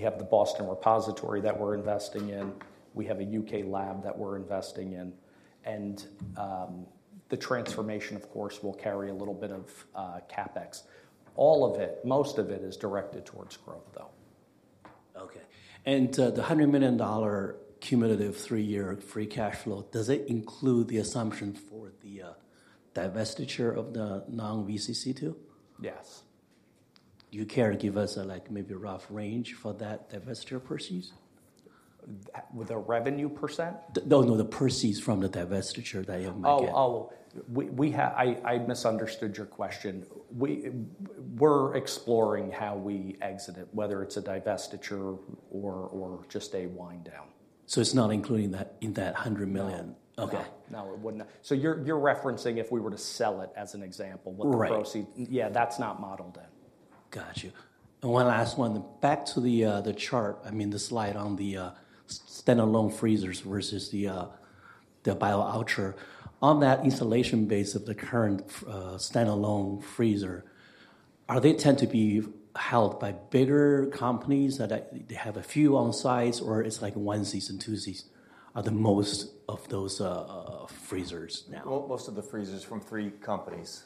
have the Boston repository that we're investing in. We have a UK lab that we're investing in. And the transformation, of course, will carry a little bit of CapEx. All of it, most of it, is directed towards growth, though. OK, and the $100 million cumulative three-year free cash flow, does it include the assumption for the divestiture of the non-VCC too? Yes. Do you care to give us maybe a rough range for that divestiture proceeds? The revenue percent? No, no, the proceeds from the divestiture that you might get. Oh, I misunderstood your question. We're exploring how we exit it, whether it's a divestiture or just a wind down. So it's not including that in that $100 million? No. OK. No, it wouldn't. You're referencing if we were to sell it as an example. Right. Yeah, that's not modeled in. Got you. One last one. Back to the chart, I mean, the slide on the standalone freezers versus the BioArc Ultra. On that installation base of the current standalone freezer, are they tend to be held by bigger companies that they have a few onsite? Or it's like one-size, two-size? Are the most of those freezers now? Most of the freezers from three companies.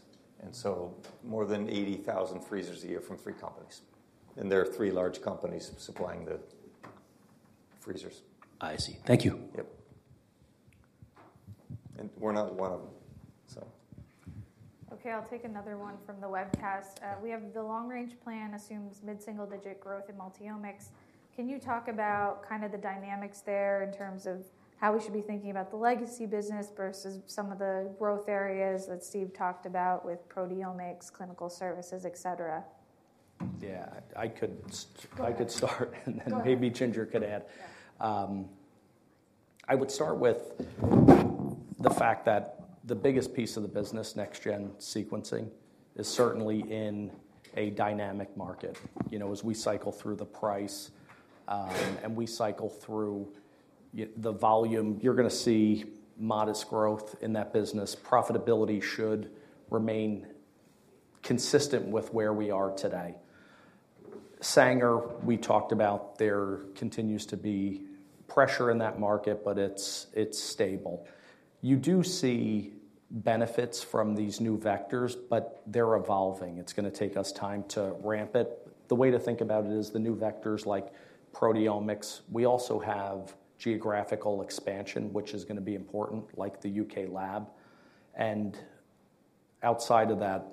So more than 80,000 freezers a year from three companies. There are three large companies supplying the freezers. I see. Thank you. Yep. And we're not one of them, so. OK, I'll take another one from the webcast. We have the long-range plan assumes mid-single-digit growth in Multiomics. Can you talk about kind of the dynamics there in terms of how we should be thinking about the legacy business versus some of the growth areas that Steve talked about with proteomics, clinical services, et cetera? Yeah, I could start. And then maybe Ginger could add. I would start with the fact that the biggest piece of the business, next-gen sequencing, is certainly in a dynamic market. As we cycle through the price and we cycle through the volume, you're going to see modest growth in that business. Profitability should remain consistent with where we are today. Sanger, we talked about, there continues to be pressure in that market. But it's stable. You do see benefits from these new vectors. But they're evolving. It's going to take us time to ramp it. The way to think about it is the new vectors like proteomics. We also have geographical expansion, which is going to be important, like the UK lab. And outside of that,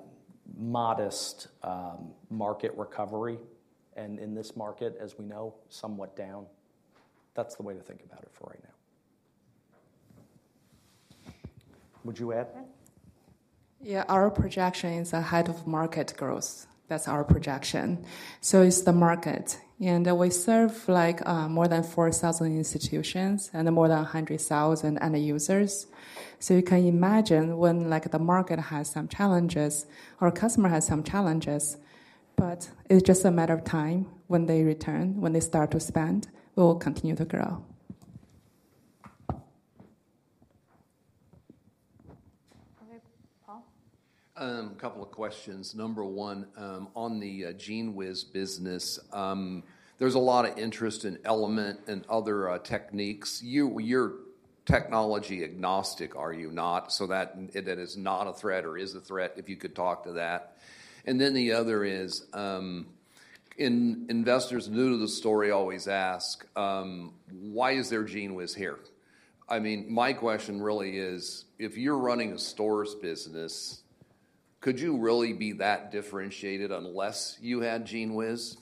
modest market recovery. And in this market, as we know, somewhat down. That's the way to think about it for right now. Would you add? Yeah, our projection is the height of market growth. That's our projection. So it's the market. And we serve more than 4,000 institutions and more than 100,000 end users. So you can imagine when the market has some challenges or a customer has some challenges. But it's just a matter of time. When they return, when they start to spend, we will continue to grow. OK, Paul? A couple of questions. Number one, on the GENEWIZ business, there's a lot of interest in Element and other techniques. You're technology agnostic, are you not? So that it is not a threat or is a threat, if you could talk to that. And then the other is investors new to the story always ask, why is there GENEWIZ here? I mean, my question really is, if you're running a stores business, could you really be that differentiated unless you had GENEWIZ?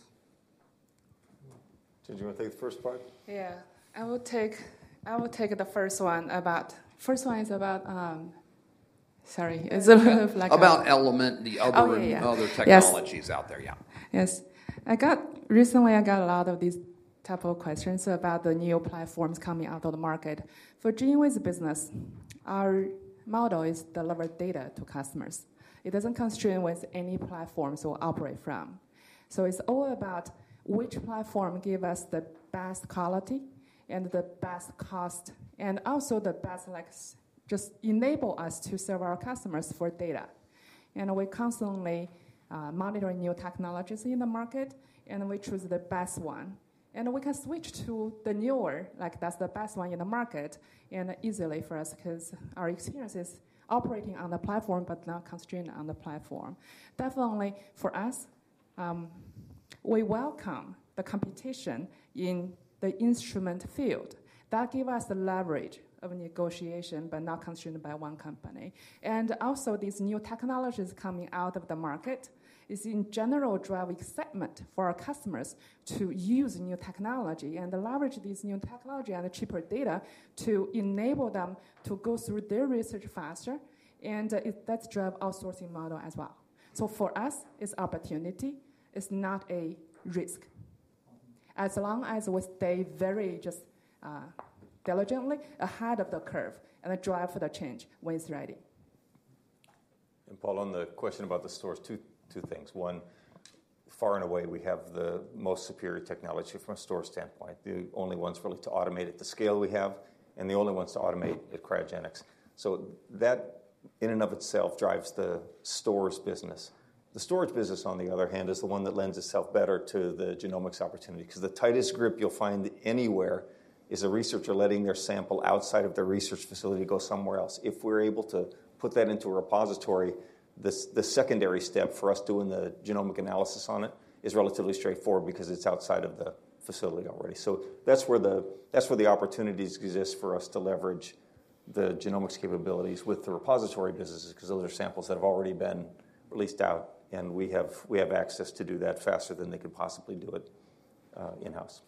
Did you want to take the first part? Yeah, I will take the first one about. Sorry, it's a little bit like. About Element and the other technologies out there, yeah. Yes. Recently, I got a lot of these types of questions about the new platforms coming out of the market. For GENEWIZ business, our model is deliver data to customers. It doesn't constrain with any platforms we operate from. So it's all about which platform gives us the best quality and the best cost and also the best just enable us to serve our customers for data. We constantly monitor new technologies in the market. We choose the best one. We can switch to the newer. That's the best one in the market and easily for us because our experience is operating on the platform but not constrained on the platform. Definitely, for us, we welcome the competition in the instrument field. That gives us the leverage of negotiation but not constrained by one company. And also, these new technologies coming out of the market is, in general, drive excitement for our customers to use new technology and leverage these new technology and the cheaper data to enable them to go through their research faster. And that's drive outsourcing model as well. So for us, it's opportunity. It's not a risk as long as we stay very just diligently ahead of the curve and drive for the change when it's ready. And Paul, on the question about the stores, two things. One, far and away, we have the most superior technology from a store standpoint, the only ones really to automate it, the scale we have, and the only ones to automate it, cryogenics. So that in and of itself drives the stores business. The storage business, on the other hand, is the one that lends itself better to the genomics opportunity because the tightest grip you'll find anywhere is a researcher letting their sample outside of their research facility go somewhere else. If we're able to put that into a repository, the secondary step for us doing the genomic analysis on it is relatively straightforward because it's outside of the facility already. So that's where the opportunities exist for us to leverage the genomics capabilities with the repository businesses because those are samples that have already been released out. We have access to do that faster than they could possibly do it in-house.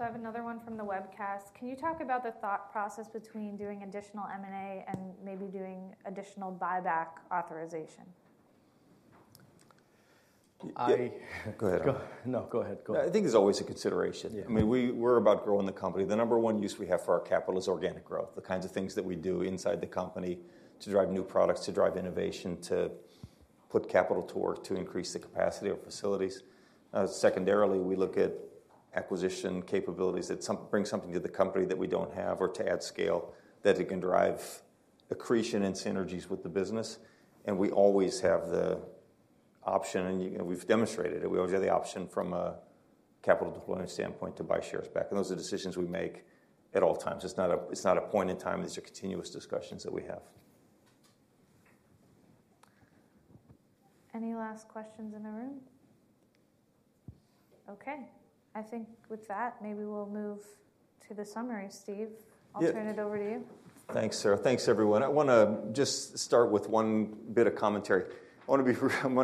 I have another one from the webcast. Can you talk about the thought process between doing additional M&A and maybe doing additional buyback authorization? Go ahead. No, go ahead. I think it's always a consideration. I mean, we're about growing the company. The number one use we have for our capital is organic growth, the kinds of things that we do inside the company to drive new products, to drive innovation, to put capital to work to increase the capacity of facilities. Secondarily, we look at acquisition capabilities that bring something to the company that we don't have or to add scale that it can drive accretion and synergies with the business. And we always have the option and we've demonstrated it. We always have the option from a capital deployment standpoint to buy shares back. And those are decisions we make at all times. It's not a point in time. These are continuous discussions that we have. Any last questions in the room? OK, I think with that, maybe we'll move to the summary. Steve, I'll turn it over to you. Thanks, Sara. Thanks, everyone. I want to just start with one bit of commentary. I want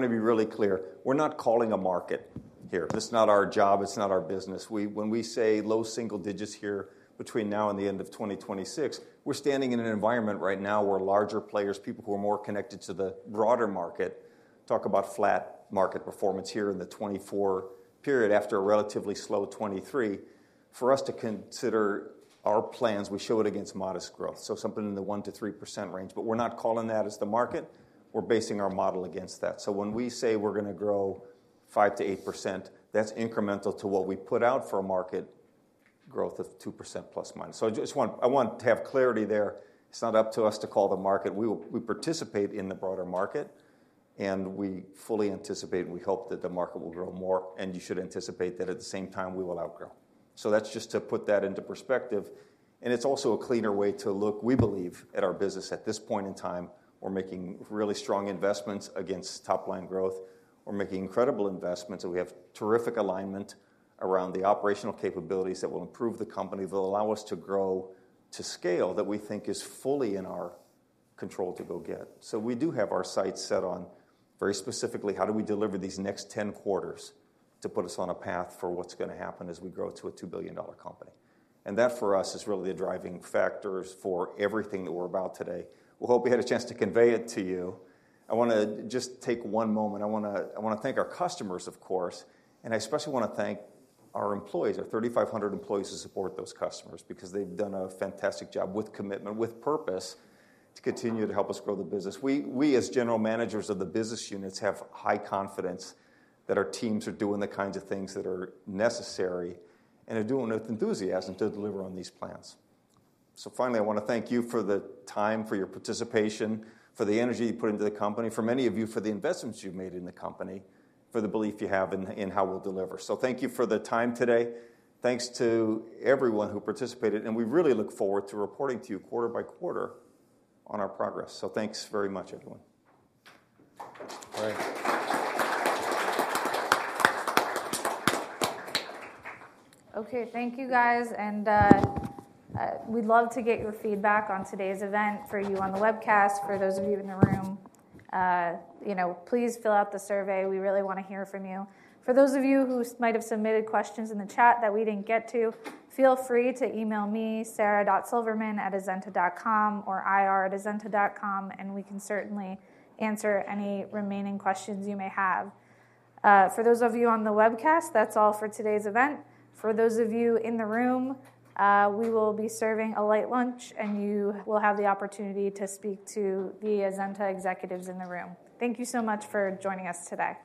to be really clear. We're not calling a market here. It's not our job. It's not our business. When we say low single digits here between now and the end of 2026, we're standing in an environment right now where larger players, people who are more connected to the broader market talk about flat market performance here in the 2024 period after a relatively slow 2023. For us to consider our plans, we show it against modest growth, so something in the 1%-3% range. But we're not calling that as the market. We're basing our model against that. So when we say we're going to grow 5%-8%, that's incremental to what we put out for a market growth of 2% plus minus. So I just want to have clarity there. It's not up to us to call the market. We participate in the broader market. We fully anticipate, and we hope that the market will grow more. You should anticipate that at the same time, we will outgrow. That's just to put that into perspective. It's also a cleaner way to look, we believe, at our business. At this point in time, we're making really strong investments against top-line growth. We're making incredible investments. We have terrific alignment around the operational capabilities that will improve the company, that will allow us to grow to scale that we think is fully in our control to go get. We do have our sights set on very specifically, how do we deliver these next 10 quarters to put us on a path for what's going to happen as we grow to a $2 billion company? That, for us, is really the driving factors for everything that we're about today. We hope we had a chance to convey it to you. I want to just take one moment. I want to thank our customers, of course. And I especially want to thank our employees, our 3,500 employees, who support those customers because they've done a fantastic job with commitment, with purpose, to continue to help us grow the business. We, as general managers of the business units, have high confidence that our teams are doing the kinds of things that are necessary and are doing it with enthusiasm to deliver on these plans. So finally, I want to thank you for the time, for your participation, for the energy you put into the company, for many of you, for the investments you've made in the company, for the belief you have in how we'll deliver. Thank you for the time today. Thanks to everyone who participated. We really look forward to reporting to you quarter by quarter on our progress. Thanks very much, everyone. All right. OK, thank you, guys. And we'd love to get your feedback on today's event for you on the webcast, for those of you in the room. Please fill out the survey. We really want to hear from you. For those of you who might have submitted questions in the chat that we didn't get to, feel free to email me, sara.silverman@azenta.com, or ir@azenta.com. And we can certainly answer any remaining questions you may have. For those of you on the webcast, that's all for today's event. For those of you in the room, we will be serving a light lunch. And you will have the opportunity to speak to the Azenta executives in the room. Thank you so much for joining us today.